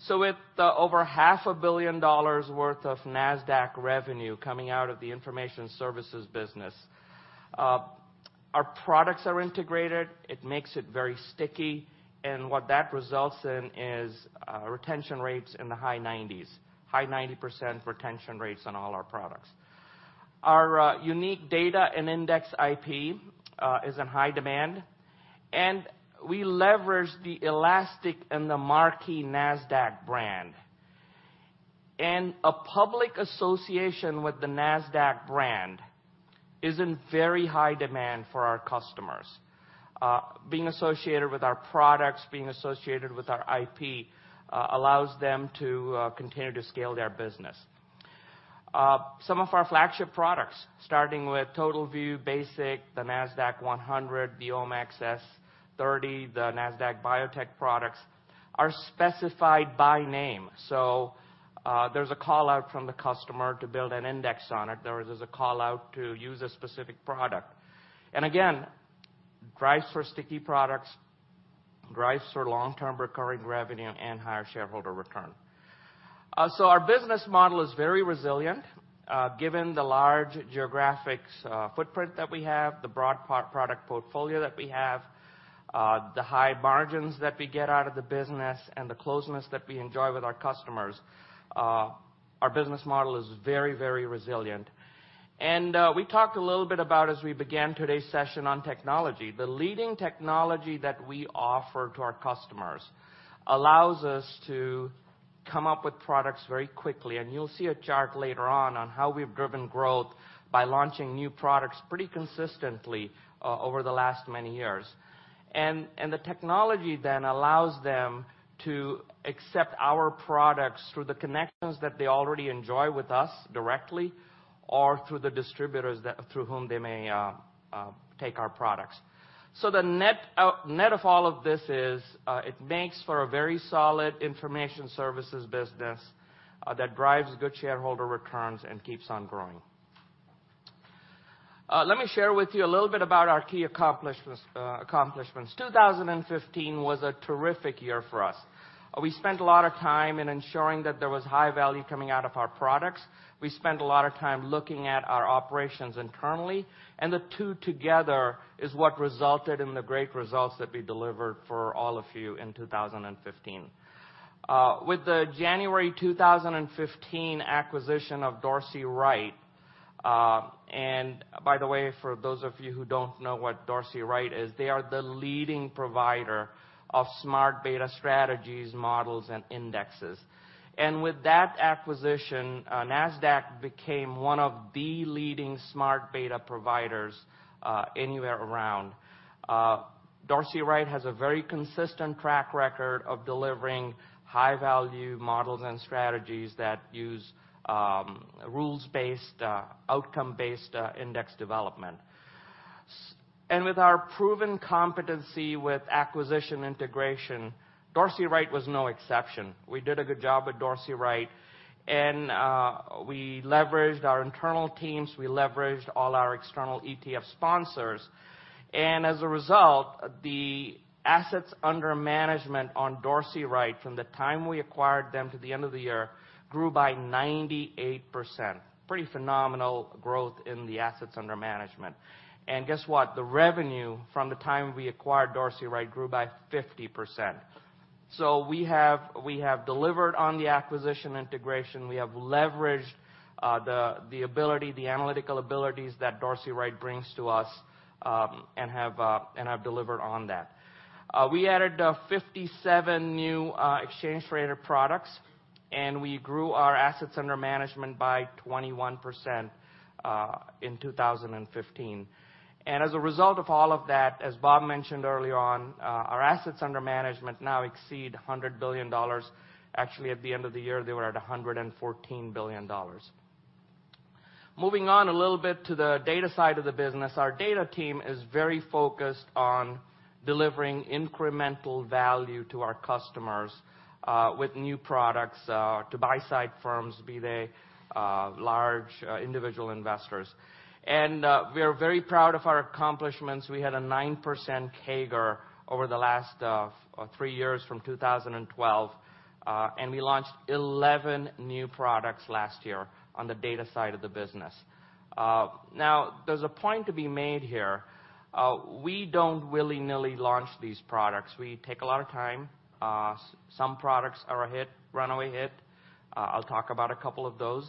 With the over half a billion dollars worth of Nasdaq revenue coming out of the information services business, our products are integrated. It makes it very sticky, and what that results in is, retention rates in the high 90s. High 90% retention rates on all our products. Our unique data and index IP is in high demand, and we leverage the elastic and the marquee Nasdaq brand. A public association with the Nasdaq brand is in very high demand for our customers. Being associated with our products, being associated with our IP, allows them to continue to scale their business. Some of our flagship products, starting with TotalView, Basic, the Nasdaq 100, the OMXS30, the Nasdaq Biotech products, are specified by name. There's a call-out from the customer to build an index on it. There is a call-out to use a specific product. Again, drives for sticky products, drives for long-term recurring revenue, and higher shareholder return. Our business model is very resilient, given the large geographic footprint that we have, the broad product portfolio that we have, the high margins that we get out of the business, and the closeness that we enjoy with our customers. Our business model is very, very resilient. We talked a little bit about, as we began today's session on technology, the leading technology that we offer to our customers allows us to come up with products very quickly, and you'll see a chart later on on how we've driven growth by launching new products pretty consistently over the last many years. The technology then allows them to accept our products through the connections that they already enjoy with us directly or through the distributors through whom they may take our products. The net of all of this is, it makes for a very solid information services business that drives good shareholder returns and keeps on growing. Let me share with you a little bit about our key accomplishments. 2015 was a terrific year for us. We spent a lot of time in ensuring that there was high value coming out of our products. We spent a lot of time looking at our operations internally, and the two together is what resulted in the great results that we delivered for all of you in 2015. With the January 2015 acquisition of Dorsey, Wright, and by the way, for those of you who don't know what Dorsey, Wright is, they are the leading provider of smart beta strategies, models, and indexes. With that acquisition, Nasdaq became one of the leading smart beta providers anywhere around. Dorsey, Wright has a very consistent track record of delivering high-value models and strategies that use rules-based, outcome-based index development. With our proven competency with acquisition integration, Dorsey, Wright was no exception. We did a good job with Dorsey, Wright. We leveraged our internal teams. We leveraged all our external ETF sponsors. As a result, the assets under management on Dorsey, Wright, from the time we acquired them to the end of the year, grew by 98%. Pretty phenomenal growth in the assets under management. Guess what? The revenue from the time we acquired Dorsey, Wright grew by 50%. We have delivered on the acquisition integration. We have leveraged the analytical abilities that Dorsey, Wright brings to us, and have delivered on that. We added 57 new exchange-traded products, and we grew our assets under management by 21% in 2015. As a result of all of that, as Bob mentioned earlier on, our assets under management now exceed $100 billion. Actually, at the end of the year, they were at $114 billion. Moving on a little bit to the data side of the business. Our data team is very focused on delivering incremental value to our customers, with new products, to buy-side firms, be they large individual investors. We are very proud of our accomplishments. We had a 9% CAGR over the last three years from 2012. We launched 11 new products last year on the data side of the business. There's a point to be made here. We don't willy-nilly launch these products. We take a lot of time. Some products are a runaway hit. I'll talk about a couple of those.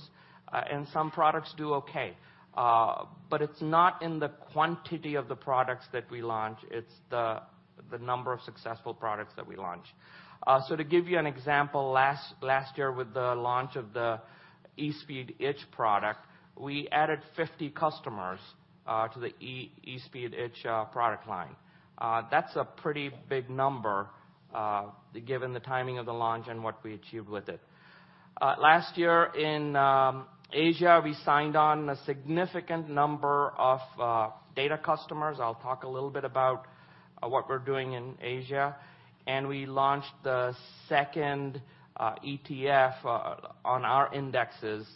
Some products do okay. It's not in the quantity of the products that we launch. It's the number of successful products that we launch. To give you an example, last year with the launch of the eSpeed ITCH product, we added 50 customers to the eSpeed ITCH product line. That's a pretty big number, given the timing of the launch and what we achieved with it. Last year in Asia, we signed on a significant number of data customers. I'll talk a little bit about what we're doing in Asia. We launched the second ETF on our indexes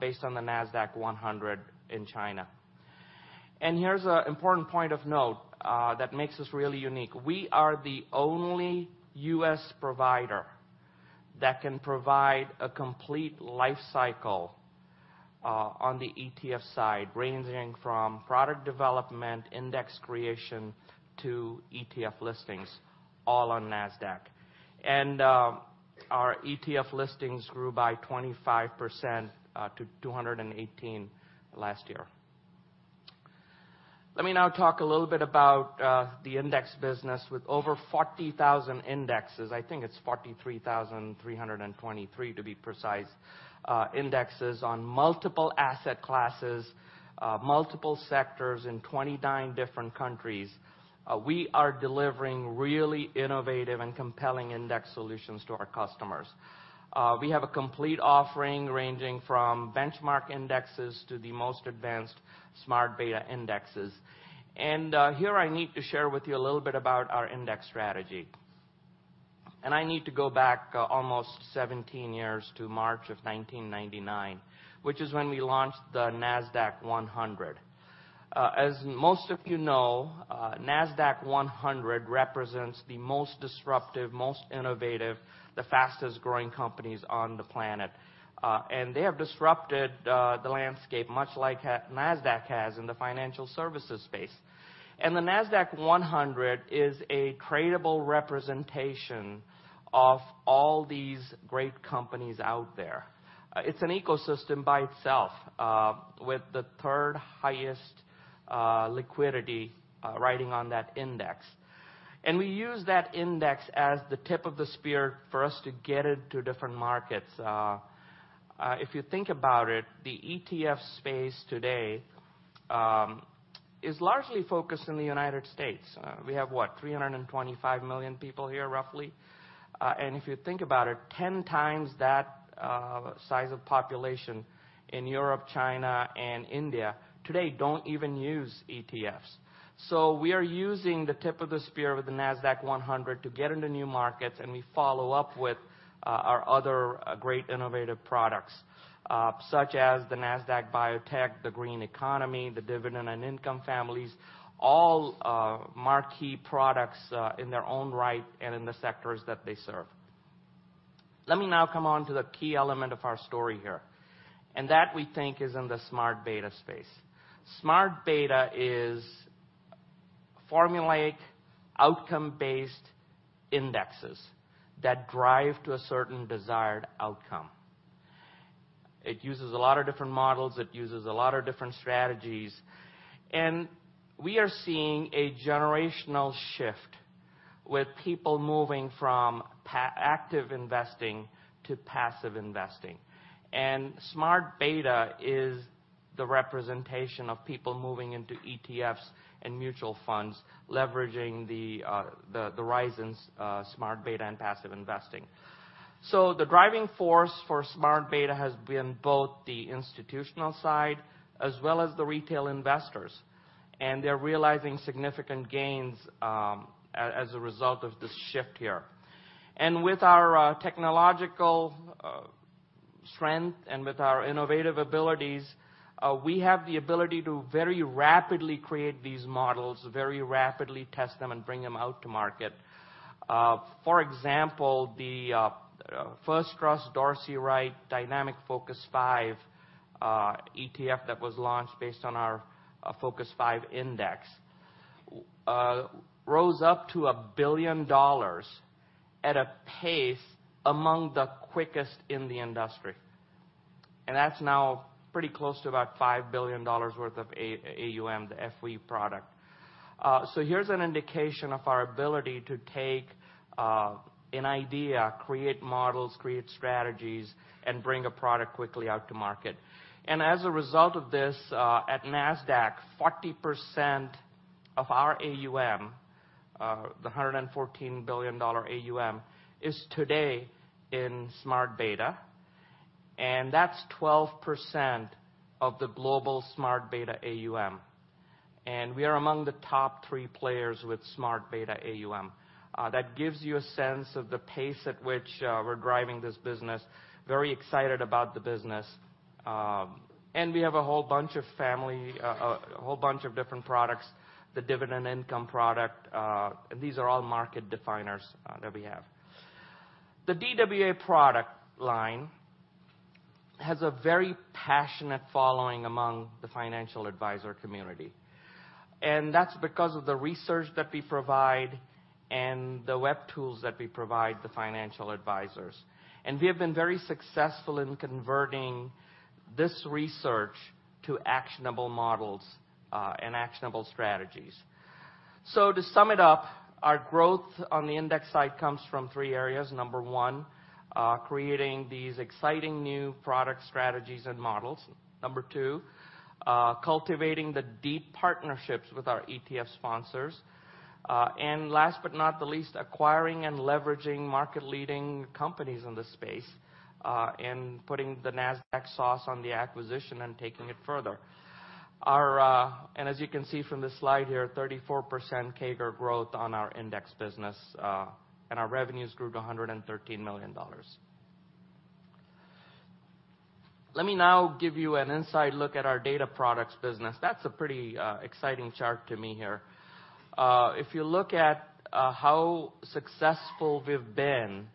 based on the Nasdaq-100 in China. Here's an important point of note that makes us really unique. We are the only U.S. provider that can provide a complete life cycle on the ETF side, ranging from product development, index creation, to ETF listings, all on Nasdaq. Our ETF listings grew by 25% to 218 last year. Let me now talk a little bit about the index business. With over 40,000 indexes, I think it's 43,323 to be precise, indexes on multiple asset classes, multiple sectors in 29 different countries. We are delivering really innovative and compelling index solutions to our customers. We have a complete offering ranging from benchmark indexes to the most advanced smart beta indexes. Here I need to share with you a little bit about our index strategy. I need to go back almost 17 years to March of 1999, which is when we launched the Nasdaq-100. As most of you know, Nasdaq-100 represents the most disruptive, most innovative, the fastest-growing companies on the planet. They have disrupted the landscape, much like Nasdaq has in the financial services space. The Nasdaq-100 is a tradable representation of all these great companies out there. It's an ecosystem by itself, with the third highest liquidity riding on that index. We use that index as the tip of the spear for us to get into different markets. If you think about it, the ETF space today is largely focused in the United States. We have, what? 325 million people here, roughly. If you think about it, 10 times that size of population in Europe, China, and India today don't even use ETFs. We are using the tip of the spear with the Nasdaq-100 to get into new markets, and we follow up with our other great innovative products, such as the Nasdaq Biotech, the Green Economy, the Dividend and Income families, all marquee products in their own right and in the sectors that they serve. Let me now come on to the key element of our story here, and that, we think, is in the smart beta space. Smart beta is formulaic, outcome-based indexes that drive to a certain desired outcome. It uses a lot of different models. It uses a lot of different strategies. We are seeing a generational shift, with people moving from active investing to passive investing. Smart beta is the representation of people moving into ETFs and mutual funds, leveraging the rise in smart beta and passive investing. The driving force for smart beta has been both the institutional side as well as the retail investors, and they're realizing significant gains as a result of this shift here. With our technological strength and with our innovative abilities, we have the ability to very rapidly create these models, very rapidly test them, and bring them out to market. For example, the First Trust Dorsey Wright Dynamic Focus 5 ETF that was launched based on our Focus 5 index rose up to $1 billion at a pace among the quickest in the industry. That's now pretty close to about $5 billion worth of AUM, the FV product. Here's an indication of our ability to take an idea, create models, create strategies, and bring a product quickly out to market. As a result of this, at Nasdaq, 40% of our AUM, the $114 billion AUM, is today in smart beta, and that's 12% of the global smart beta AUM. We are among the top three players with smart beta AUM. That gives you a sense of the pace at which we're driving this business. Very excited about the business. We have a whole bunch of different products, the dividend income product. These are all market definers that we have. The DWA product line has a very passionate following among the financial advisor community, that's because of the research that we provide and the web tools that we provide the financial advisors. We have been very successful in converting this research to actionable models and actionable strategies. To sum it up, our growth on the index side comes from three areas. Number one, creating these exciting new product strategies and models. Number two, cultivating the deep partnerships with our ETF sponsors. Last but not the least, acquiring and leveraging market-leading companies in this space, putting the Nasdaq sauce on the acquisition and taking it further. As you can see from this slide here, 34% CAGR growth on our index business, and our revenues grew to $113 million. Let me now give you an inside look at our data products business. That's a pretty exciting chart to me here. If you look at how successful we've been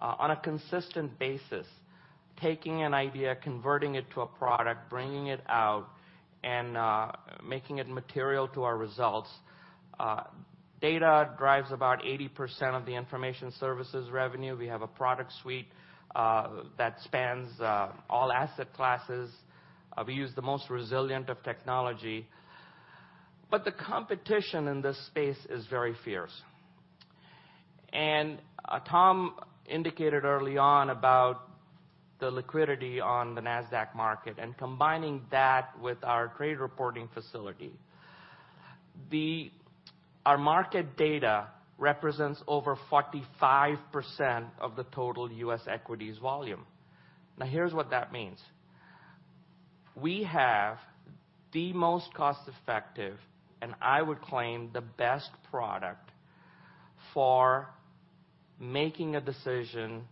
on a consistent basis, taking an idea, converting it to a product, bringing it out, and making it material to our results. Data drives about 80% of the information services revenue. We have a product suite that spans all asset classes. We use the most resilient of technology. The competition in this space is very fierce. Tom indicated early on about the liquidity on the Nasdaq market and combining that with our trade reporting facility. Our market data represents over 45% of the total U.S. equities volume. Here's what that means. We have the most cost-effective, and I would claim, the best product for making a decision,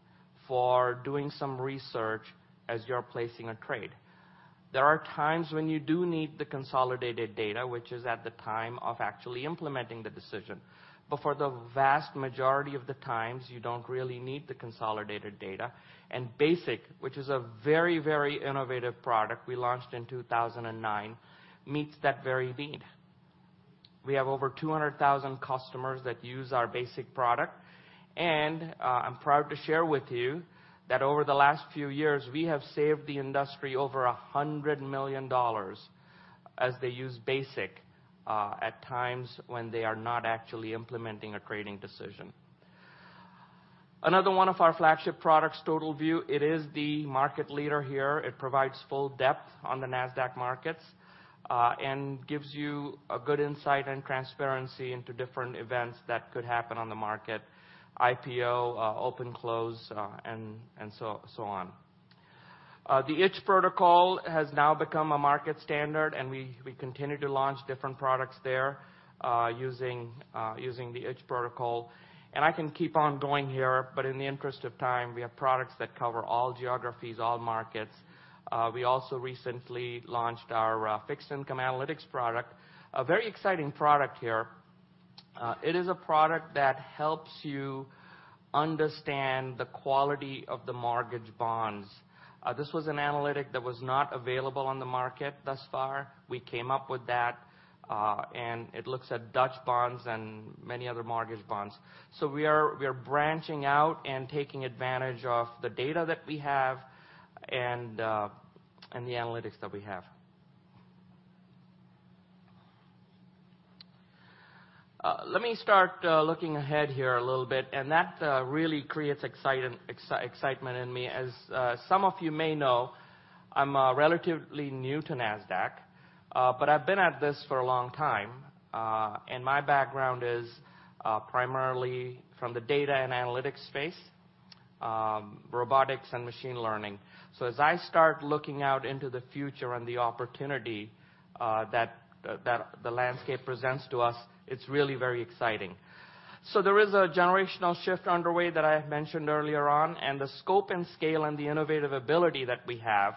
for doing some research as you're placing a trade. There are times when you do need the consolidated data, which is at the time of actually implementing the decision. For the vast majority of the times, you don't really need the consolidated data. Basic, which is a very innovative product we launched in 2009, meets that very need. We have over 200,000 customers that use our Basic product. I'm proud to share with you that over the last few years, we have saved the industry over $100 million as they use Basic at times when they are not actually implementing a trading decision. Another one of our flagship products, TotalView, it is the market leader here. It provides full depth on the Nasdaq markets and gives you a good insight and transparency into different events that could happen on the market, IPO, open, close, and so on. The ITCH protocol has now become a market standard, we continue to launch different products there, using the ITCH protocol. I can keep on going here, but in the interest of time, we have products that cover all geographies, all markets. We also recently launched our fixed income analytics product, a very exciting product here. It is a product that helps you understand the quality of the mortgage bonds. This was an analytic that was not available on the market thus far. We came up with that, it looks at Dutch bonds and many other mortgage bonds. We are branching out and taking advantage of the data that we have and the analytics that we have. Let me start looking ahead here a little bit, that really creates excitement in me. As some of you may know, I'm relatively new to Nasdaq, but I've been at this for a long time. My background is primarily from the data and analytics space, robotics and machine learning. As I start looking out into the future and the opportunity that the landscape presents to us, it's really very exciting. There is a generational shift underway that I have mentioned earlier on, and the scope and scale and the innovative ability that we have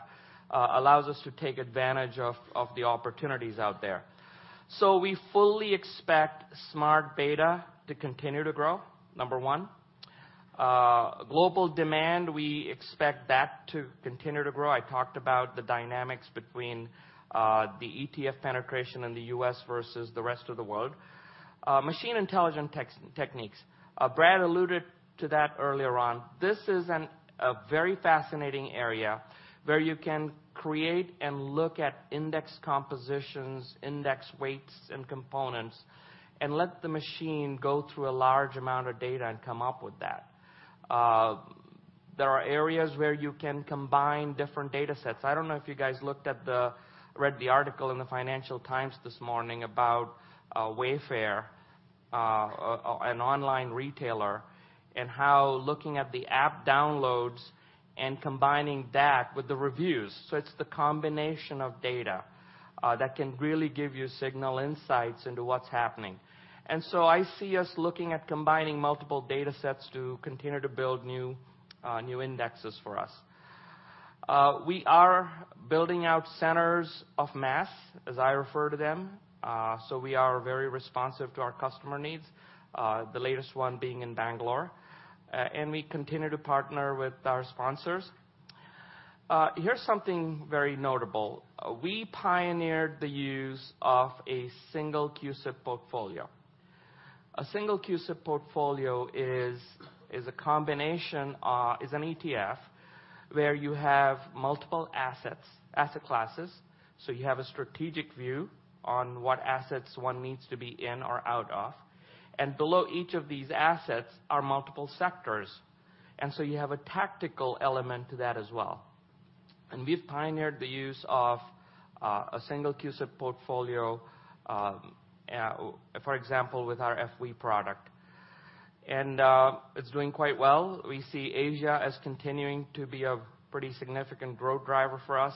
allows us to take advantage of the opportunities out there. We fully expect smart beta to continue to grow, number one. Global demand, we expect that to continue to grow. I talked about the dynamics between the ETF penetration in the U.S. versus the rest of the world. Machine intelligence techniques. Brad alluded to that earlier on. This is a very fascinating area where you can create and look at index compositions, index weights, and components, and let the machine go through a large amount of data and come up with that. There are areas where you can combine different data sets. I don't know if you guys read the article in the Financial Times this morning about Wayfair, an online retailer, and how looking at the app downloads and combining that with the reviews. It's the combination of data that can really give you signal insights into what's happening. I see us looking at combining multiple data sets to continue to build new indexes for us. We are building out centers of mass, as I refer to them. We are very responsive to our customer needs, the latest one being in Bangalore, and we continue to partner with our sponsors. Here's something very notable. We pioneered the use of a single CUSIP portfolio. A single CUSIP portfolio is an ETF where you have multiple asset classes. You have a strategic view on what assets one needs to be in or out of. Below each of these assets are multiple sectors. You have a tactical element to that as well. We've pioneered the use of a single CUSIP portfolio, for example, with our FWE product. It's doing quite well. We see Asia as continuing to be a pretty significant growth driver for us.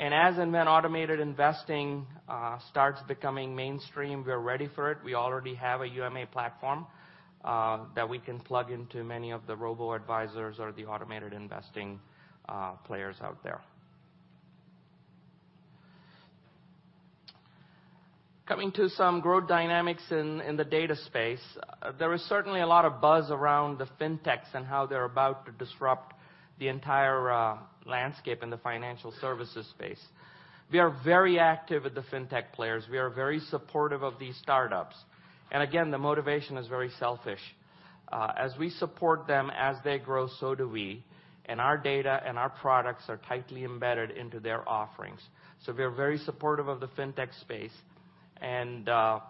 As and when automated investing starts becoming mainstream, we're ready for it. We already have a UMA platform that we can plug into many of the robo-advisors or the automated investing players out there. Coming to some growth dynamics in the data space, there is certainly a lot of buzz around the Fintechs and how they're about to disrupt the entire landscape in the financial services space. We are very active with the Fintech players. We are very supportive of these startups. Again, the motivation is very selfish. As we support them as they grow, so do we, and our data and our products are tightly embedded into their offerings. We are very supportive of the Fintech space. Where are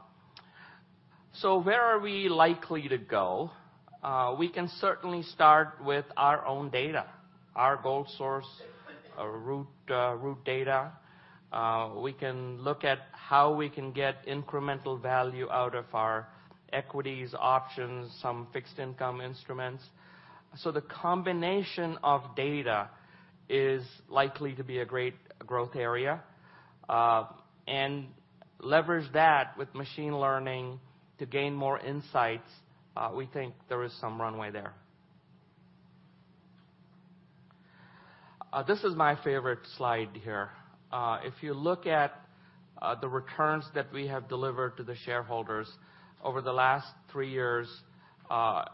we likely to go? We can certainly start with our own data, our gold source, our root data. We can look at how we can get incremental value out of our equities options, some fixed income instruments. The combination of data is likely to be a great growth area, and leverage that with machine learning to gain more insights. We think there is some runway there. This is my favorite slide here. If you look at the returns that we have delivered to the shareholders over the last three years, on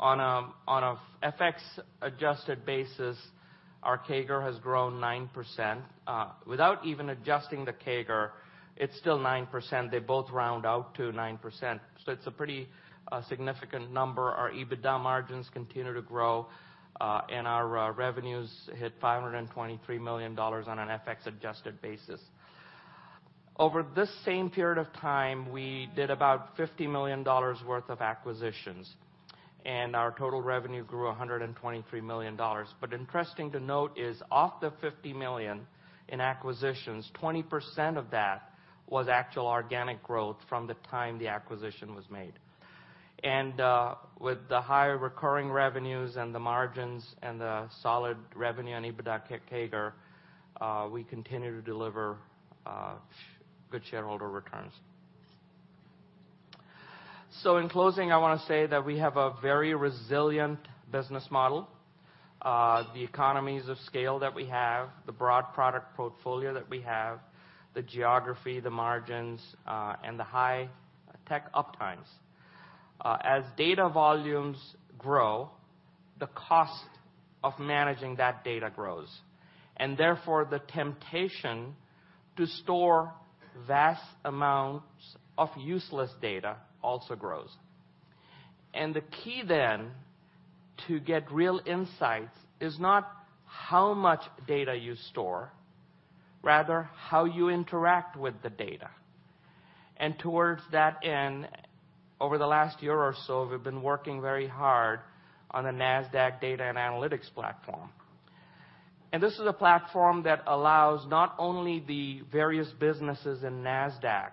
a FX-adjusted basis, our CAGR has grown 9%. Without even adjusting the CAGR, it's still 9%. They both round out to 9%, so it's a pretty significant number. Our EBITDA margins continue to grow, and our revenues hit $523 million on an FX-adjusted basis. Over this same period of time, we did about $50 million worth of acquisitions, and our total revenue grew $123 million. Interesting to note is off the $50 million in acquisitions, 20% of that was actual organic growth from the time the acquisition was made. With the higher recurring revenues and the margins and the solid revenue and EBITDA CAGR, we continue to deliver good shareholder returns. In closing, I want to say that we have a very resilient business model. The economies of scale that we have, the broad product portfolio that we have, the geography, the margins, and the high tech uptimes. As data volumes grow, the cost of managing that data grows, and therefore the temptation to store vast amounts of useless data also grows. The key then to get real insights is not how much data you store, rather how you interact with the data. Towards that end, over the last year or so, we've been working very hard on the Nasdaq Data and Analytics platform. This is a platform that allows not only the various businesses in Nasdaq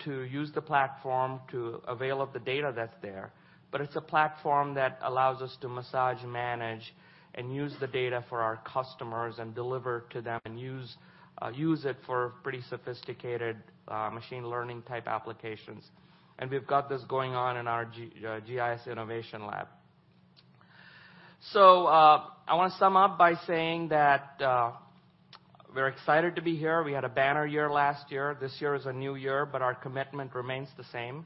to use the platform to avail of the data that's there, but it's a platform that allows us to massage, manage, and use the data for our customers and deliver to them and use it for pretty sophisticated machine learning type applications. We've got this going on in our GIS innovation lab. I want to sum up by saying that we're excited to be here. We had a banner year last year. This year is a new year, but our commitment remains the same,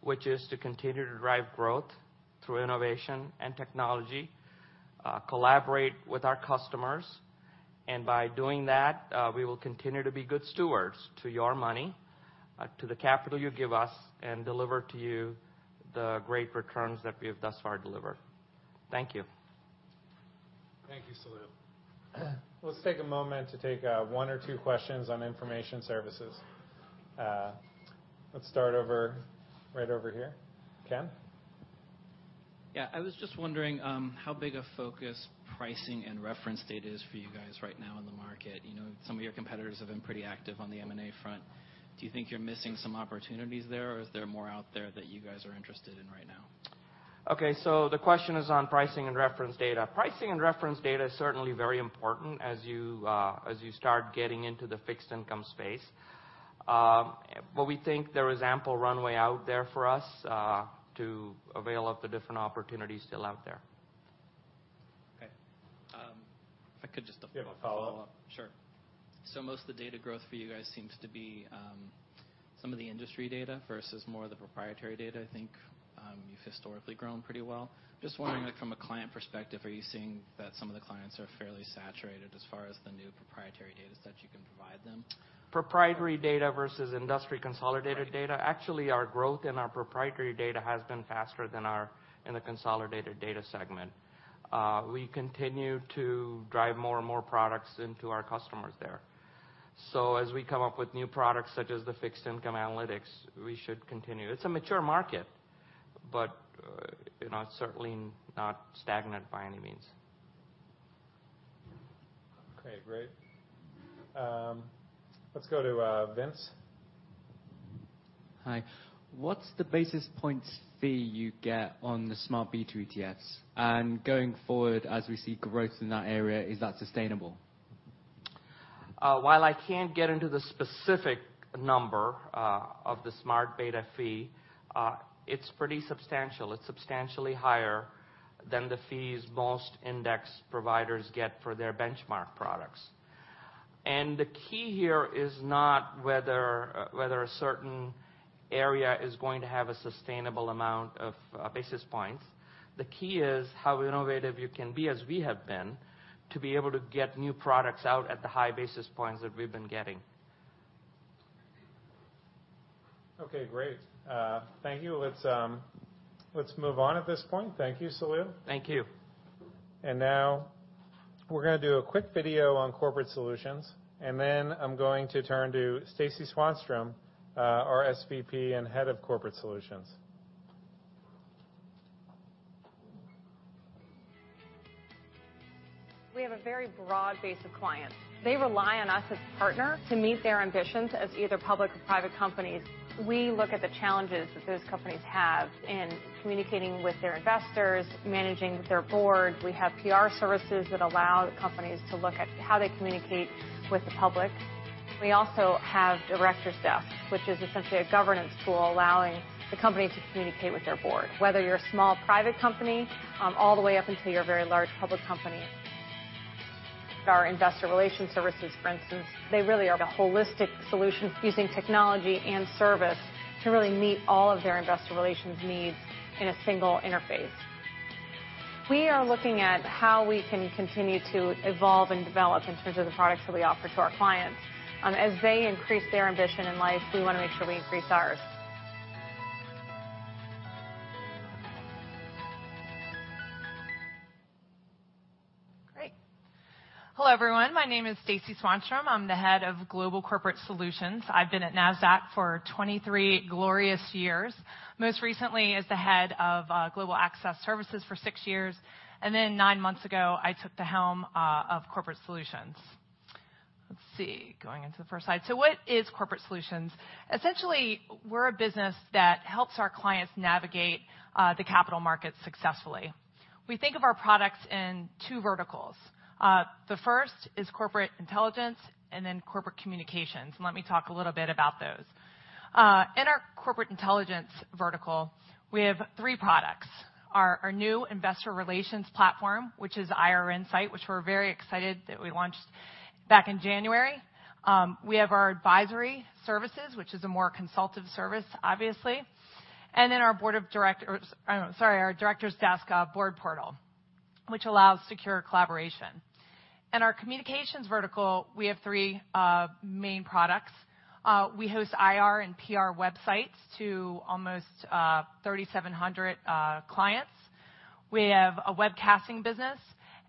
which is to continue to drive growth through innovation and technology, collaborate with our customers, and by doing that, we will continue to be good stewards to your money, to the capital you give us, and deliver to you the great returns that we have thus far delivered. Thank you. Thank you, Salil. Let's take a moment to take one or two questions on information services. Let's start over, right over here. Ken? Yeah. I was just wondering how big a focus pricing and reference data is for you guys right now in the market. Some of your competitors have been pretty active on the M&A front. Do you think you're missing some opportunities there, or is there more out there that you guys are interested in right now? Okay, the question is on pricing and reference data. Pricing and reference data is certainly very important as you start getting into the fixed income space. We think there is ample runway out there for us to avail of the different opportunities still out there. Okay. If I could just. You have a follow-up? Sure. Most of the data growth for you guys seems to be some of the industry data versus more the proprietary data, I think, you've historically grown pretty well. Just wondering from a client perspective, are you seeing that some of the clients are fairly saturated as far as the new proprietary data sets you can provide them? Proprietary data versus industry consolidated data. Actually, our growth in our proprietary data has been faster than in the consolidated data segment. We continue to drive more and more products into our customers there. As we come up with new products such as the fixed income analytics, we should continue. It's a mature market, but certainly not stagnant by any means. Okay, great. Let's go to Vince. Hi. What's the basis points fee you get on the smart beta ETFs? Going forward, as we see growth in that area, is that sustainable? While I can't get into the specific number of the smart beta fee, it's pretty substantial. It's substantially higher than the fees most index providers get for their benchmark products. The key here is not whether a certain area is going to have a sustainable amount of basis points. The key is how innovative you can be, as we have been, to be able to get new products out at the high basis points that we've been getting. Okay, great. Thank you. Let's move on at this point. Thank you, Salil. Thank you. Now, we're going to do a quick video on Corporate Solutions, then I'm going to turn to Stacie Swanstrom, our SVP and Head of Corporate Solutions. We have a very broad base of clients. They rely on us as a partner to meet their ambitions as either public or private companies. We look at the challenges that those companies have in communicating with their investors, managing their board. We have PR services that allow the companies to look at how they communicate with the public. We also have Directors Desk, which is essentially a governance tool, allowing the company to communicate with their board, whether you are a small private company, all the way up until you are a very large public company. Our investor relation services, for instance, they really are the holistic solution, using technology and service to really meet all of their investor relations needs in a single interface. We are looking at how we can continue to evolve and develop in terms of the products that we offer to our clients. As they increase their ambition in life, we want to make sure we increase ours. Great. Hello, everyone. My name is Stacie Swanstrom. I am the Head of Global Corporate Solutions. I have been at Nasdaq for 23 glorious years, most recently as the Head of Global Access Services for 6 years, then 9 months ago, I took the helm of Corporate Solutions. Let's see, going into the first slide. What is Corporate Solutions? Essentially, we are a business that helps our clients navigate the capital market successfully. We think of our products in two verticals. The first is corporate intelligence and then corporate communications, and let me talk a little bit about those. In our corporate intelligence vertical, we have three products. Our new investor relations platform, which is IR Insight, which we are very excited that we launched back in January. We have our advisory services, which is a more consultative service, obviously. Then our Directors Desk board portal, which allows secure collaboration. In our communications vertical, we have three main products. We host IR and PR websites to almost 3,700 clients. We have a webcasting business,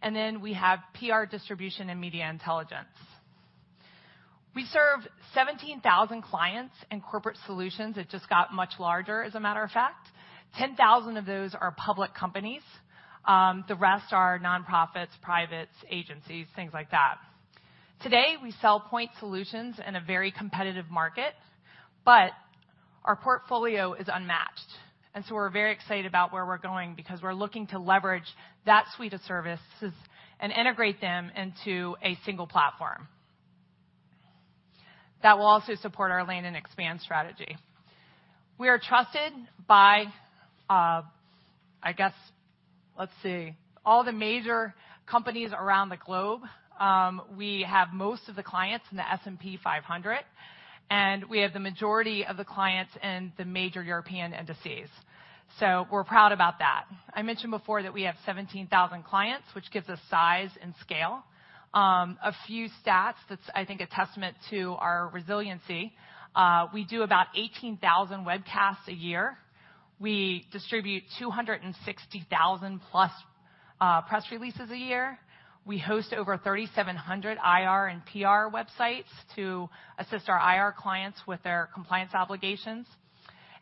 and then we have PR distribution and media intelligence. We serve 17,000 clients in Corporate Solutions. It just got much larger, as a matter of fact. 10,000 of those are public companies. The rest are nonprofits, privates, agencies, things like that. Today, we sell point solutions in a very competitive market, our portfolio is unmatched. We are very excited about where we are going because we are looking to leverage that suite of services and integrate them into a single platform. That will also support our land and expand strategy. We are trusted by, let's see, all the major companies around the globe. We have most of the clients in the S&P 500, we have the majority of the clients in the major European indices. We're proud about that. I mentioned before that we have 17,000 clients, which gives us size and scale. A few stats that's, I think, a testament to our resiliency. We do about 18,000 webcasts a year. We distribute 260,000-plus press releases a year. We host over 3,700 IR and PR websites to assist our IR clients with their compliance obligations.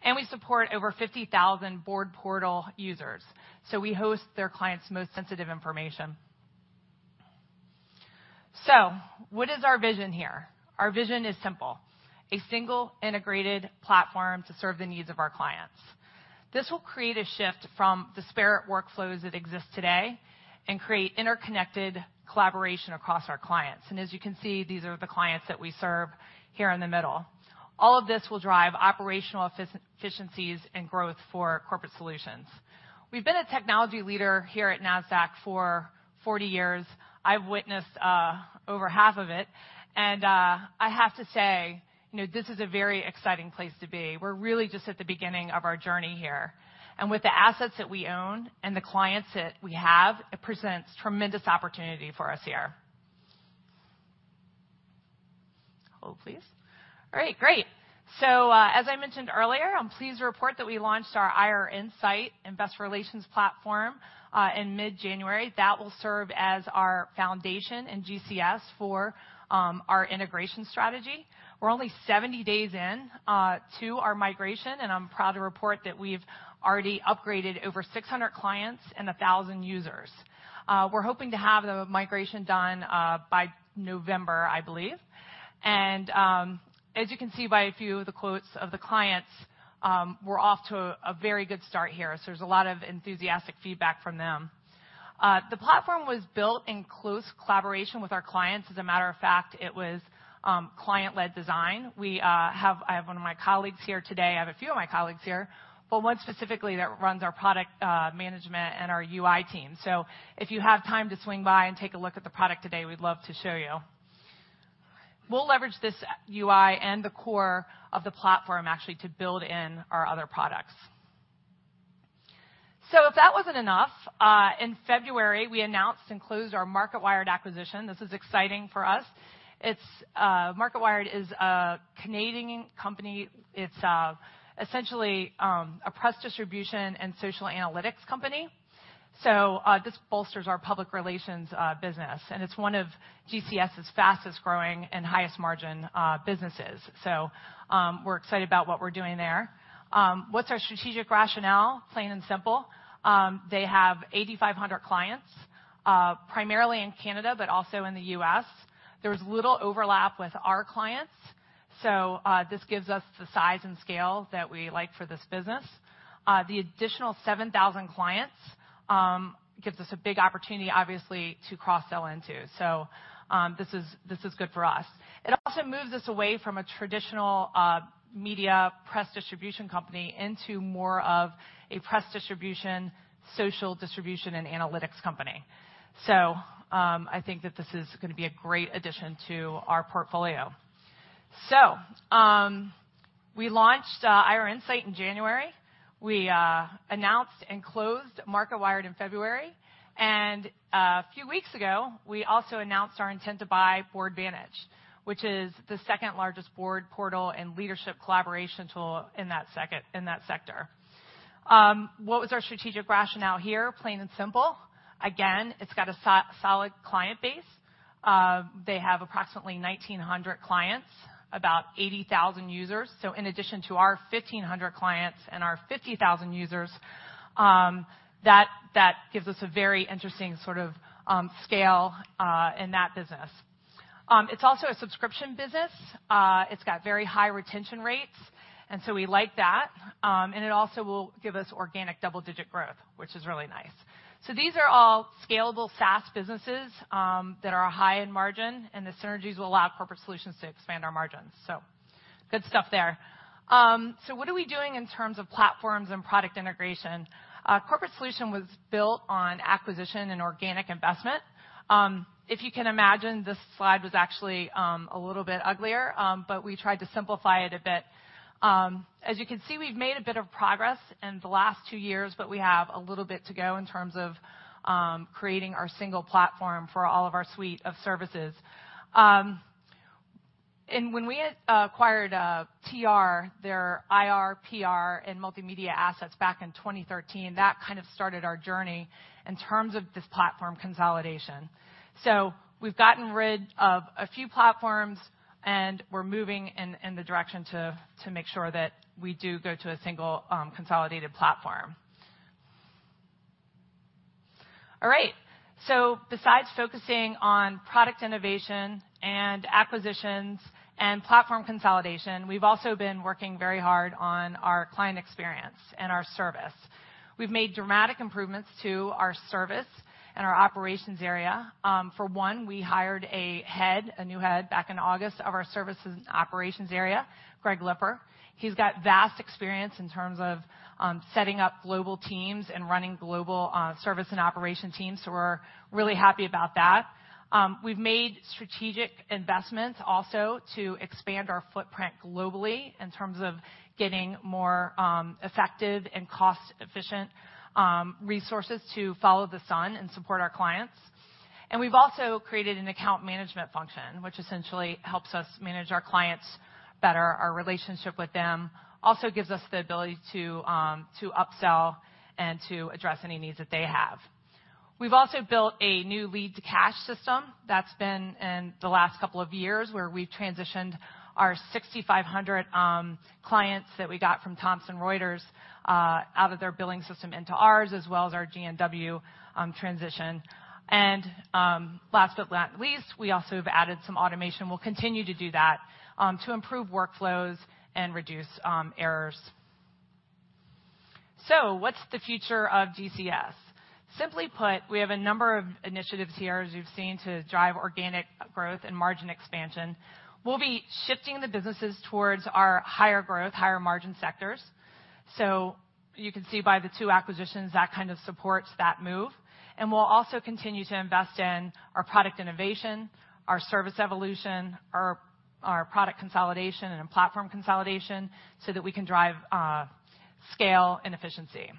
We support over 50,000 board portal users, so we host their clients' most sensitive information. What is our vision here? Our vision is simple, a single integrated platform to serve the needs of our clients. This will create a shift from disparate workflows that exist today and create interconnected collaboration across our clients. As you can see, these are the clients that we serve here in the middle. All of this will drive operational efficiencies and growth for Corporate Solutions. We've been a technology leader here at Nasdaq for 40 years. I've witnessed over half of it, and I have to say, this is a very exciting place to be. We're really just at the beginning of our journey here. With the assets that we own and the clients that we have, it presents tremendous opportunity for us here. Hold, please. All right, great. As I mentioned earlier, I'm pleased to report that we launched our IR Insight Investor Relations platform in mid-January. That will serve as our foundation in GCS for our integration strategy. We're only 70 days in to our migration, and I'm proud to report that we've already upgraded over 600 clients and 1,000 users. We're hoping to have the migration done by November, I believe. As you can see by a few of the quotes of the clients, we're off to a very good start here. There's a lot of enthusiastic feedback from them. The platform was built in close collaboration with our clients. As a matter of fact, it was client-led design. I have one of my colleagues here today. I have a few of my colleagues here, but one specifically that runs our product management and our UI team. If you have time to swing by and take a look at the product today, we'd love to show you. We'll leverage this UI and the core of the platform actually to build in our other products. If that wasn't enough, in February, we announced and closed our Marketwired acquisition. This is exciting for us. Marketwired is a Canadian company. It's essentially a press distribution and social analytics company. This bolsters our public relations business, and it's one of GCS's fastest-growing and highest margin businesses. We're excited about what we're doing there. What's our strategic rationale? Plain and simple. They have 8,500 clients, primarily in Canada, but also in the U.S. There's little overlap with our clients, this gives us the size and scale that we like for this business. The additional 7,000 clients gives us a big opportunity, obviously, to cross-sell into. This is good for us. It also moves us away from a traditional media press distribution company into more of a press distribution, social distribution, and analytics company. I think that this is going to be a great addition to our portfolio. We launched IR Insight in January. We announced and closed MarketWired in February. A few weeks ago, we also announced our intent to buy Boardvantage, which is the second-largest board portal and leadership collaboration tool in that sector. What was our strategic rationale here? Plain and simple. Again, it's got a solid client base. They have approximately 1,900 clients, about 80,000 users. In addition to our 1,500 clients and our 50,000 users, that gives us a very interesting sort of scale in that business. It's also a subscription business. It's got very high retention rates, and we like that. It also will give us organic double-digit growth, which is really nice. These are all scalable SaaS businesses that are high in margin, and the synergies will allow Corporate Solutions to expand our margins. Good stuff there. What are we doing in terms of platforms and product integration? Corporate Solutions was built on acquisition and organic investment. If you can imagine, this slide was actually a little bit uglier, but we tried to simplify it a bit. As you can see, we've made a bit of progress in the last two years, but we have a little bit to go in terms of creating our single platform for all of our suite of services. When we acquired TR, their IR, PR, and multimedia assets back in 2013, that kind of started our journey in terms of this platform consolidation. We've gotten rid of a few platforms, and we're moving in the direction to make sure that we do go to a single consolidated platform. All right. Besides focusing on product innovation and acquisitions and platform consolidation, we've also been working very hard on our client experience and our service. We've made dramatic improvements to our service and our operations area. For one, we hired a new head back in August of our services and operations area, Greg Lipper. He's got vast experience in terms of setting up global teams and running global service and operation teams, so we're really happy about that. We've made strategic investments also to expand our footprint globally in terms of getting more effective and cost-efficient resources to follow the sun and support our clients. We've also created an account management function, which essentially helps us manage our clients better, our relationship with them. Also gives us the ability to upsell and to address any needs that they have. We've also built a new lead-to-cash system that's been in the last couple of years, where we've transitioned our 6,500 clients that we got from Thomson Reuters out of their billing system into ours, as well as our GNW transition. Last but not least, we also have added some automation. We'll continue to do that to improve workflows and reduce errors. What's the future of GCS? Simply put, we have a number of initiatives here, as you've seen, to drive organic growth and margin expansion. We'll be shifting the businesses towards our higher growth, higher margin sectors. You can see by the two acquisitions, that kind of supports that move. We'll also continue to invest in our product innovation, our service evolution, our product consolidation, and platform consolidation so that we can drive scale and efficiency.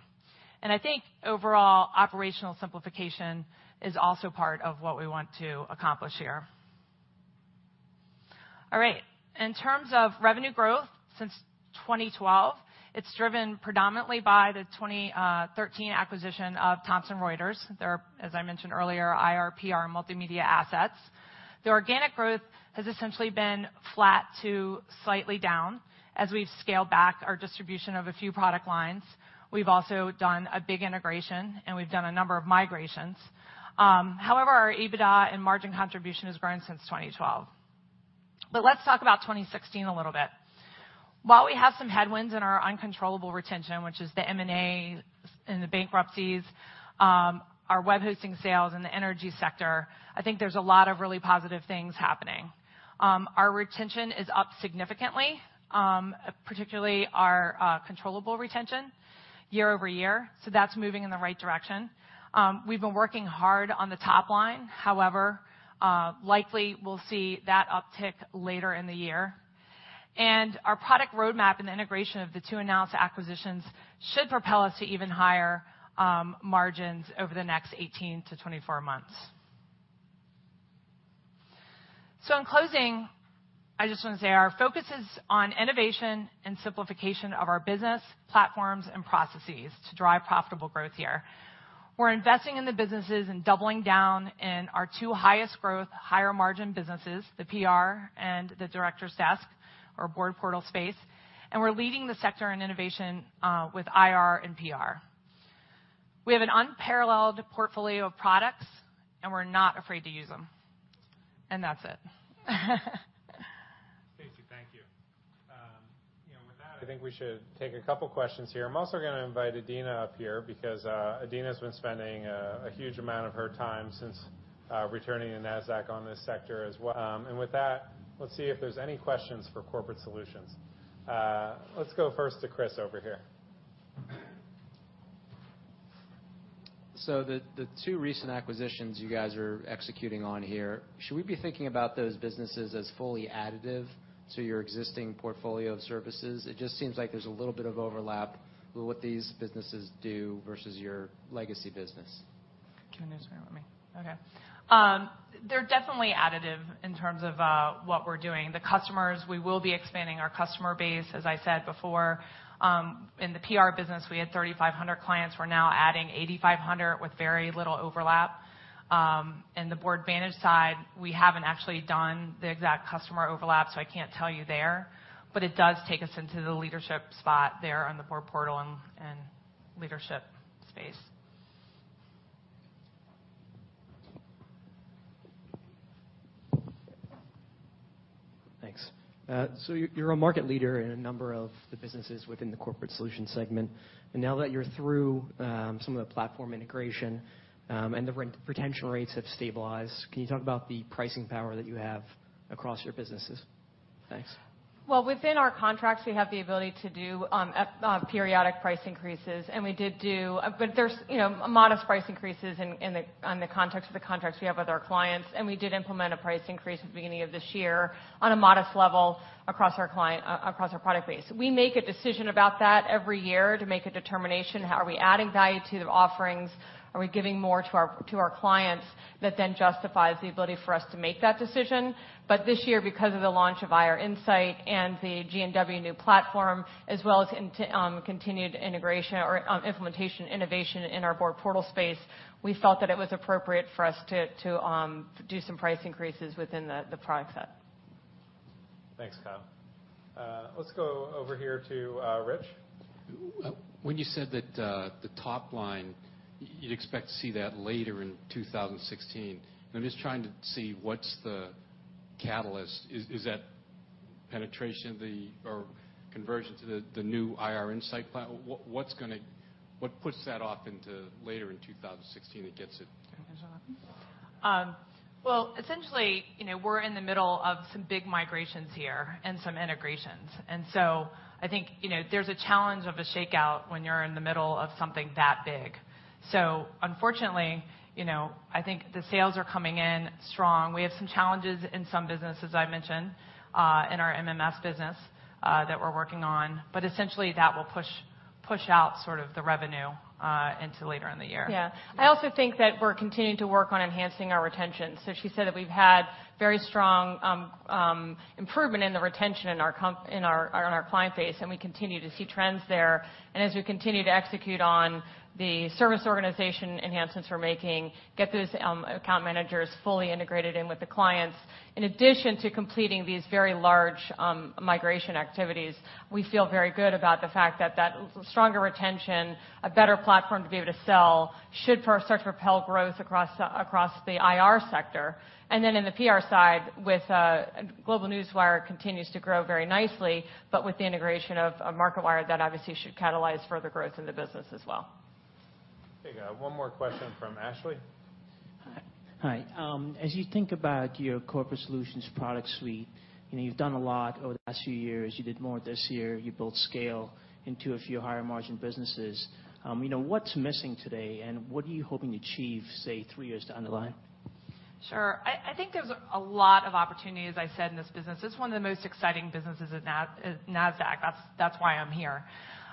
I think overall, operational simplification is also part of what we want to accomplish here. All right. In terms of revenue growth since 2012, it's driven predominantly by the 2013 acquisition of Thomson Reuters, their, as I mentioned earlier, IR, PR, and multimedia assets. The organic growth has essentially been flat to slightly down as we've scaled back our distribution of a few product lines. We've also done a big integration, and we've done a number of migrations. Our EBITDA and margin contribution has grown since 2012. Let's talk about 2016 a little bit. While we have some headwinds in our uncontrollable retention, which is the M&As and the bankruptcies, our web hosting sales in the energy sector, I think there's a lot of really positive things happening. Our retention is up significantly, particularly our controllable retention year-over-year. That's moving in the right direction. We've been working hard on the top line. Likely we'll see that uptick later in the year. Our product roadmap and the integration of the two announced acquisitions should propel us to even higher margins over the next 18 to 24 months. In closing, I just want to say our focus is on innovation and simplification of our business platforms and processes to drive profitable growth here. We're investing in the businesses and doubling down in our two highest growth, higher margin businesses, the PR and the Directors Desk, or board portal space, we're leading the sector in innovation with IR and PR. We have an unparalleled portfolio of products, and we're not afraid to use them. That's it. Stacey, thank you. With that, I think we should take a couple questions here. I'm also going to invite Adena up here because Adena's been spending a huge amount of her time since returning to Nasdaq on this sector as well. With that, let's see if there's any questions for Corporate Solutions. Let's go first to Chris over here. The two recent acquisitions you guys are executing on here, should we be thinking about those businesses as fully additive to your existing portfolio of services? It just seems like there's a little bit of overlap with what these businesses do versus your legacy business. Do you want to answer or me? Okay. They're definitely additive in terms of what we're doing. The customers, we will be expanding our customer base, as I said before. In the PR business, we had 3,500 clients. We're now adding 8,500 with very little overlap. In the Boardvantage side, we haven't actually done the exact customer overlap, so I can't tell you there, but it does take us into the leadership spot there on the board portal and leadership space. Thanks. You're a market leader in a number of the businesses within the Corporate Solution segment. Now that you're through some of the platform integration, and the retention rates have stabilized, can you talk about the pricing power that you have across your businesses? Thanks. Well, within our contracts, we have the ability to do periodic price increases, and we did do. There's modest price increases on the context of the contracts we have with our clients, and we did implement a price increase at the beginning of this year on a modest level across our product base. We make a decision about that every year to make a determination. Are we adding value to the offerings? Are we giving more to our clients that then justifies the ability for us to make that decision? This year, because of the launch of IR Insight and the GNW new platform, as well as continued integration or implementation innovation in our board portal space, we felt that it was appropriate for us to do some price increases within the product set. Thanks, Kyle. Let's go over here to Rich. When you said that the top line, you'd expect to see that later in 2016, I'm just trying to see what's the catalyst. Is that penetration of the or conversion to the new IR Insight plan? What puts that off into later in 2016 that gets it- You want to jump in? Well, essentially, we're in the middle of some big migrations here and some integrations. I think there's a challenge of a shakeout when you're in the middle of something that big. Unfortunately, I think the sales are coming in strong. We have some challenges in some businesses I've mentioned, in our MMS business that we're working on. Essentially that will push out the revenue into later in the year. Yeah. I also think that we're continuing to work on enhancing our retention. She said that we've had very strong improvement in the retention in our client base, and we continue to see trends there. As we continue to execute on the service organization enhancements we're making, get those account managers fully integrated in with the clients. In addition to completing these very large migration activities, we feel very good about the fact that stronger retention, a better platform to be able to sell should propel growth across the IR sector. In the PR side with GlobeNewswire continues to grow very nicely, but with the integration of Marketwired, that obviously should catalyze further growth in the business as well. Okay, got one more question from Ashley. Hi. As you think about your Corporate Solutions product suite, you've done a lot over the last few years. You did more this year. You built scale into a few higher margin businesses. What's missing today, and what are you hoping to achieve, say, three years down the line? Sure. I think there's a lot of opportunity, as I said, in this business. This is one of the most exciting businesses at Nasdaq. That's why I'm here.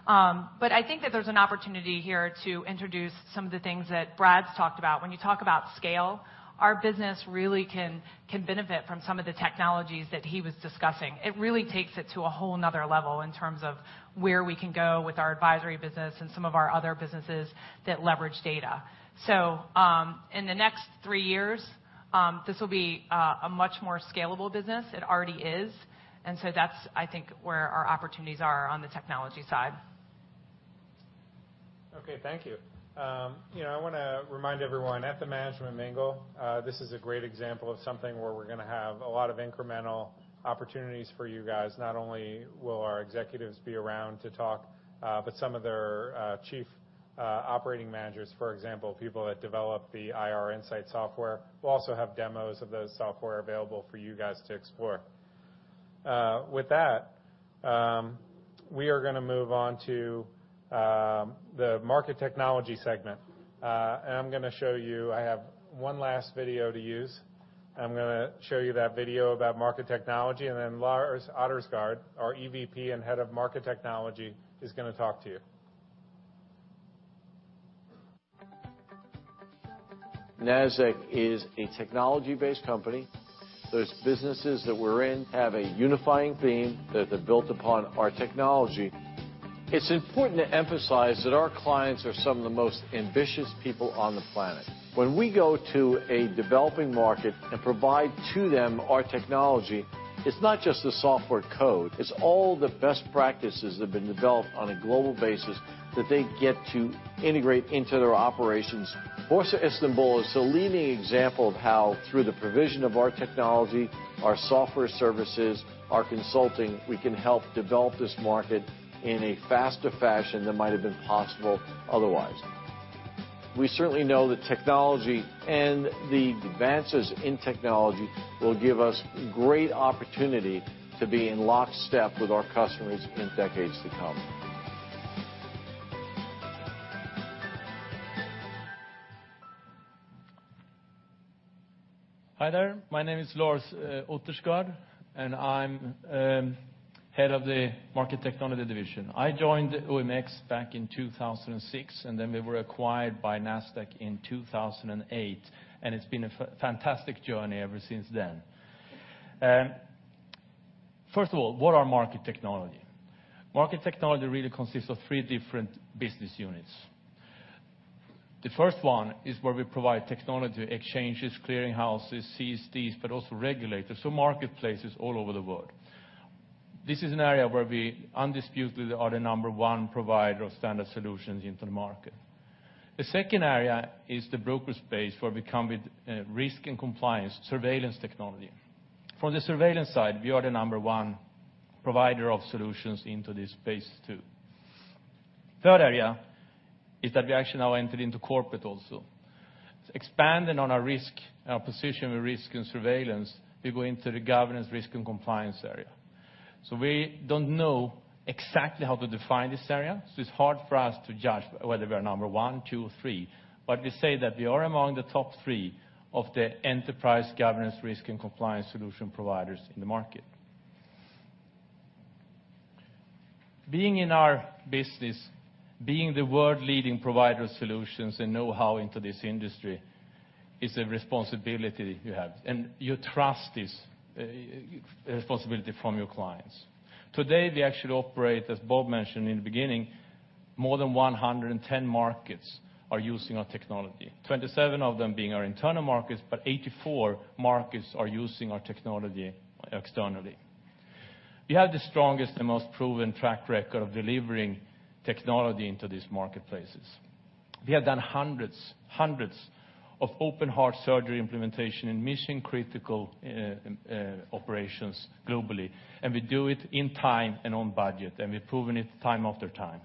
I think that there's an opportunity here to introduce some of the things that Brad's talked about. When you talk about scale, our business really can benefit from some of the technologies that he was discussing. It really takes it to a whole another level in terms of where we can go with our advisory business and some of our other businesses that leverage data. In the next three years, this will be a much more scalable business. It already is. That's I think, where our opportunities are on the technology side. Okay. Thank you. I want to remind everyone at the Management Mingle, this is a great example of something where we're going to have a lot of incremental opportunities for you guys. Not only will our executives be around to talk, but some of their chief operating managers, for example, people that develop the IR Insight software, will also have demos of those software available for you guys to explore. With that, we are going to move on to the Market Technology segment. I'm going to show you, I have one last video to use. I'm going to show you that video about Market Technology, and then Lars Ottersgård, our EVP and head of Market Technology, is going to talk to you. Nasdaq is a technology-based company. Those businesses that we're in have a unifying theme that are built upon our technology. It's important to emphasize that our clients are some of the most ambitious people on the planet. When we go to a developing market and provide to them our technology, it's not just the software code. It's all the best practices that have been developed on a global basis that they get to integrate into their operations. Borsa İstanbul is the leading example of how, through the provision of our technology, our software services, our consulting, we can help develop this market in a faster fashion than might have been possible otherwise. We certainly know that technology and the advances in technology will give us great opportunity to be in lockstep with our customers in decades to come. Hi there. My name is Lars Ottersgård, and I'm head of the market technology division. I joined OMX back in 2006. Then we were acquired by Nasdaq in 2008, and it's been a fantastic journey ever since then. First of all, what are market technology? Market technology really consists of three different business units. The first one is where we provide technology, exchanges, clearinghouses, CSDs, but also regulators, so marketplaces all over the world. This is an area where we undisputedly are the number one provider of standard solutions into the market. The second area is the broker space, where we come with risk and compliance surveillance technology. From the surveillance side, we are the number one provider of solutions into this space, too. Third area is that we actually now entered into corporate also. Expanding on our risk, our position with risk and surveillance, we go into the Governance, Risk, and Compliance area. We don't know exactly how to define this area, so it's hard for us to judge whether we are number one, two, or three. We say that we are among the top three of the enterprise Governance, Risk, and Compliance solution providers in the market. Being in our business, being the world leading provider of solutions and know-how into this industry is a responsibility you have, and you trust this responsibility from your clients. Today, we actually operate, as Bob mentioned in the beginning, more than 110 markets are using our technology, 27 of them being our internal markets, but 84 markets are using our technology externally. We have the strongest and most proven track record of delivering technology into these marketplaces. We have done hundreds of open heart surgery implementation and mission-critical operations globally, and we do it in time and on budget, and we've proven it time after time.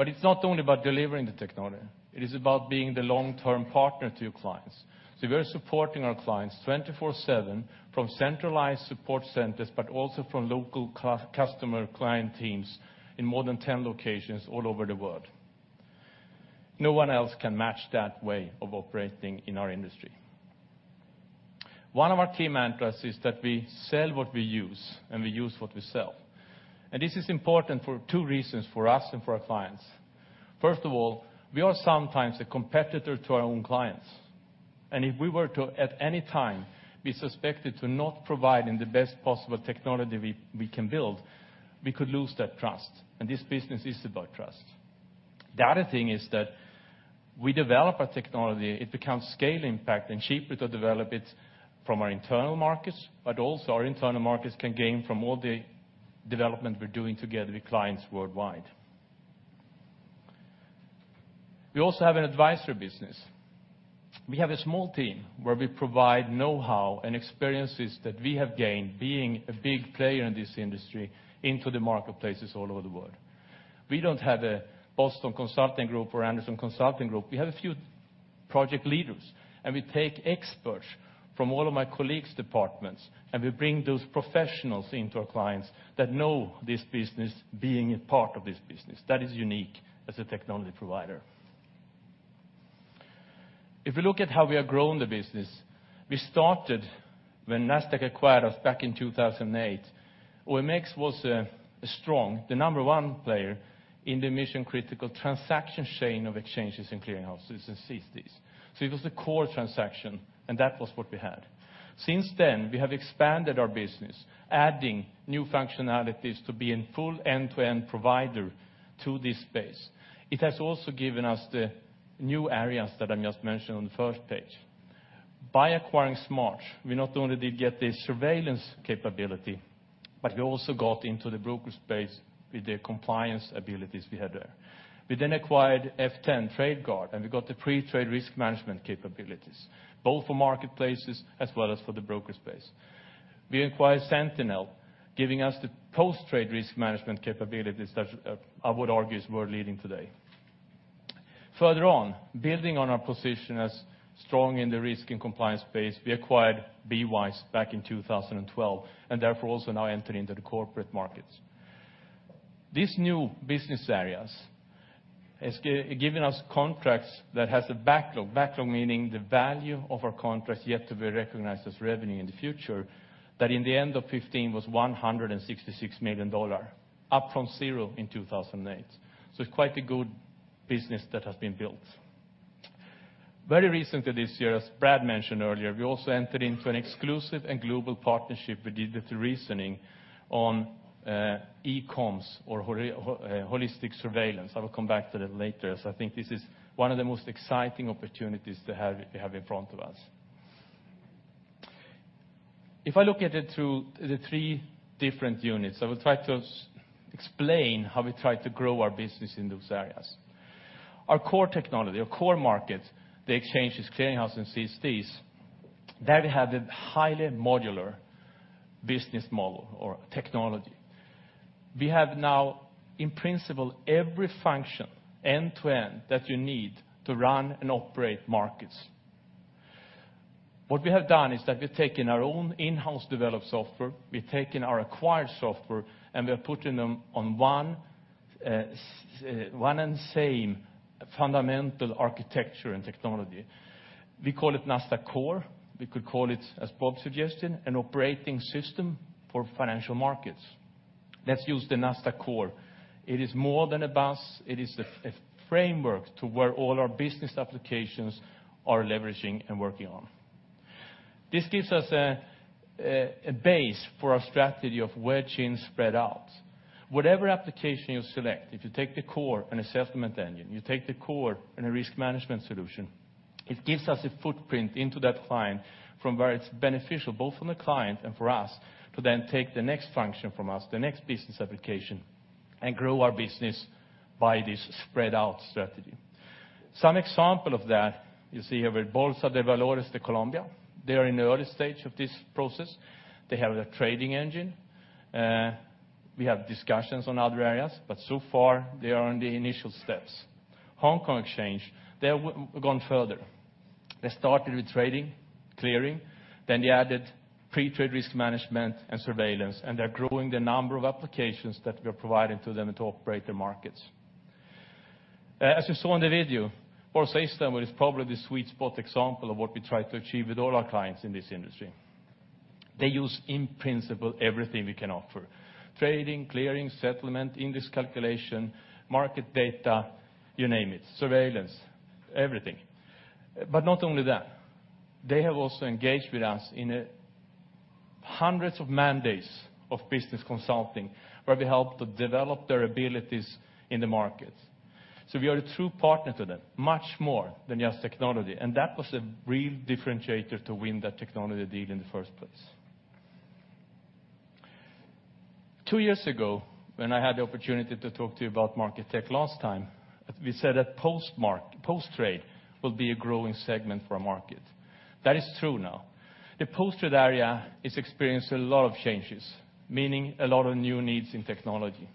It's not only about delivering the technology. It is about being the long-term partner to your clients. We're supporting our clients 24/7 from centralized support centers, but also from local customer client teams in more than 10 locations all over the world. No one else can match that way of operating in our industry. One of our key mantras is that we sell what we use, and we use what we sell. This is important for two reasons, for us and for our clients. First of all, we are sometimes a competitor to our own clients, and if we were to, at any time, be suspected to not providing the best possible technology we can build, we could lose that trust, and this business is about trust. The other thing is that we develop our technology. It becomes scale impact and cheaper to develop it from our internal markets, but also our internal markets can gain from all the development we're doing together with clients worldwide. We also have an advisory business. We have a small team where we provide know-how and experiences that we have gained being a big player in this industry into the marketplaces all over the world. We don't have a Boston Consulting Group or Andersen Consulting Group. We have a few project leaders, we take experts from all of my colleagues' departments, we bring those professionals into our clients that know this business, being a part of this business. That is unique as a technology provider. If we look at how we have grown the business, we started when Nasdaq acquired us back in 2008. OMX was strong, the number one player in the mission-critical transaction chain of exchanges and clearinghouses and CSDs. It was the core transaction, and that was what we had. Since then, we have expanded our business, adding new functionalities to be in full end-to-end provider to this space. It has also given us the new areas that I just mentioned on the first page. By acquiring SMARTS, we not only did get the surveillance capability, we also got into the broker space with the compliance abilities we had there. We acquired FTEN TradeGuard, we got the pre-trade risk management capabilities, both for marketplaces as well as for the broker space. We acquired Sentinel, giving us the post-trade risk management capabilities that I would argue is world-leading today. Further on, building on our position as strong in the risk and compliance space, we acquired BWise back in 2012, therefore also now enter into the corporate markets. These new business areas has given us contracts that has a backlog meaning the value of our contracts yet to be recognized as revenue in the future, that in the end of 2015 was $166 million, up from zero in 2008. It's quite a good business that has been built. Very recently this year, as Brad mentioned earlier, we also entered into an exclusive and global partnership with Digital Reasoning on eComms or holistic surveillance. I will come back to that later, as I think this is one of the most exciting opportunities we have in front of us. If I look at it through the three different units, I will try to explain how we try to grow our business in those areas. Our core technology, our core markets, the exchanges, clearing houses, and CSDs, there we have a highly modular business model or technology. We have now, in principle, every function end-to-end that you need to run and operate markets. What we have done is that we've taken our own in-house developed software, we've taken our acquired software, and we are putting them on one and same fundamental architecture and technology. We call it Nasdaq Core. We could call it, as Bob suggested, an operating system for financial markets. Let's use the Nasdaq Core. It is more than a bus. It is a framework to where all our business applications are leveraging and working on. This gives us a base for our strategy of where chains spread out. Whatever application you select, if you take the core and a settlement engine, you take the core and a risk management solution, it gives us a footprint into that client from where it's beneficial both for the client and for us to then take the next function from us, the next business application, and grow our business by this spread out strategy. Some example of that you see here with Bolsa de Valores de Colombia. They are in the early stage of this process. They have a trading engine. We have discussions on other areas, but so far they are in the initial steps. Hong Kong Exchange, they have gone further. They started with trading, clearing, then they added pre-trade risk management and surveillance, and they're growing the number of applications that we are providing to them to operate their markets. As you saw in the video, Nasdaq Stockholm is probably the sweet spot example of what we try to achieve with all our clients in this industry. They use, in principle, everything we can offer, trading, clearing, settlement, index calculation, market data, you name it, surveillance, everything. Not only that, they have also engaged with us in hundreds of mandates of business consulting, where we help to develop their abilities in the market. We are a true partner to them, much more than just technology. That was a real differentiator to win that technology deal in the first place. Two years ago, when I had the opportunity to talk to you about Market Tech last time, we said that post-trade will be a growing segment for our market. That is true now. The post-trade area is experiencing a lot of changes, meaning a lot of new needs in technology.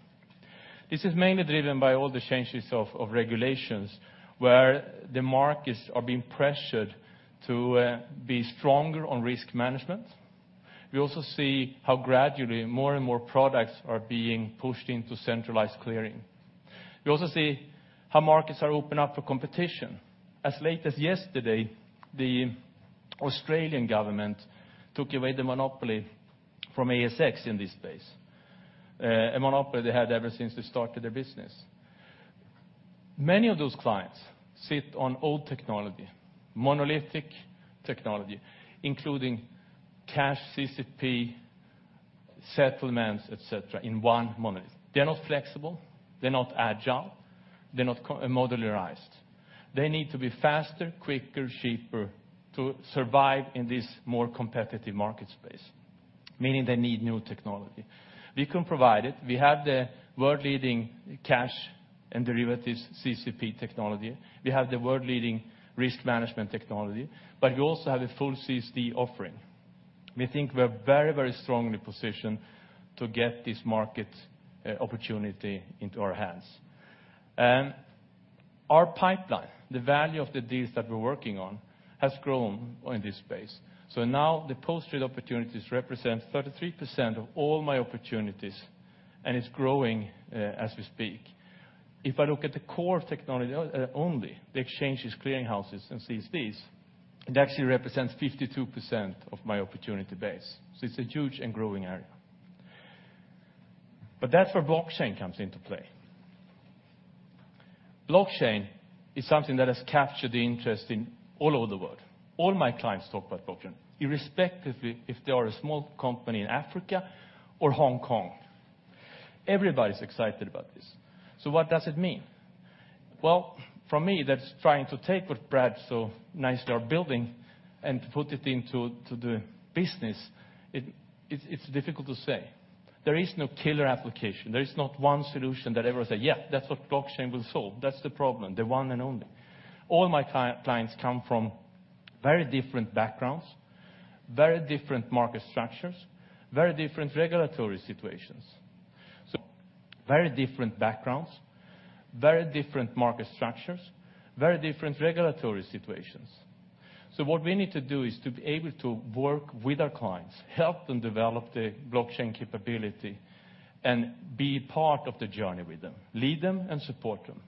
This is mainly driven by all the changes of regulations, where the markets are being pressured to be stronger on risk management. We also see how gradually more and more products are being pushed into centralized clearing. We also see how markets are open up for competition. As late as yesterday, the Australian government took away the monopoly from ASX in this space, a monopoly they had ever since they started their business. Many of those clients sit on old technology, monolithic technology, including cash CCP, settlements, et cetera, in one monolith. They're not flexible. They're not agile. They're not modularized. They need to be faster, quicker, cheaper to survive in this more competitive market space, meaning they need new technology. We can provide it. We have the world-leading cash and derivatives CCP technology. We have the world-leading risk management technology, but we also have a full CSD offering. We think we're very strongly positioned to get this market opportunity into our hands. Our pipeline, the value of the deals that we're working on, has grown in this space. Now the post-trade opportunities represent 33% of all my opportunities, and it's growing as we speak. If I look at the core technology only, the exchanges, clearing houses, and CSDs, it actually represents 52% of my opportunity base. It's a huge and growing area. That's where blockchain comes into play. Blockchain is something that has captured the interest in all over the world. All my clients talk about blockchain, irrespectively if they are a small company in Africa or Hong Kong. Everybody's excited about this. What does it mean? Well, for me, that's trying to take what Brad so nicely are building and put it into the business. It's difficult to say. There is no killer application. There is not one solution that ever say, "Yeah, that's what blockchain will solve. That's the problem, the one and only." All my clients come from very different backgrounds, very different market structures, very different regulatory situations. Very different backgrounds, very different market structures, very different regulatory situations. What we need to do is to be able to work with our clients, help them develop the blockchain capability, and be part of the journey with them, lead them, and support them.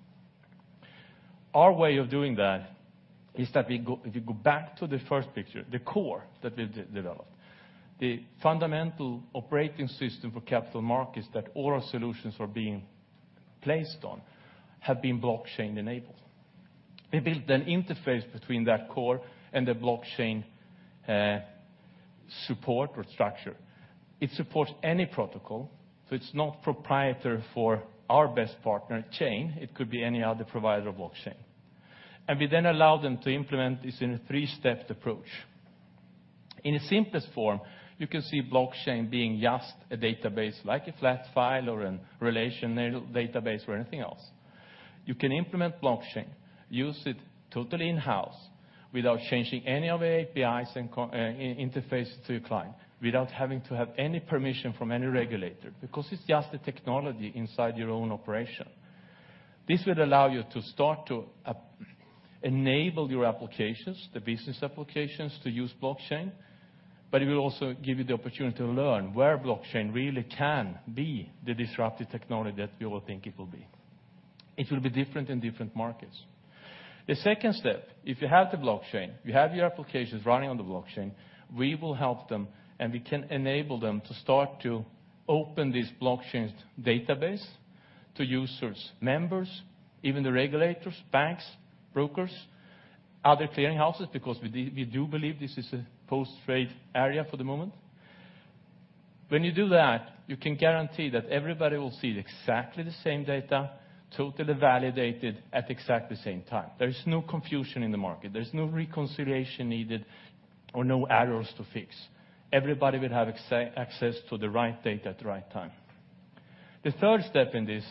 Our way of doing that is that if you go back to the first picture, the core that we've developed, the fundamental operating system for capital markets that all our solutions are being placed on have been blockchain-enabled. We built an interface between that core and the blockchain support or structure. It supports any protocol, so it's not proprietary for our best partner, Chain. It could be any other provider of blockchain. We then allow them to implement this in a three-stepped approach. In its simplest form, you can see blockchain being just a database, like a flat file or a relational database or anything else. You can implement blockchain, use it totally in-house without changing any of the APIs and interfaces to your client, without having to have any permission from any regulator, because it's just the technology inside your own operation. This would allow you to start to enable your applications, the business applications, to use blockchain, but it will also give you the opportunity to learn where blockchain really can be the disruptive technology that we all think it will be. It will be different in different markets. The second step, if you have the blockchain, you have your applications running on the blockchain, we will help them, and we can enable them to start to open this blockchain database to users, members, even the regulators, banks, brokers, other clearing houses, because we do believe this is a post-trade area for the moment. When you do that, you can guarantee that everybody will see exactly the same data, totally validated at the exact same time. There is no confusion in the market. There's no reconciliation needed or no errors to fix. Everybody will have access to the right data at the right time. The third step in this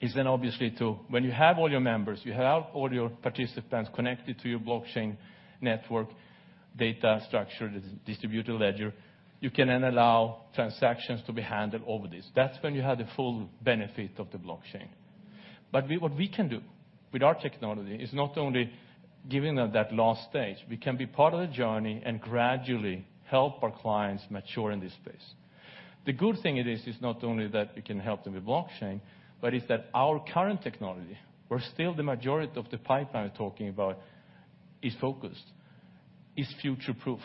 is obviously to, when you have all your members, you have all your participants connected to your blockchain network data structure, the distributed ledger, you can then allow transactions to be handled over this. That's when you have the full benefit of the blockchain. What we can do with our technology is not only giving them that last stage. We can be part of the journey and gradually help our clients mature in this space. The good thing it is not only that we can help them with blockchain, but it's that our current technology, where still the majority of the pipeline we're talking about is focused, is future-proofed.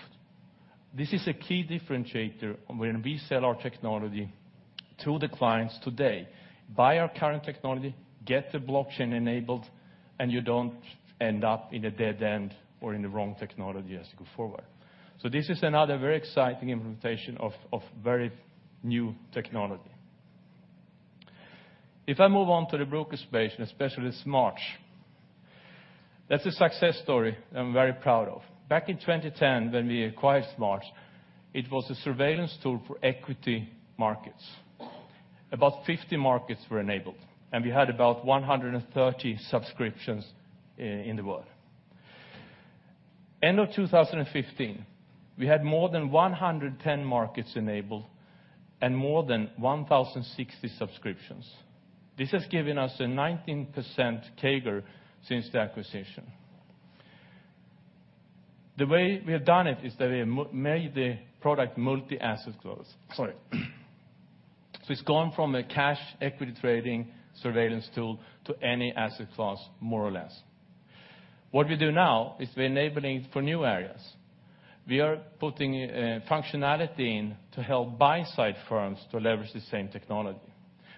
This is a key differentiator when we sell our technology to the clients today. Buy our current technology, get the blockchain-enabled, and you don't end up in a dead end or in the wrong technology as you go forward. This is another very exciting implementation of very new technology. If I move on to the broker space, and especially SMARTS, that's a success story I'm very proud of. Back in 2010, when we acquired SMARTS, it was a surveillance tool for equity markets. About 50 markets were enabled, and we had about 130 subscriptions in the world. End of 2015, we had more than 110 markets enabled and more than 1,060 subscriptions. This has given us a 19% CAGR since the acquisition. The way we have done it is that we have made the product multi-asset class. Sorry. It's gone from a cash equity trading surveillance tool to any asset class, more or less. What we do now is we're enabling it for new areas. We are putting functionality in to help buy-side firms to leverage the same technology.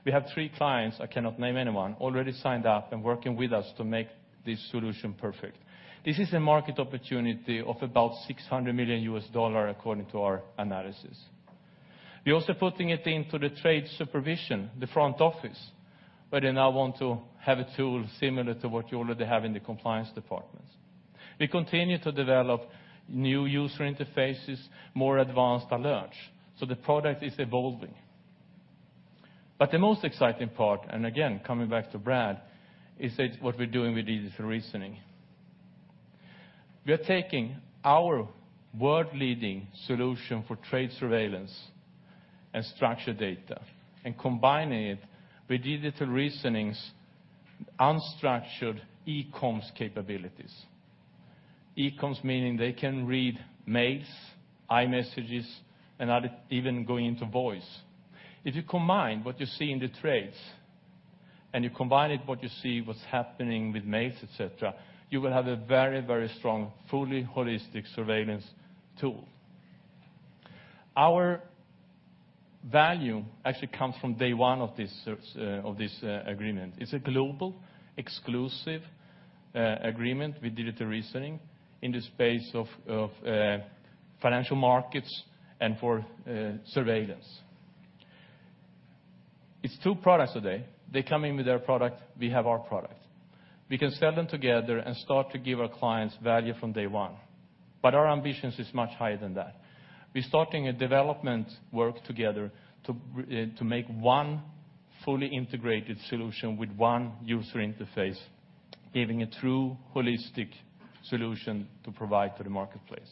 We have three clients, I cannot name anyone, already signed up and working with us to make this solution perfect. This is a market opportunity of about $600 million according to our analysis. We're also putting it into the trade supervision, the front office, where they now want to have a tool similar to what you already have in the compliance departments. We continue to develop new user interfaces, more advanced alerts, the product is evolving. The most exciting part, and again, coming back to Brad, is that what we're doing with Digital Reasoning. We are taking our world-leading solution for trade surveillance and structured data and combining it with Digital Reasoning's unstructured e-comms capabilities. E-comms meaning they can read mails, iMessages, and even going into voice. If you combine what you see in the trades and you combine it what you see what's happening with mails, et cetera, you will have a very, very strong, fully holistic surveillance tool. Our value actually comes from day one of this agreement. It's a global, exclusive agreement with Digital Reasoning in the space of financial markets and for surveillance. It's two products today. They come in with their product, we have our product. We can sell them together and start to give our clients value from day one. Our ambitions is much higher than that. We're starting a development work together to make one fully integrated solution with one user interface, giving a true holistic solution to provide to the marketplace.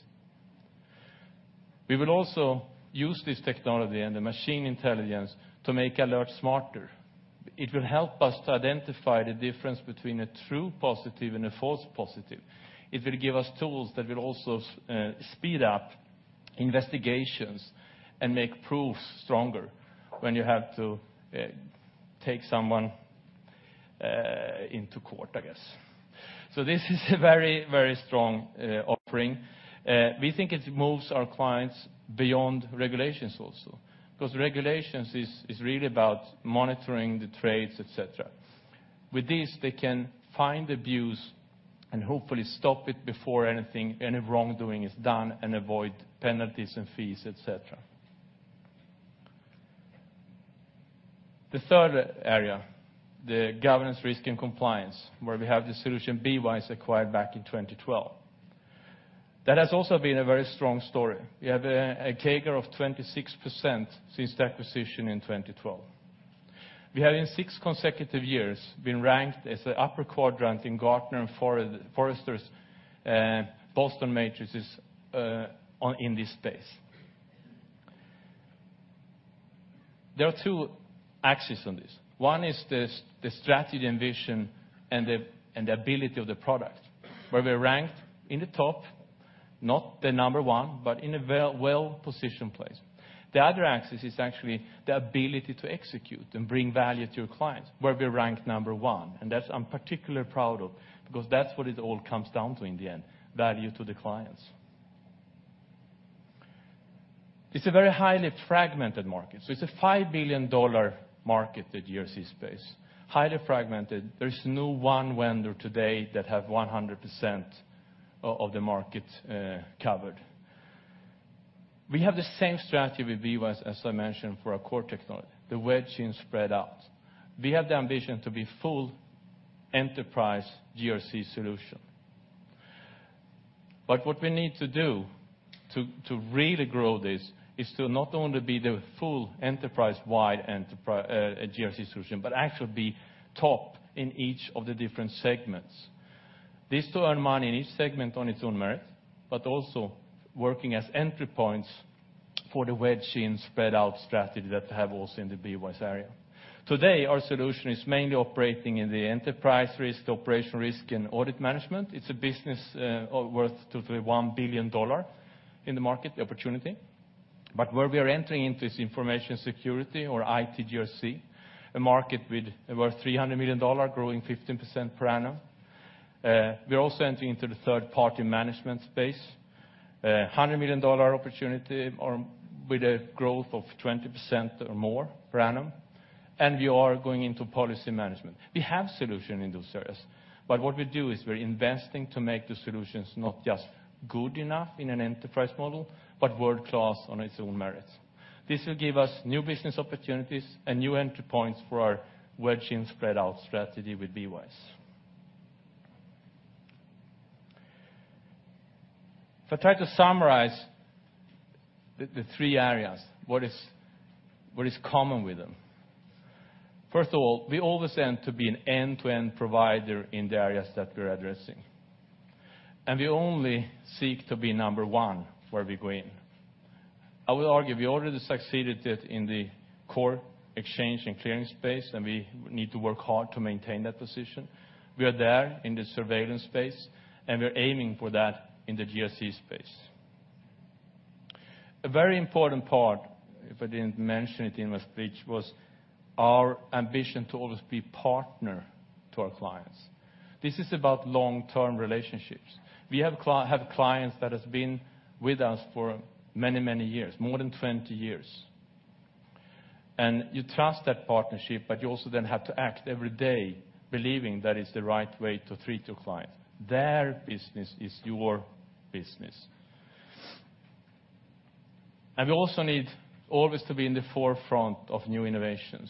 We will also use this technology and the machine intelligence to make Alert smarter. It will help us to identify the difference between a true positive and a false positive. It will give us tools that will also speed up investigations and make proofs stronger when you have to take someone into court, I guess. This is a very, very strong offering. We think it moves our clients beyond regulations also, because regulations is really about monitoring the trades, et cetera. With this, they can find abuse and hopefully stop it before any wrongdoing is done and avoid penalties and fees, et cetera. The third area, the Governance, Risk, and Compliance, where we have the solution BWise acquired back in 2012. That has also been a very strong story. We have a CAGR of 26% since the acquisition in 2012. We have in six consecutive years been ranked as the upper quadrant in Gartner and Forrester's Boston matrices in this space. There are two axes on this. One is the strategy and vision and the ability of the product, where we're ranked in the top, not the number one, but in a well-positioned place. The other axis is actually the ability to execute and bring value to your clients, where we're ranked number one, and that I'm particularly proud of because that's what it all comes down to in the end, value to the clients. It's a very highly fragmented market. It's a $5 billion market, the GRC space. Highly fragmented. There's no one vendor today that have 100% of the market covered. We have the same strategy with BWise, as I mentioned, for our core technology, the wedge-in spread-out. We have the ambition to be full enterprise GRC solution. What we need to do to really grow this is to not only be the full enterprise-wide GRC solution, but actually be top in each of the different segments. This to earn money in each segment on its own merit, but also working as entry points for the wedge-in spread-out strategy that we have also in the BWise area. Today, our solution is mainly operating in the enterprise risk, operational risk, and audit management. It's a business worth $21 billion in the market, the opportunity. Where we are entering into is information security or IT GRC, a market worth $300 million, growing 15% per annum. We are also entering into the third-party management space, $100 million opportunity with a growth of 20% or more per annum, and we are going into policy management. We have solution in those areas, but what we do is we're investing to make the solutions not just good enough in an enterprise model, but world-class on its own merits. This will give us new business opportunities and new entry points for our wedge-in spread-out strategy with BWise. If I try to summarize the three areas, what is common with them? First of all, we always aim to be an end-to-end provider in the areas that we're addressing. We only seek to be number one where we go in. I will argue we already succeeded it in the core exchange and clearing space, and we need to work hard to maintain that position. We are there in the surveillance space, and we are aiming for that in the GRC space. A very important part, if I didn't mention it in my speech, was our ambition to always be partner to our clients. This is about long-term relationships. We have clients that has been with us for many, many years, more than 20 years. You trust that partnership, but you also then have to act every day believing that it's the right way to treat your client. Their business is your business. We also need always to be in the forefront of new innovations.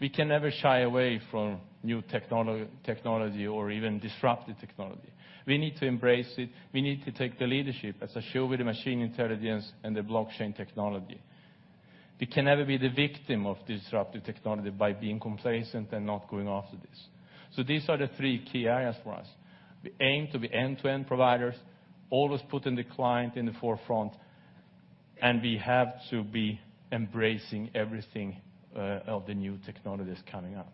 We can never shy away from new technology or even disruptive technology. We need to embrace it. We need to take the leadership, as I show with the machine intelligence and the blockchain. We can never be the victim of disruptive technology by being complacent and not going after this. These are the three key areas for us. We aim to be end-to-end providers, always putting the client in the forefront, and we have to be embracing everything of the new technologies coming out.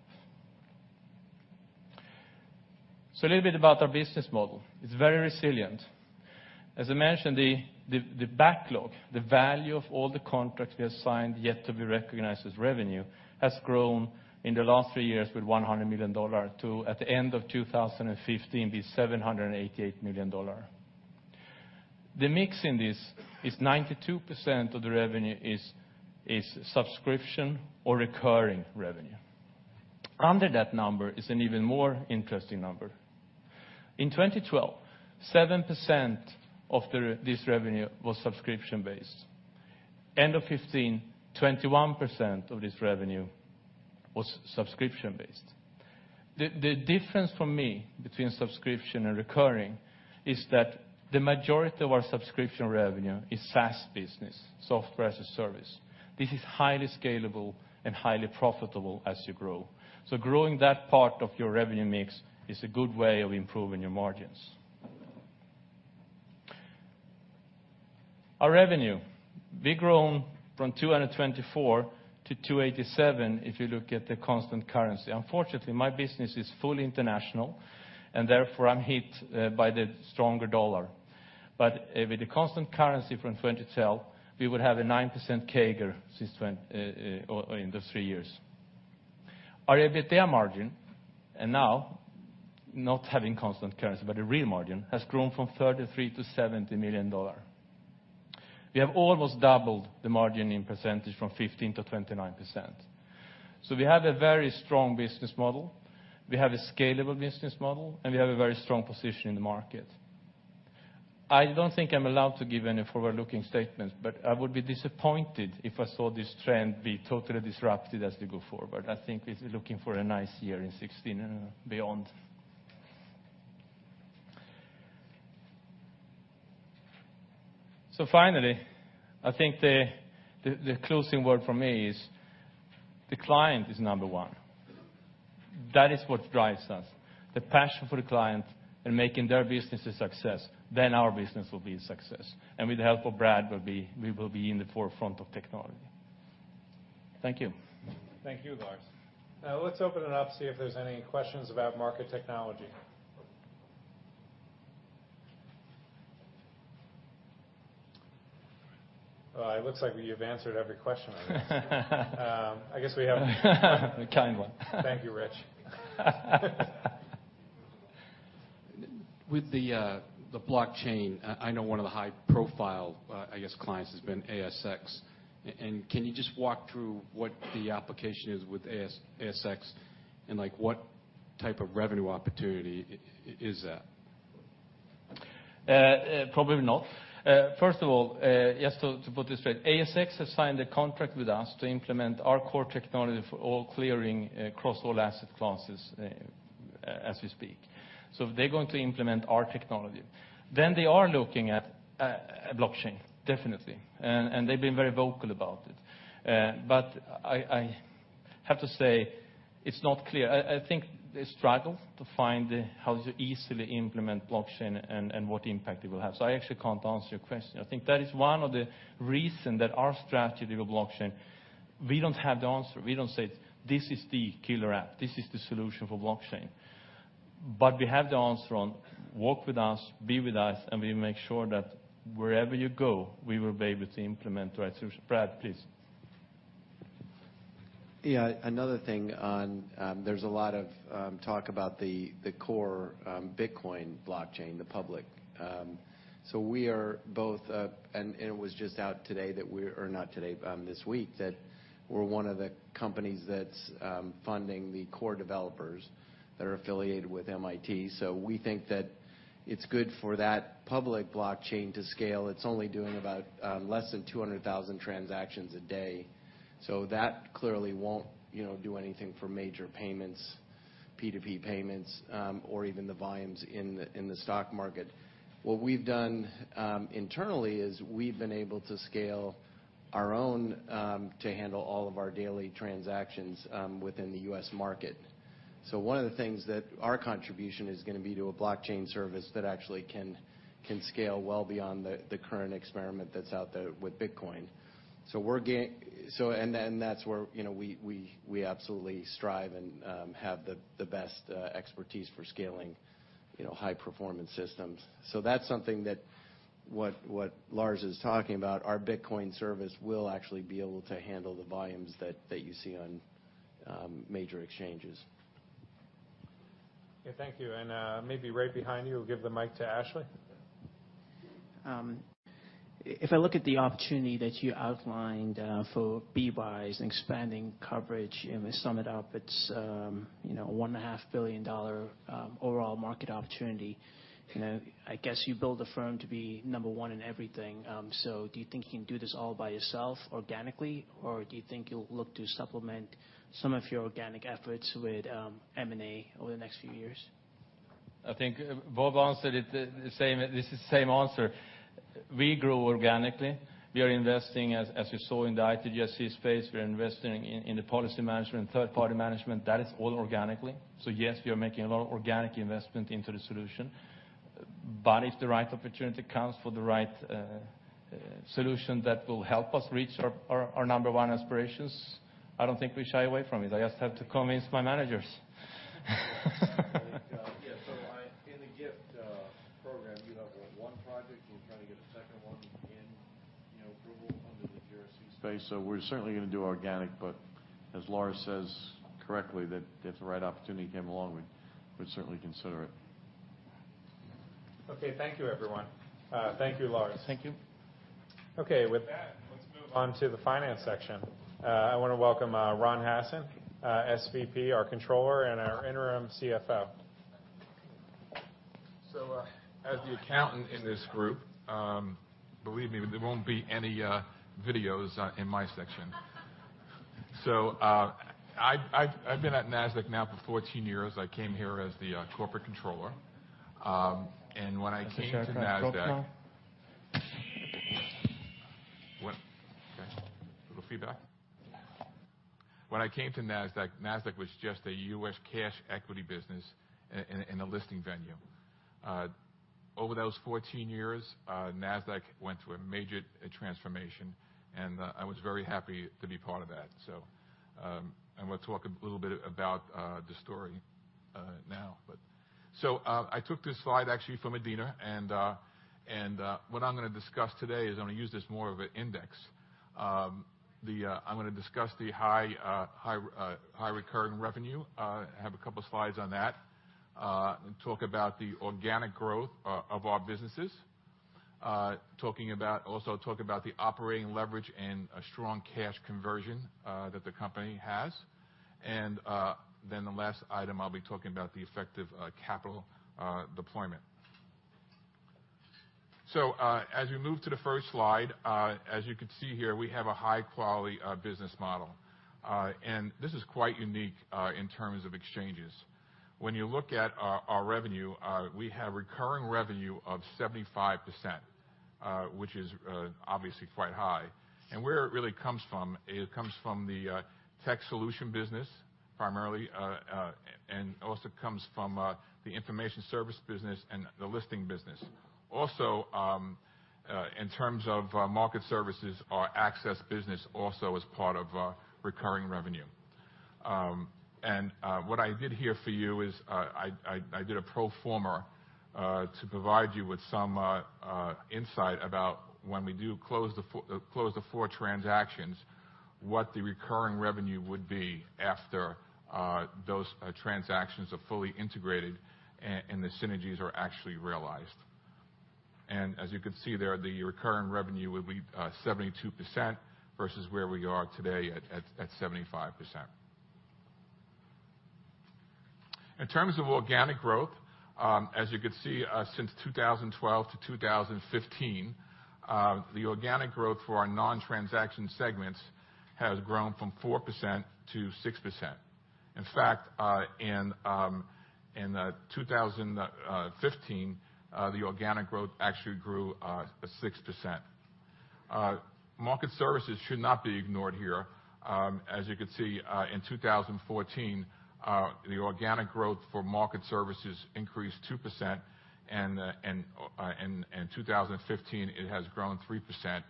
A little bit about our business model. It's very resilient. As I mentioned, the backlog, the value of all the contracts we have signed yet to be recognized as revenue, has grown in the last three years with $100 million to, at the end of 2015, be $788 million. The mix in this is 92% of the revenue is subscription or recurring revenue. Under that number is an even more interesting number. In 2012, 7% of this revenue was subscription-based. End of 2015, 21% of this revenue was subscription-based. The difference for me between subscription and recurring is that the majority of our SaaS business, software as a service. This is highly scalable and highly profitable as you grow. Growing that part of your revenue mix is a good way of improving your margins. Our revenue, we've grown from $224 to $287 if you look at the constant currency. Unfortunately, my business is fully international, and therefore I'm hit by the stronger dollar. With the constant currency from 2012, we would have a 9% CAGR in those three years. Our EBITDA margin, and now not having constant currency, but the real margin, has grown from $33 million-$70 million. We have almost doubled the margin in percentage from 15%-29%. We have a very strong business model, we have a scalable business model, and we have a very strong position in the market. I don't think I'm allowed to give any forward-looking statements, but I would be disappointed if I saw this trend be totally disrupted as we go forward. I think it's looking for a nice year in 2016 and beyond. Finally, I think the closing word from me is the client is number one. That is what drives us, the passion for the client and making their business a success, then our business will be a success. With the help of Brad, we will be in the forefront of technology. Thank you. Thank you, Lars. Let's open it up, see if there's any questions about market technology. It looks like you've answered every question on this. Kind one. Thank you, Rich. With the blockchain, I know one of the high-profile, I guess, clients has been ASX. Can you just walk through what the application is with ASX and what type of revenue opportunity is that? Probably not. First of all, just to put this straight, ASX has signed a contract with us to implement our core technology for all clearing across all asset classes as we speak. They're going to implement our technology. They are looking at blockchain, definitely. They've been very vocal about it. I have to say, it's not clear. I think they struggle to find how to easily implement blockchain and what impact it will have. I actually can't answer your question. I think that is one of the reason that our strategy with blockchain, we don't have the answer. We don't say, "This is the killer app. This is the solution for blockchain." We have the answer on work with us, be with us, and we make sure that wherever you go, we will be able to implement the right solution. Brad, please. Yeah, another thing on, there's a lot of talk about the core Bitcoin blockchain, the public. We are both, and it was just out today that this week, that we're one of the companies that's funding the core developers that are affiliated with MIT. We think that it's good for that public blockchain to scale. It's only doing about less than 200,000 transactions a day. That clearly won't do anything for major payments, P2P payments, or even the volumes in the stock market. What we've done internally is we've been able to scale our own to handle all of our daily transactions within the U.S. market. One of the things that our contribution is going to be to a blockchain service that actually can scale well beyond the current experiment that's out there with Bitcoin. That's where we absolutely strive and have the best expertise for scaling high-performance systems. That's something that what Lars is talking about, our Bitcoin service will actually be able to handle the volumes that you see on major exchanges. Okay, thank you, maybe right behind you, give the mic to Ashley. If I look at the opportunity that you outlined for BWise and expanding coverage, and we sum it up, it's a $1.5 billion overall market opportunity. I guess you build a firm to be number one in everything. Do you think you can do this all by yourself organically? Do you think you'll look to supplement some of your organic efforts with M&A over the next few years? I think Bob answered it the same. This is the same answer. We grow organically. We are investing, as you saw in the IT GRC space, we're investing in the policy management, third-party management. That is all organically. Yes, we are making a lot of organic investment into the solution. If the right opportunity comes for the right solution that will help us reach our number one aspirations, I don't think we shy away from it. I just have to convince my managers. In the gift program, you have what, one project? We're trying to get a second one in approval under the GRC space. We're certainly going to do organic, but as Lars says correctly, that if the right opportunity came along, we'd certainly consider it. Thank you, everyone. Thank you, Lars. Thank you. With that, let's move on to the finance section. I want to welcome Ron Hassen, SVP, our Controller and our interim CFO. As the accountant in this group, believe me, there won't be any videos in my section. I've been at Nasdaq now for 14 years. I came here as the Corporate Controller. When I came to Nasdaq As a shout out to GoPro. What? Okay. A little feedback. When I came to Nasdaq was just a U.S. cash equity business and a listing venue. Over those 14 years, Nasdaq went through a major transformation, and I was very happy to be part of that. I want to talk a little bit about the story now. I took this slide actually from Adena, and what I'm going to discuss today is I'm going to use this more of an index. I'm going to discuss the high recurring revenue. I have a couple of slides on that. Talk about the organic growth of our businesses. Also talk about the operating leverage and a strong cash conversion that the company has. The last item, I'll be talking about the effective capital deployment. As we move to the first slide, as you can see here, we have a high-quality business model. This is quite unique in terms of exchanges. When you look at our revenue, we have recurring revenue of 75%, which is obviously quite high. Where it really comes from, it comes from the tech solution business, primarily, and also comes from the information service business and the listing business. Also, in terms of market services, our access business also is part of recurring revenue. What I did here for you is, I did a pro forma to provide you with some insight about when we do close the 4 transactions, what the recurring revenue would be after those transactions are fully integrated and the synergies are actually realized. As you can see there, the recurring revenue would be 72% versus where we are today at 75%. In terms of organic growth, as you can see, since 2012-2015, the organic growth for our non-transaction segments has grown from 4%-6%. In fact, in 2015, the organic growth actually grew 6%. Market services should not be ignored here. As you can see, in 2014, the organic growth for market services increased 2%, and in 2015, it has grown 3%,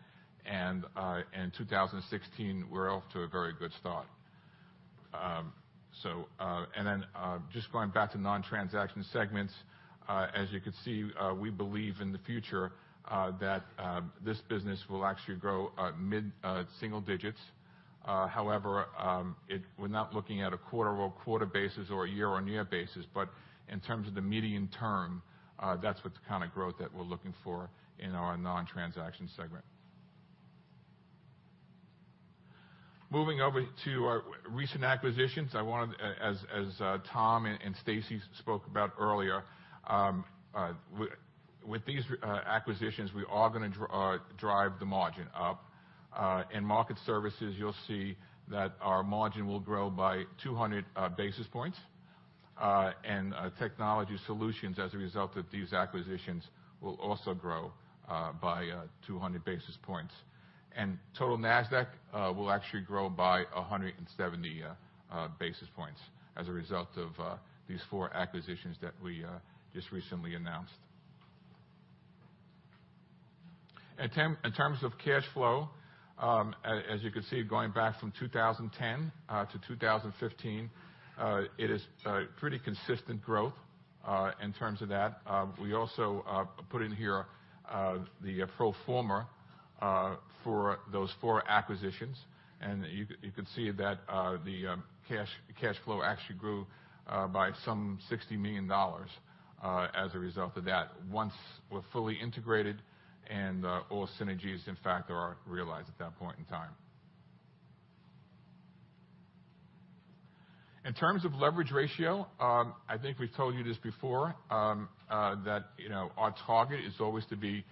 and in 2016, we are off to a very good start. Then just going back to non-transaction segments. As you can see, we believe in the future, that this business will actually grow mid-single digits. However, we are not looking at a quarter-over-quarter basis or a year-on-year basis, but in terms of the medium term, that is the kind of growth that we are looking for in our non-transaction segment. Moving over to our recent acquisitions, as Tom and Stacie spoke about earlier, with these acquisitions, we are going to drive the margin up. In market services, you will see that our margin will grow by 200 basis points. Technology solutions, as a result of these acquisitions, will also grow by 200 basis points. Total Nasdaq will actually grow by 170 basis points as a result of these four acquisitions that we just recently announced. In terms of cash flow, as you can see, going back from 2010-2015, it is pretty consistent growth in terms of that. We also put in here the pro forma for those four acquisitions, and you could see that the cash flow actually grew by some $60 million as a result of that once we are fully integrated and all synergies, in fact, are realized at that point in time. In terms of leverage ratio, I think we have told you this before, that our target is always to be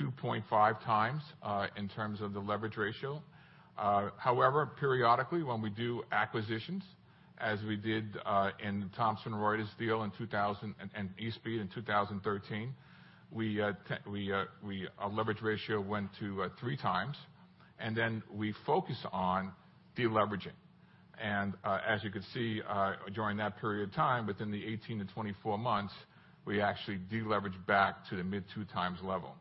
2.5 times, in terms of the leverage ratio. However, periodically when we do acquisitions, as we did in the Thomson Reuters deal and eSpeed in 2013, our leverage ratio went to three times, and then we focus on deleveraging. As you can see, during that period of time, within the 18-24 months, we actually deleveraged back to the mid-two times level.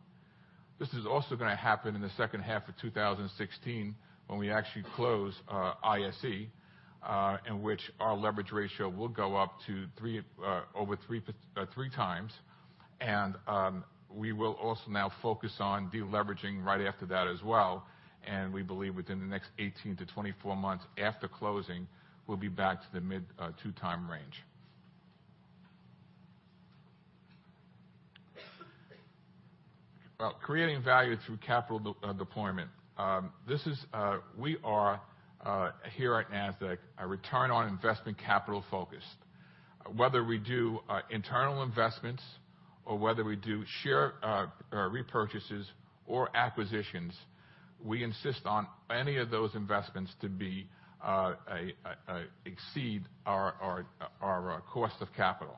This is also going to happen in the second half of 2016, when we actually close ISE, in which our leverage ratio will go up to over three times. We will also now focus on deleveraging right after that as well, and we believe within the next 18-24 months after closing, we will be back to the mid-two time range. Creating value through capital deployment. We are, here at Nasdaq, a return on investment capital focused. Whether we do internal investments or whether we do share repurchases or acquisitions, we insist on any of those investments to exceed our cost of capital.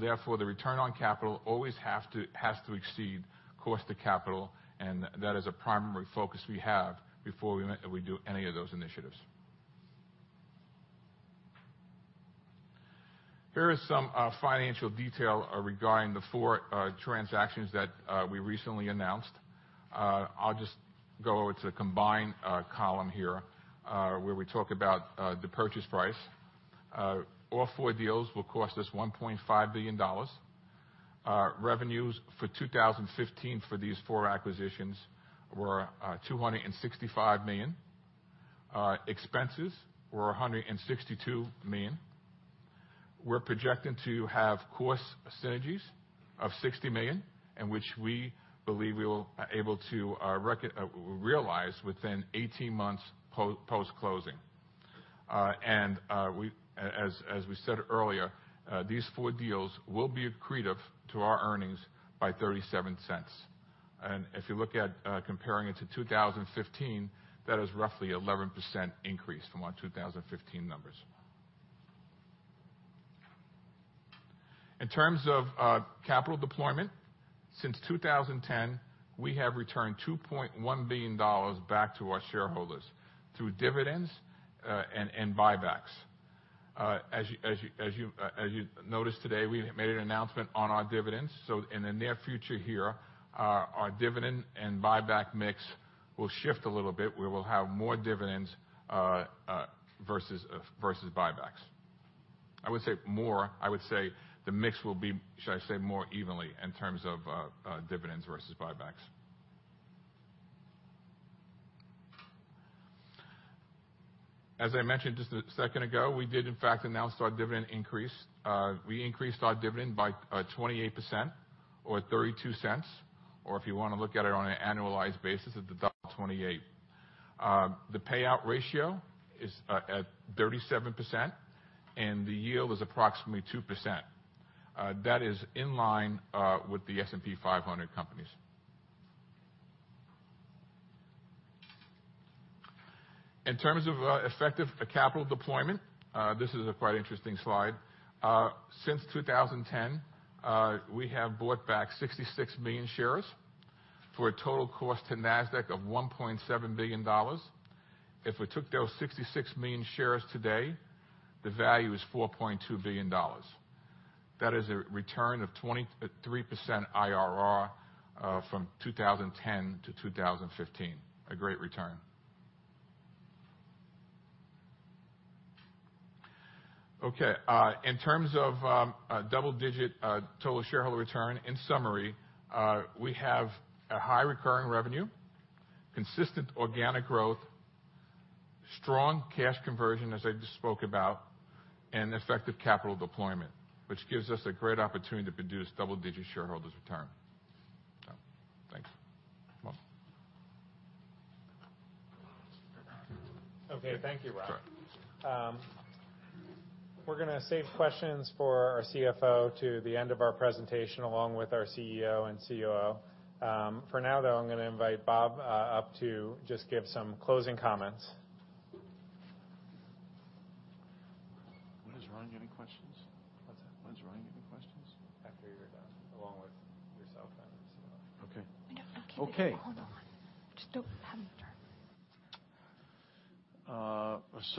Therefore, the return on capital always has to exceed cost to capital, and that is a primary focus we have before we do any of those initiatives. Here is some financial detail regarding the four transactions that we recently announced. I will just go over to the combined column here, where we talk about the purchase price. All four deals will cost us $1.5 billion. Revenues for 2015 for these four acquisitions were $265 million. Expenses were $162 million. We are projecting to have cost synergies of $60 million, and which we believe we will be able to realize within 18 months post-closing. As we said earlier, these four deals will be accretive to our earnings by $0.37. If you look at comparing it to 2015, that is roughly 11% increase from our 2015 numbers. In terms of capital deployment, since 2010, we have returned $2.1 billion back to our shareholders through dividends and buybacks. As you noticed today, we made an announcement on our dividends. In the near future here, our dividend and buyback mix will shift a little bit, where we'll have more dividends versus buybacks. I wouldn't say more, I would say the mix will be, should I say, more evenly in terms of dividends versus buybacks. As I mentioned just a second ago, we did in fact announce our dividend increase. We increased our dividend by 28%, or $0.32, or if you want to look at it on an annualized basis, it's $1.28. The payout ratio is at 37%, and the yield is approximately 2%. That is in line with the S&P 500 companies. In terms of effective capital deployment, this is a quite interesting slide. Since 2010, we have bought back 66 million shares for a total cost to Nasdaq of $1.7 billion. If we took those 66 million shares today, the value is $4.2 billion. That is a return of 23% IRR from 2010 to 2015. A great return. Okay, in terms of double-digit total shareholder return, in summary, we have a high recurring revenue, consistent organic growth, strong cash conversion, as I just spoke about, and effective capital deployment, which gives us a great opportunity to produce double-digit shareholders return. Thanks. Come up. Okay. Thank you, Bob. Sure. We're going to save questions for our CFO to the end of our presentation, along with our CEO and COO. For now, though, I'm going to invite Bob up to just give some closing comments. When is Ron getting questions? What's that? When is Ron getting questions? After you're done, along with yourself and the COO. Okay. Wait, no, okay. Wait, hold on. Just don't.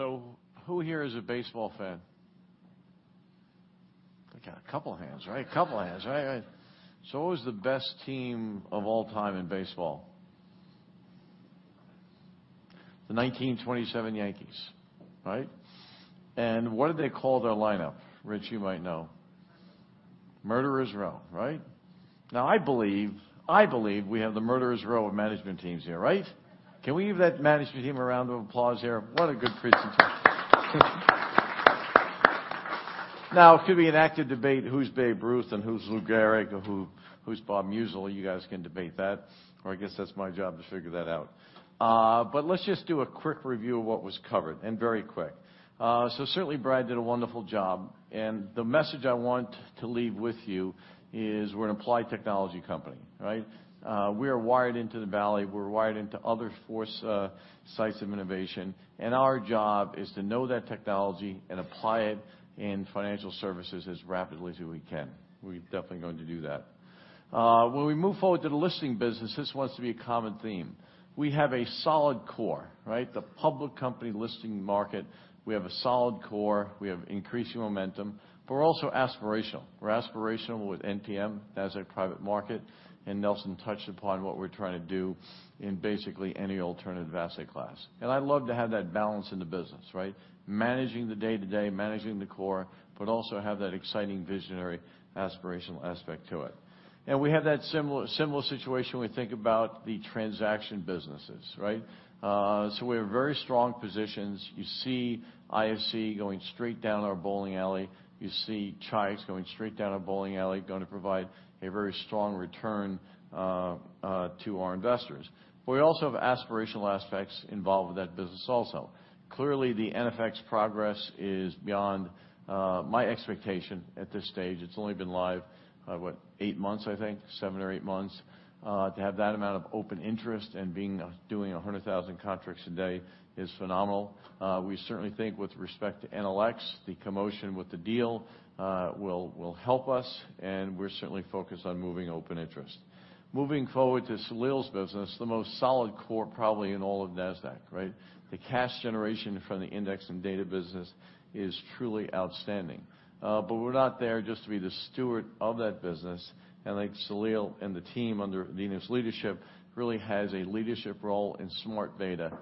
Have him turn. Who here is a baseball fan? Okay, a couple hands, right? A couple hands, right. What was the best team of all time in baseball? The 1927 Yankees, right? What did they call their lineup? Rich, you might know. Murderers' Row, right? I believe we have the Murderers' Row of management teams here, right? Can we give that management team a round of applause here? What a good presentation. It could be an active debate, who's Babe Ruth and who's Lou Gehrig, or who's Bob Greifeld. You guys can debate that, or I guess that's my job to figure that out. Let's just do a quick review of what was covered, very quick. Certainly, Brad did a wonderful job, the message I want to leave with you is we're an applied technology company, right? We are wired into the Valley, we're wired into other foresights of innovation, our job is to know that technology and apply it in financial services as rapidly as we can. We're definitely going to do that. When we move forward to the listing business, this wants to be a common theme. We have a solid core, right? The public company listing market. We have a solid core, we have increasing momentum, we're also aspirational. We're aspirational with NPM, Nasdaq Private Market, Nelson touched upon what we're trying to do in basically any alternative asset class. I love to have that balance in the business, right? Managing the day-to-day, managing the core, also have that exciting, visionary, aspirational aspect to it. We have that similar situation when we think about the transaction businesses, right? We have very strong positions. You see ISE going straight down our bowling alley. You see Chi-X going straight down our bowling alley, going to provide a very strong return to our investors. We also have aspirational aspects involved with that business also. Clearly, the NFX progress is beyond my expectation at this stage. It's only been live, what, eight months, I think. Seven or eight months. To have that amount of open interest and doing 100,000 contracts a day is phenomenal. We certainly think with respect to NLX, the commotion with the deal will help us, and we're certainly focused on moving open interest. Moving forward to Salil's business, the most solid core probably in all of Nasdaq, right? The cash generation from the index and data business is truly outstanding. We're not there just to be the steward of that business, and I think Salil and the team under Adena's leadership really has a leadership role in smart beta.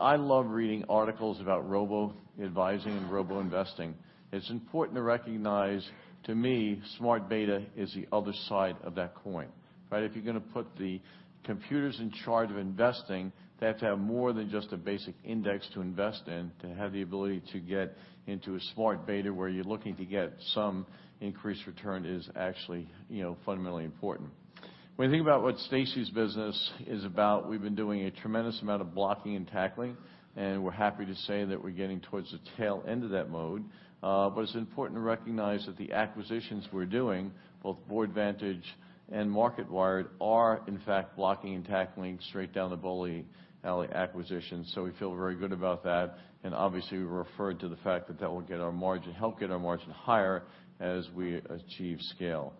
I love reading articles about robo advising and robo investing. It's important to recognize, to me, smart beta is the other side of that coin. Right? If you're going to put the computers in charge of investing, they have to have more than just a basic index to invest in. To have the ability to get into a smart beta where you're looking to get some increased return is actually fundamentally important. When you think about what Stacey's business is about, we've been doing a tremendous amount of blocking and tackling, and we're happy to say that we're getting towards the tail end of that mode. It's important to recognize that the acquisitions we're doing, both Boardvantage and Marketwired, are in fact blocking and tackling straight down the bowling alley acquisition. We feel very good about that, and obviously, we've referred to the fact that that will help get our margin higher as we achieve scale.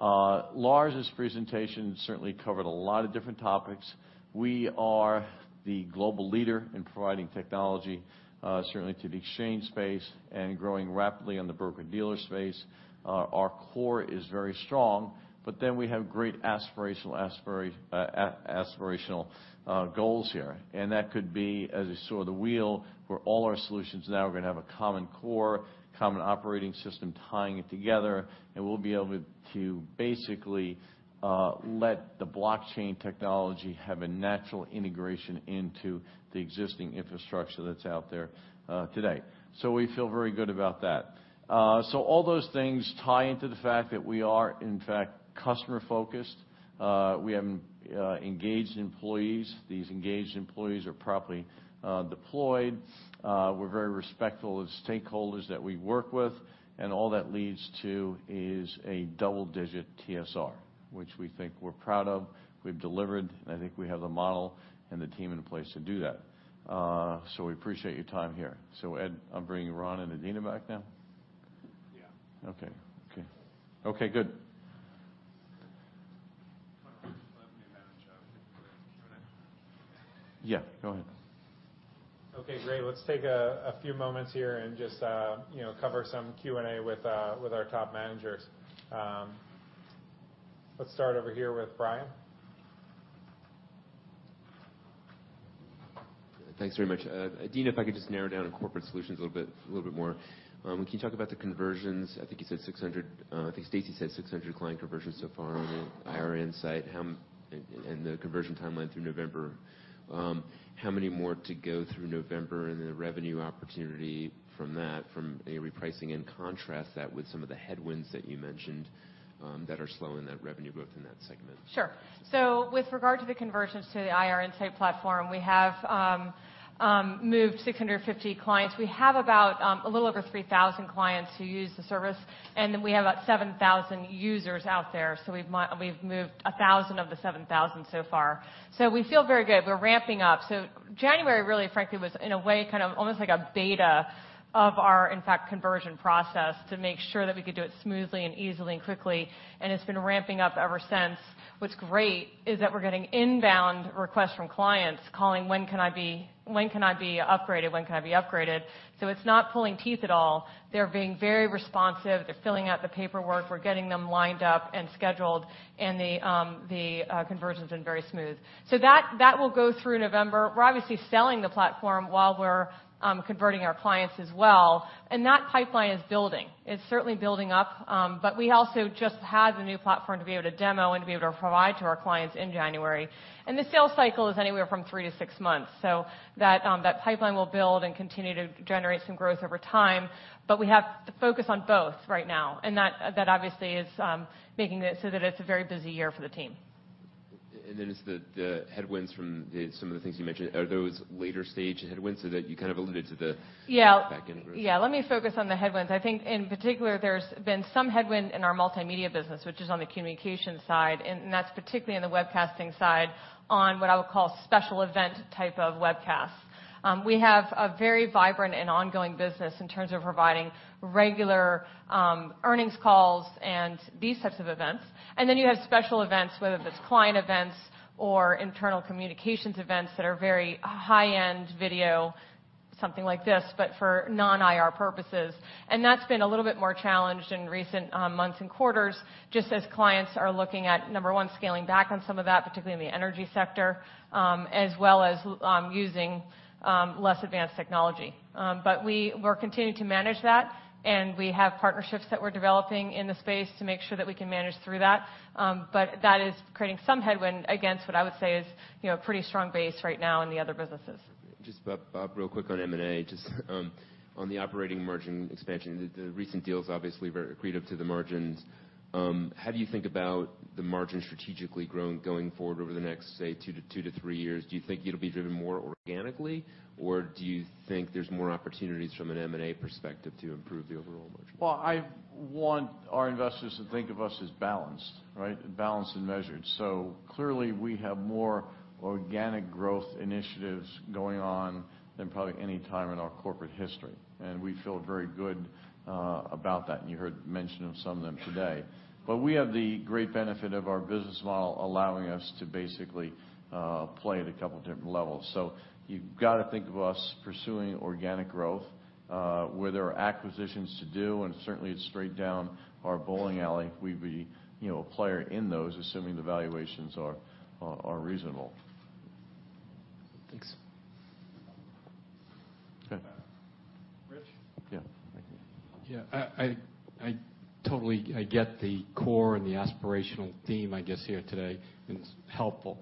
Lars' presentation certainly covered a lot of different topics. We are the global leader in providing technology, certainly to the exchange space, and growing rapidly on the broker-dealer space. Our core is very strong, we have great aspirational goals here. That could be, as you saw the wheel, where all our solutions now are going to have a common core, common operating system tying it together, and we'll be able to basically let the blockchain technology have a natural integration into the existing infrastructure that's out there today. We feel very good about that. All those things tie into the fact that we are, in fact, customer-focused. We have engaged employees. These engaged employees are properly deployed. We're very respectful of the stakeholders that we work with, and all that leads to is a double-digit TSR, which we think we're proud of. We've delivered, and I think we have the model and the team in place to do that. We appreciate your time here. Ed, I'm bringing Ron and Adena back now? Yeah. Okay. Okay, good. Go ahead. Okay, great. Let's take a few moments here and just cover some Q&A with our top managers. Let's start over here with Brian. Thanks very much. Adena, if I could just narrow down on Corporate Solutions a little bit more. Can you talk about the conversions? I think Stacey said 600 client conversions so far on the IR Insight, and the conversion timeline through November. How many more to go through November and the revenue opportunity from that, from a repricing, and contrast that with some of the headwinds that you mentioned that are slowing that revenue growth in that segment? With regard to the conversions to the IR Insight platform, we have moved 650 clients. We have about a little over 3,000 clients who use the service, and then we have about 7,000 users out there. We've moved 1,000 of the 7,000 so far. We feel very good. We're ramping up. January really, frankly, was in a way, kind of almost like a beta of our, in fact, conversion process to make sure that we could do it smoothly and easily and quickly. It's been ramping up ever since. What's great is that we're getting inbound requests from clients calling, "When can I be upgraded?" It's not pulling teeth at all. They're being very responsive. They're filling out the paperwork. We're getting them lined up and scheduled, and the conversion's been very smooth. That will go through November. We're obviously selling the platform while we're converting our clients as well, that pipeline is building. It's certainly building up, we also just had the new platform to be able to demo and to be able to provide to our clients in January. The sales cycle is anywhere from three to six months, that pipeline will build and continue to generate some growth over time. We have to focus on both right now, that obviously is making it so that it's a very busy year for the team. It's the headwinds from some of the things you mentioned. Are those later-stage headwinds? Yeah back end growth. Yeah. Let me focus on the headwinds. I think, in particular, there's been some headwind in our multimedia business, which is on the communication side, that's particularly in the webcasting side on what I would call special event type of webcasts. We have a very vibrant and ongoing business in terms of providing regular earnings calls and these types of events. Then you have special events, whether that's client events or internal communications events that are very high-end video, something like this, but for non-IR purposes. That's been a little bit more challenged in recent months and quarters, just as clients are looking at, number one, scaling back on some of that, particularly in the energy sector, as well as using less advanced technology. We're continuing to manage that, and we have partnerships that we're developing in the space to make sure that we can manage through that. That is creating some headwind against what I would say is a pretty strong base right now in the other businesses. Bob, real quick on M&A. On the operating margin expansion, the recent deals obviously very accretive to the margins. How do you think about the margin strategically growing going forward over the next, say, two to three years? Do you think it'll be driven more organically, or do you think there's more opportunities from an M&A perspective to improve the overall margin? I want our investors to think of us as balanced, right? Balanced and measured. Clearly, we have more organic growth initiatives going on than probably any time in our corporate history, and we feel very good about that, and you heard mention of some of them today. We have the great benefit of our business model allowing us to basically play at a couple different levels. You've got to think of us pursuing organic growth. Where there are acquisitions to do, and certainly it's straight down our bowling alley, we'd be a player in those, assuming the valuations are reasonable. Thanks. Okay. Rich? Thank you. I totally get the core and the aspirational theme, I guess, here today, and it's helpful.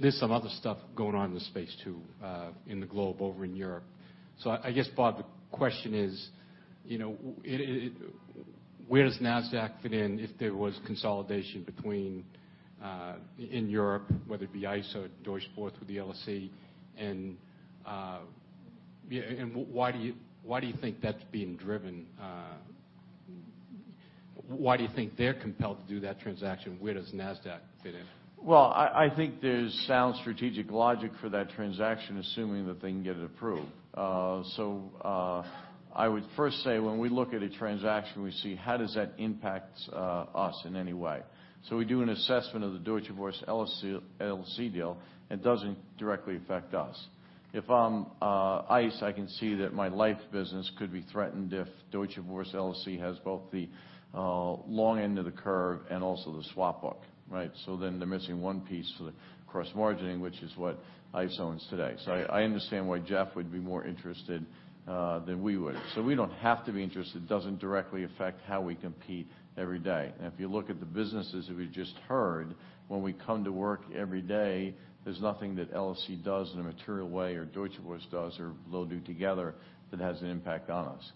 There's some other stuff going on in the space, too, in the globe over in Europe. I guess, Bob, the question is, where does Nasdaq fit in if there was consolidation between, in Europe, whether it be ICE or Deutsche Börse with the LSE? Why do you think that's being driven? Why do you think they're compelled to do that transaction? Where does Nasdaq fit in? Well, I think there's sound strategic logic for that transaction, assuming that they can get it approved. I would first say when we look at a transaction, we see how does that impact us in any way. We do an assessment of the Deutsche Börse LSE deal, and it doesn't directly affect us. If I'm ICE, I can see that my life business could be threatened if Deutsche Börse LSE has both the long end of the curve and also the swap book, right? Then they're missing one piece for the cross margining, which is what ICE owns today. I understand why Jeff would be more interested than we would. We don't have to be interested. It doesn't directly affect how we compete every day. If you look at the businesses that we just heard, when we come to work every day, there's nothing that LSE does in a material way, or Deutsche Börse does, or they'll do together that has an impact on us.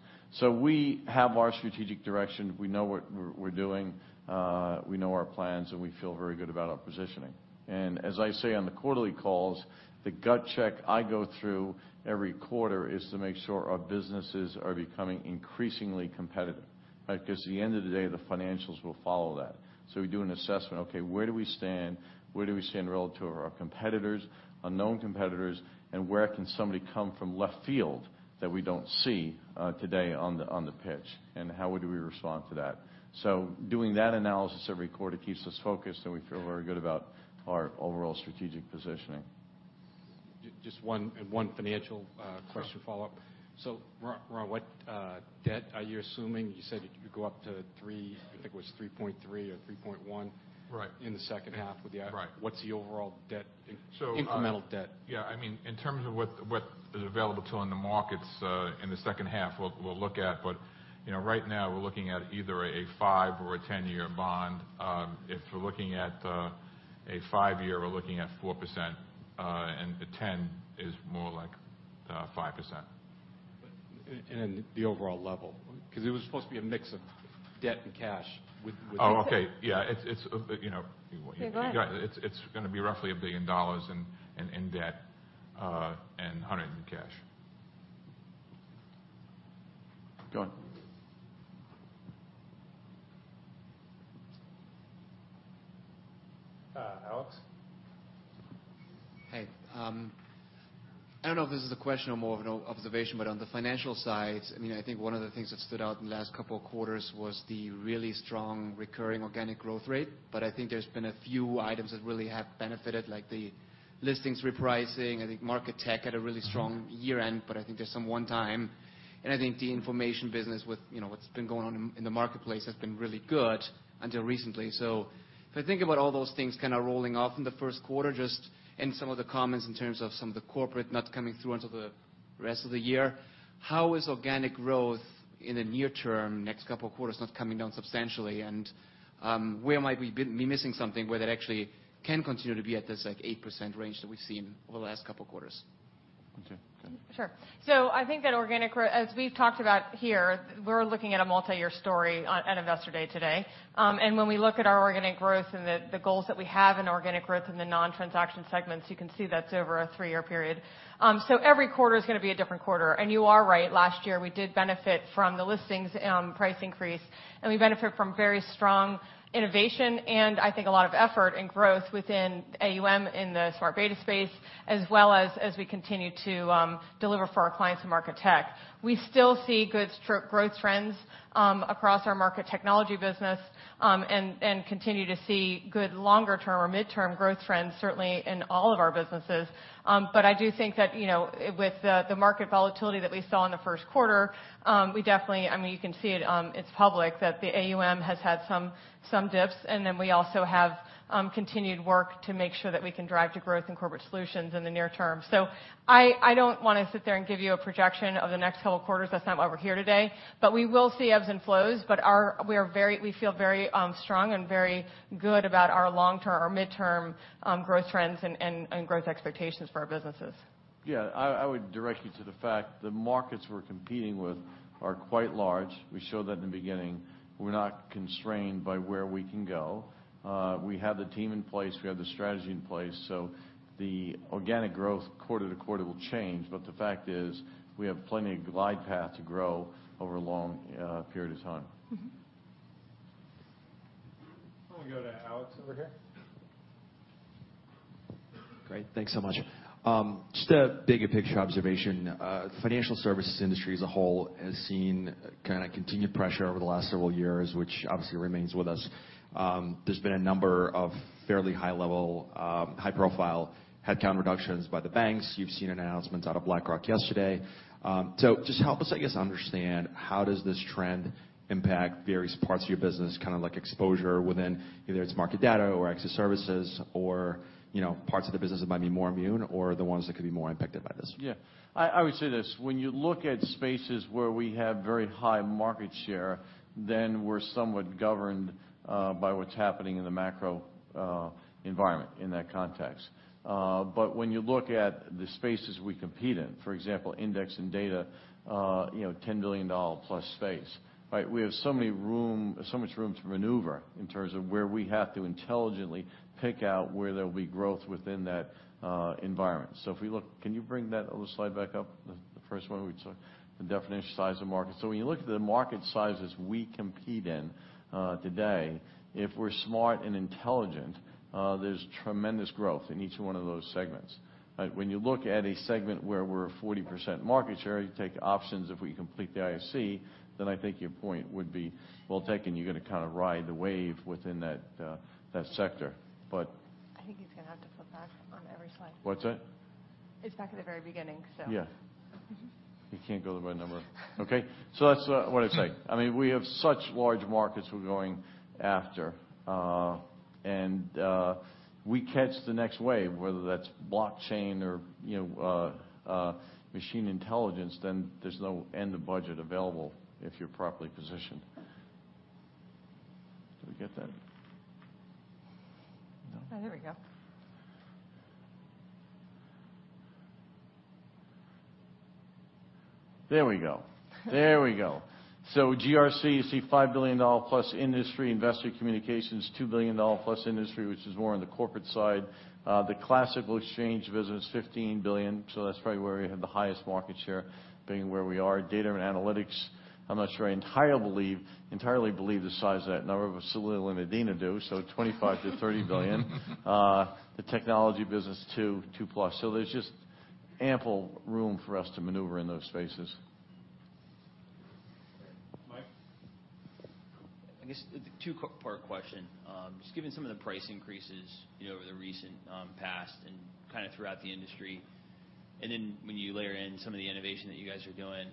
We have our strategic direction. We know what we're doing. We know our plans, and we feel very good about our positioning. As I say on the quarterly calls, the gut check I go through every quarter is to make sure our businesses are becoming increasingly competitive, right? Because at the end of the day, the financials will follow that. We do an assessment. Okay, where do we stand? Where do we stand relative to our competitors, unknown competitors, and where can somebody come from left field that we don't see today on the pitch, and how would we respond to that? Doing that analysis every quarter keeps us focused, and we feel very good about our overall strategic positioning. Just one financial question follow-up. Ron, what debt are you assuming? You said you could go up to three, I think it was 3.3 or 3.1. Right in the second half with the acquisition. Right. What's the overall debt? So- Incremental debt. Yeah. In terms of what is available to in the markets in the second half, we'll look at. Right now, we're looking at either a five or a 10-year bond. If we're looking at a five-year, we're looking at 4%, and a 10 is more like 5%. The overall level, because it was supposed to be a mix of debt and cash. Oh, okay. Yeah. Yeah, go ahead. It's going to be roughly $1 billion in debt, and $100 in cash. Go on. Alex? Hey. I don't know if this is a question or more of an observation, but on the financial side, I think one of the things that stood out in the last couple of quarters was the really strong recurring organic growth rate. I think there's been a few items that really have benefited, like the listings repricing. I think Market Tech had a really strong year-end, but I think there's some one-time. I think the information business with what's been going on in the marketplace has been really good until recently. If I think about all those things kind of rolling off in the first quarter, just in some of the comments in terms of some of the corporate not coming through until the rest of the year, how is organic growth in the near term, next couple of quarters, not coming down substantially? Where might we be missing something where that actually can continue to be at this, like, 8% range that we've seen over the last couple of quarters? Okay. Sure. I think that organic growth, as we've talked about here, we're looking at a multi-year story at Investor Day today. When we look at our organic growth and the goals that we have in organic growth in the non-transaction segments, you can see that's over a three-year period. Every quarter is going to be a different quarter. You are right, last year we did benefit from the listings price increase, and we benefit from very strong innovation and I think a lot of effort and growth within AUM in the smart beta space, as well as we continue to deliver for our clients in market tech. We still see good growth trends across our Market Technology business, and continue to see good longer term or midterm growth trends, certainly in all of our businesses. I do think that, with the market volatility that we saw in the first quarter, we definitely, you can see it's public, that the AUM has had some dips, and we also have continued work to make sure that we can drive to growth in Corporate Solutions in the near term. I don't want to sit there and give you a projection of the next couple of quarters. That's not why we are here today, but we will see ebbs and flows, but we feel very strong and very good about our long-term, our midterm growth trends and growth expectations for our businesses. I would direct you to the fact the markets we are competing with are quite large. We showed that in the beginning. We are not constrained by where we can go. We have the team in place. We have the strategy in place. The organic growth quarter-to-quarter will change, but the fact is, we have plenty of glide path to grow over a long period of time. Why don't we go to Alex over here? Great. Thanks so much. Just a bigger picture observation. Financial services industry as a whole has seen continued pressure over the last several years, which obviously remains with us. There has been a number of fairly high-level, high-profile headcount reductions by the banks. You have seen announcements out of BlackRock yesterday. Just help us, I guess, understand how does this trend impact various parts of your business, like exposure within either its market data or access services or parts of the business that might be more immune or the ones that could be more impacted by this? Yeah. I would say this, when you look at spaces where we have very high market share, then we're somewhat governed by what's happening in the macro environment in that context. When you look at the spaces we compete in, for example, index and data, $10 billion plus space, right? We have so much room to maneuver in terms of where we have to intelligently pick out where there'll be growth within that environment. If we look, can you bring that other slide back up? The first one we took, the definition size of market. When you look at the market sizes we compete in today, if we're smart and intelligent, there's tremendous growth in each one of those segments, right? When you look at a segment where we're 40% market share, you take options if we complete the ISE, then I think your point would be well taken. You're going to kind of ride the wave within that sector. I think he's going to have to flip back on every slide. What's that? It's back at the very beginning. Yeah. He can't go to by number. Okay. That's what I'd say. We have such large markets we're going after. We catch the next wave, whether that's blockchain or machine intelligence, then there's no end of budget available if you're properly positioned. Did we get that? No. There we go. There we go. There we go. There we go. GRC, you see $5 billion plus industry, investor communications, $2 billion plus industry, which is more on the corporate side. The classical exchange business, $15 billion, that's probably where we have the highest market share being where we are. Data and analytics, I'm not sure I entirely believe the size of that number, but Salil and Adena do, $25 billion-$30 billion. The technology business, $2 billion plus. There's just ample room for us to maneuver in those spaces. Mike. I guess a two-part question. Just given some of the price increases, over the recent past and kind of throughout the industry, then when you layer in some of the innovation that you guys are doing,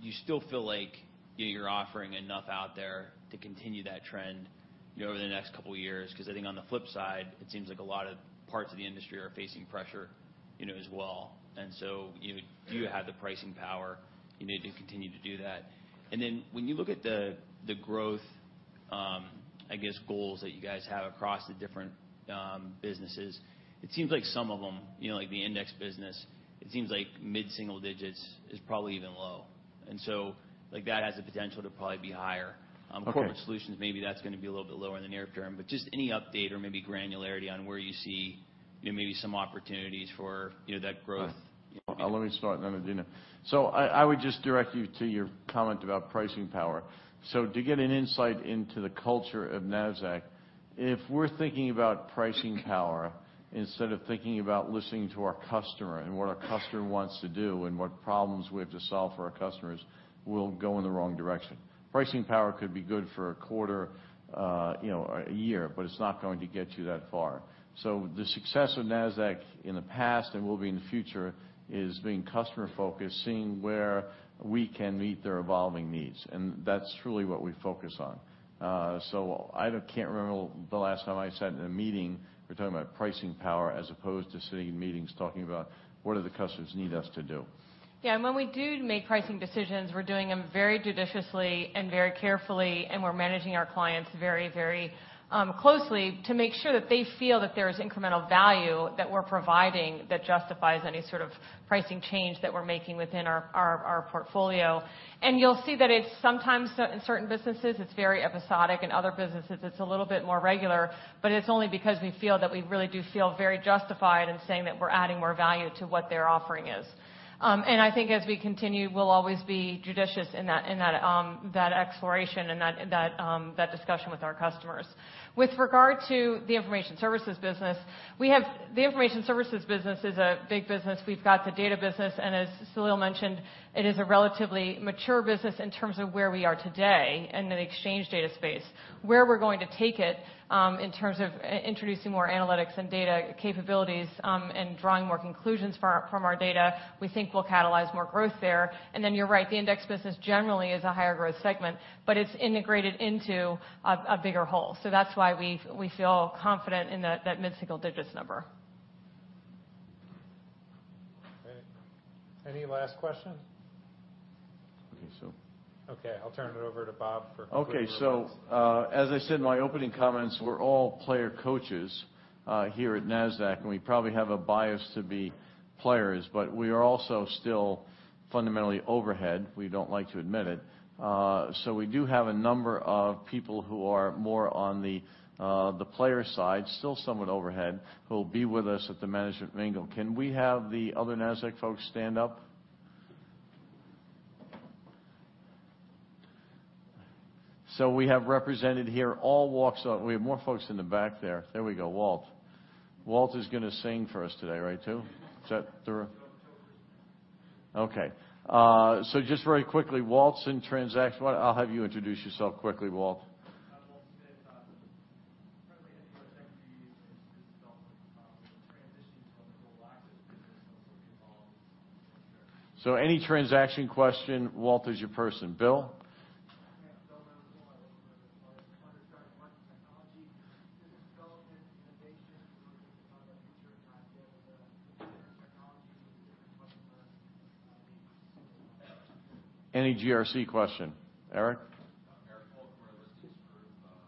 do you still feel like you're offering enough out there to continue that trend, over the next couple of years? Because I think on the flip side, it seems like a lot of parts of the industry are facing pressure, as well. Do you have the pricing power? Do you continue to do that? Then when you look at the growth, I guess, goals that you guys have across the different businesses, it seems like some of them, like the index business, it seems like mid-single digits is probably even low. That has the potential to probably be higher. Of course. Corporate Solutions, maybe that's going to be a little bit lower in the near term. Just any update or maybe granularity on where you see maybe some opportunities for that growth. Let me start, then Adena. I would just direct you to your comment about pricing power. To get an insight into the culture of Nasdaq, if we're thinking about pricing power, instead of thinking about listening to our customer and what our customer wants to do and what problems we have to solve for our customers, we'll go in the wrong direction. Pricing power could be good for a quarter, or a year, but it's not going to get you that far. The success of Nasdaq in the past and will be in the future, is being customer-focused, seeing where we can meet their evolving needs. That's truly what we focus on. I can't remember the last time I sat in a meeting, we're talking about pricing power as opposed to sitting in meetings talking about what do the customers need us to do. When we do make pricing decisions, we're doing them very judiciously and very carefully, and we're managing our clients very closely to make sure that they feel that there is incremental value that we're providing that justifies any sort of pricing change that we're making within our portfolio. You'll see that it's sometimes, in certain businesses, it's very episodic. In other businesses, it's a little bit more regular, but it's only because we feel that we really do feel very justified in saying that we're adding more value to what their offering is. I think as we continue, we'll always be judicious in that exploration and that discussion with our customers. With regard to the information services business, the information services business is a big business. We've got the data business, as Salil mentioned, it is a relatively mature business in terms of where we are today in the exchange data space. Where we're going to take it, in terms of introducing more analytics and data capabilities, and drawing more conclusions from our data, we think will catalyze more growth there. You're right, the index business generally is a higher growth segment, but it's integrated into a bigger whole. That's why we feel confident in that mid-single digits number. Any last question? I guess so. I'll turn it over to Bob for concluding remarks. As I said in my opening comments, we're all player coaches here at Nasdaq, and we probably have a bias to be players, but we are also still fundamentally overhead. We don't like to admit it. We do have a number of people who are more on the player side, still somewhat overhead, who will be with us at the management mingle. Can we have the other Nasdaq folks stand up? We have represented here. We have more folks in the back there. There we go, Walt. Walt is going to sing for us today, right, too? Is that true? No, October. Okay. Just very quickly, Walt's in transaction. I'll have you introduce yourself quickly, Walt. I'm Walt Smith. I'm currently head of U.S. Equity. Just helping with the transition from the Global Access Services Business and looking at all the Any transaction question, Walt is your person. Bill? Yeah, Bill Rosener. I work for the Market Technology. Just development, innovation, and looking to the future and idea of the different technologies and different customers and things. Any GRC question. Eric? Eric Hoaglund from our listings group. Just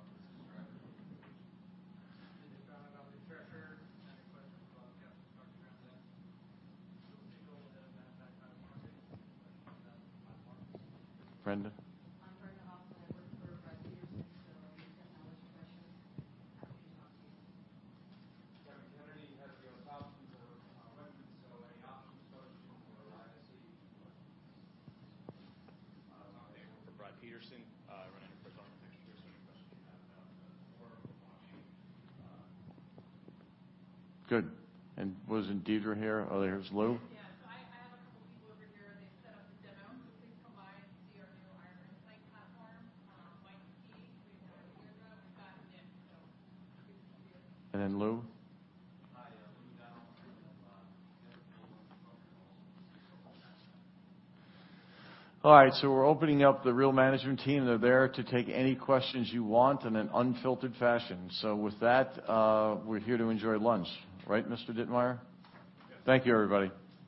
strategy. David Warren. I'm the Treasurer. Any questions about capital structure and that. Single and then Nasdaq Private Market and the Nasdaq platforms. Brenda? I'm Brenda Hoffman. I work for Brad Peterson. Any technology questions, happy to talk to you. Kevin Kennedy, Head of U.S. Options and our operations. Any options questions or legacy, I can answer. Dean Hager. I work for Brad Peterson. Running the technology group. Any questions you have about the order, the volume. Good. Wasn't Deirdre here? Oh, there's Lou. Yes. I have a couple people over here, and they've set up a demo. Please come by and see our new IR Insight platform, my team. We have Deirdre, Scott, and Nick. Come see us. Lou? Hi, Lou Modano. I'm the Head of Global Market Structure. All right, we're opening up the real management team, and they're there to take any questions you want in an unfiltered fashion. With that, we're here to enjoy lunch. Right, Mr. Ditmire? Yes. Thank you, everybody.